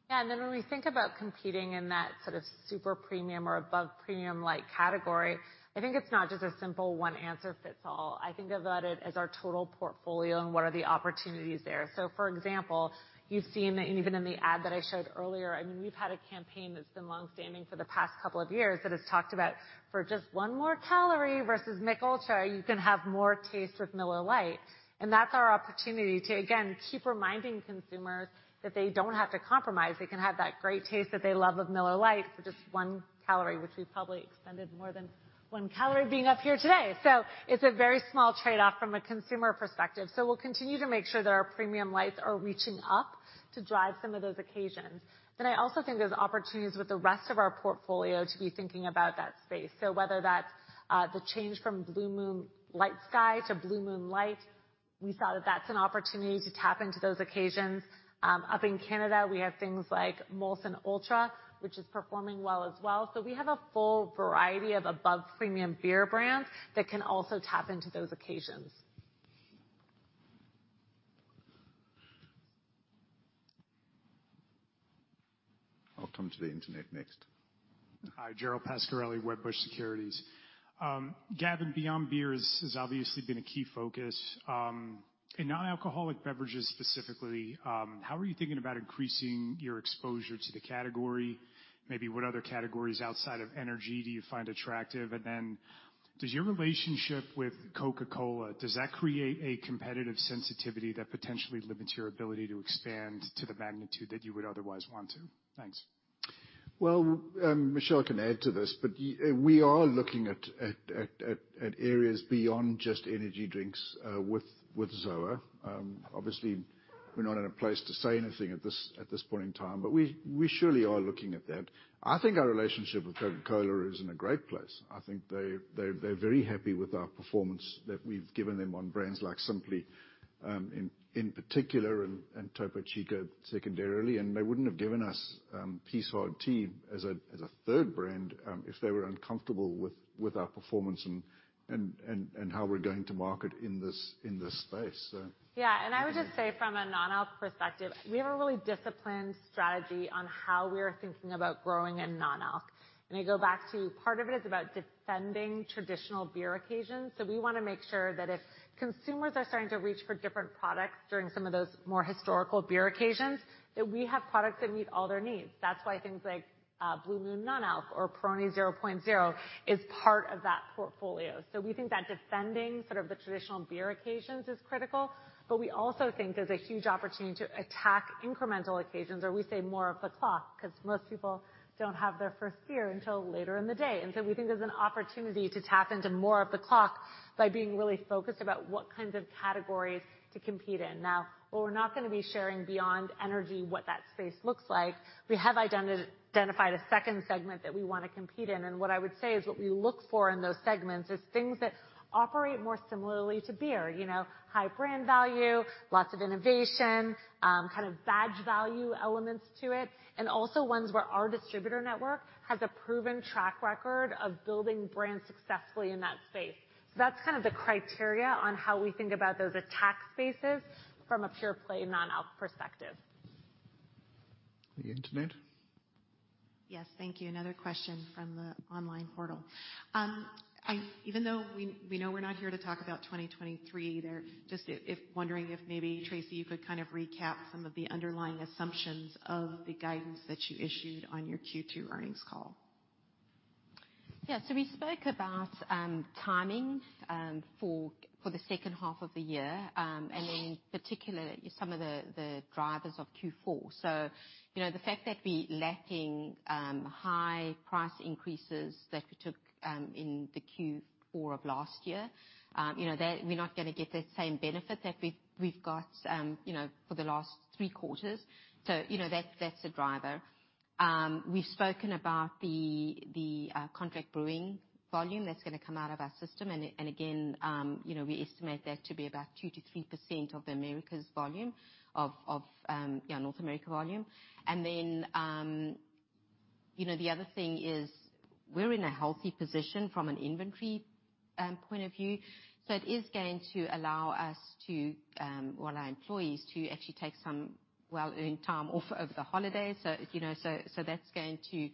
Yeah, and then when we think about competing in that sort of super premium or above premium light category, I think it's not just a simple one answer fits all. I think about it as our total portfolio and what are the opportunities there. So for example, you've seen, and even in the ad that I showed earlier, I mean, we've had a campaign that's been long-standing for the past couple of years that has talked about, for just one more calorie versus Michelob ULTRA, you can have more taste with Miller Lite. And that's our opportunity to, again, keep reminding consumers that they don't have to compromise. They can have that great taste that they love of Miller Lite for just one calorie, which we've probably extended more than one calorie being up here today. So it's a very small trade-off from a consumer perspective. So we'll continue to make sure that our premium lights are reaching up to drive some of those occasions. Then I also think there's opportunities with the rest of our portfolio to be thinking about that space. So whether that's, the change from Blue Moon Light Sky to Blue Moon Light, we saw that that's an opportunity to tap into those occasions. Up in Canada, we have things like Molson Ultra, which is performing well as well. So we have a full variety of above-premium beer brands that can also tap into those occasions. I'll come to the internet next. Hi, Gerald Pascarelli, Wedbush Securities. Gavin, beyond beer has obviously been a key focus. In non-alcoholic beverages specifically, how are you thinking about increasing your exposure to the category? Maybe what other categories outside of energy do you find attractive? And then, does your relationship with Coca-Cola create a competitive sensitivity that potentially limits your ability to expand to the magnitude that you would otherwise want to? Thanks.... Well, Michelle can add to this, but we are looking at areas beyond just energy drinks with ZOA. Obviously, we're not in a place to say anything at this point in time, but we surely are looking at that. I think our relationship with Coca-Cola is in a great place. I think they, they're very happy with our performance that we've given them on brands like Simply, in particular, and Topo Chico secondarily. And they wouldn't have given us Peace Hard Tea as a third brand if they were uncomfortable with our performance and how we're going to market in this space, so. Yeah, and I would just say from a non-alc perspective, we have a really disciplined strategy on how we are thinking about growing in non-alc. And I go back to part of it is about defending traditional beer occasions. So we want to make sure that if consumers are starting to reach for different products during some of those more historical beer occasions, that we have products that meet all their needs. That's why things like Blue Moon Non-Alc or Peroni 0.0 is part of that portfolio. So we think that defending sort of the traditional beer occasions is critical, but we also think there's a huge opportunity to attack incremental occasions, or we say more of the clock, because most people don't have their first beer until later in the day. We think there's an opportunity to tap into more of the alc by being really focused about what kinds of categories to compete in. Now, what we're not going to be sharing beyond energy, what that space looks like, we have identified a second segment that we want to compete in. What I would say is, what we look for in those segments is things that operate more similarly to beer. You know, high brand value, lots of innovation, kind of badge value elements to it, and also ones where our distributor network has a proven track record of building brands successfully in that space. That's kind of the criteria on how we think about those attack spaces from a pure-play, non-alc perspective. The internet? Yes, thank you. Another question from the online portal. Even though we know we're not here to talk about 2023, just wondering if maybe, Tracey, you could kind of recap some of the underlying assumptions of the guidance that you issued on your Q2 earnings call. Yeah, so we spoke about timing for the second half of the year and in particular some of the drivers of Q4. So, you know, the fact that we're lacking high price increases that we took in the Q4 of last year, you know, that we're not going to get the same benefit that we've got for the last three quarters. So, you know, that's a driver. We've spoken about the contract brewing volume that's going to come out of our system. And again, you know, we estimate that to be about 2%-3% of the America's volume, North America volume. And then, you know, the other thing is we're in a healthy position from an inventory point of view. So it is going to allow us to, or our employees, to actually take some well-earned time off over the holidays. So, you know, so that's going to, you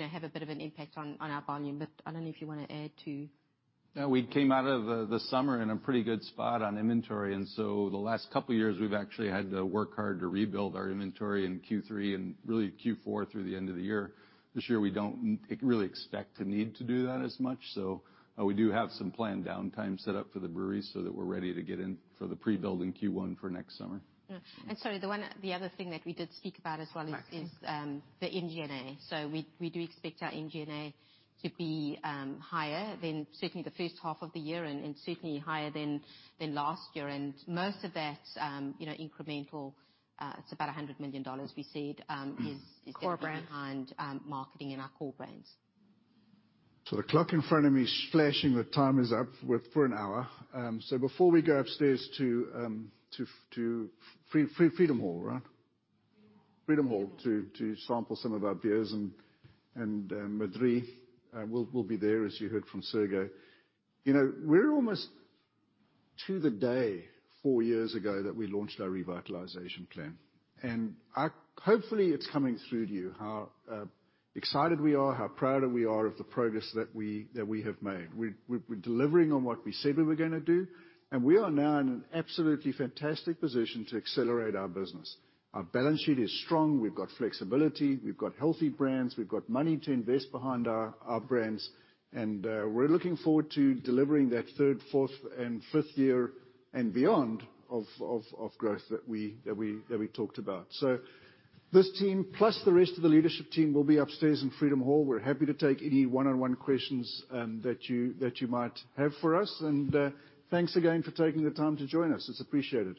know, have a bit of an impact on our volume. But I don't know if you want to add, too. Yeah, we came out of the summer in a pretty good spot on inventory, and so the last couple of years, we've actually had to work hard to rebuild our inventory in Q3 and really Q4 through the end of the year. This year, we don't really expect to need to do that as much. So, we do have some planned downtime set up for the breweries so that we're ready to get in for the pre-build in Q1 for next summer. Yeah. Sorry, the one, the other thing that we did speak about as well- Right. is the NG&A. So we do expect our NG&A to be higher than certainly the first half of the year and certainly higher than last year. And most of that, you know, incremental, it's about $100 million we said, is- Core brand... behind marketing in our core brands. So the clock in front of me is flashing. The time is up with for an hour. Before we go upstairs to Freedom Hall, right? Freedom Hall. Freedom Hall, to sample some of our beers and Madrí, we'll be there, as you heard from Sergey. You know, we're almost, to the day, 4 years ago that we launched our revitalization plan, and I hopefully, it's coming through to you how excited we are, how proud we are of the progress that we have made. We're delivering on what we said we were gonna do, and we are now in an absolutely fantastic position to accelerate our business. Our balance sheet is strong, we've got flexibility, we've got healthy brands, we've got money to invest behind our brands, and we're looking forward to delivering that third, fourth, and fifth year and beyond of growth that we talked about. This team, plus the rest of the leadership team, will be upstairs in Freedom Hall. We're happy to take any one-on-one questions, that you might have for us. Thanks again for taking the time to join us. It's appreciated.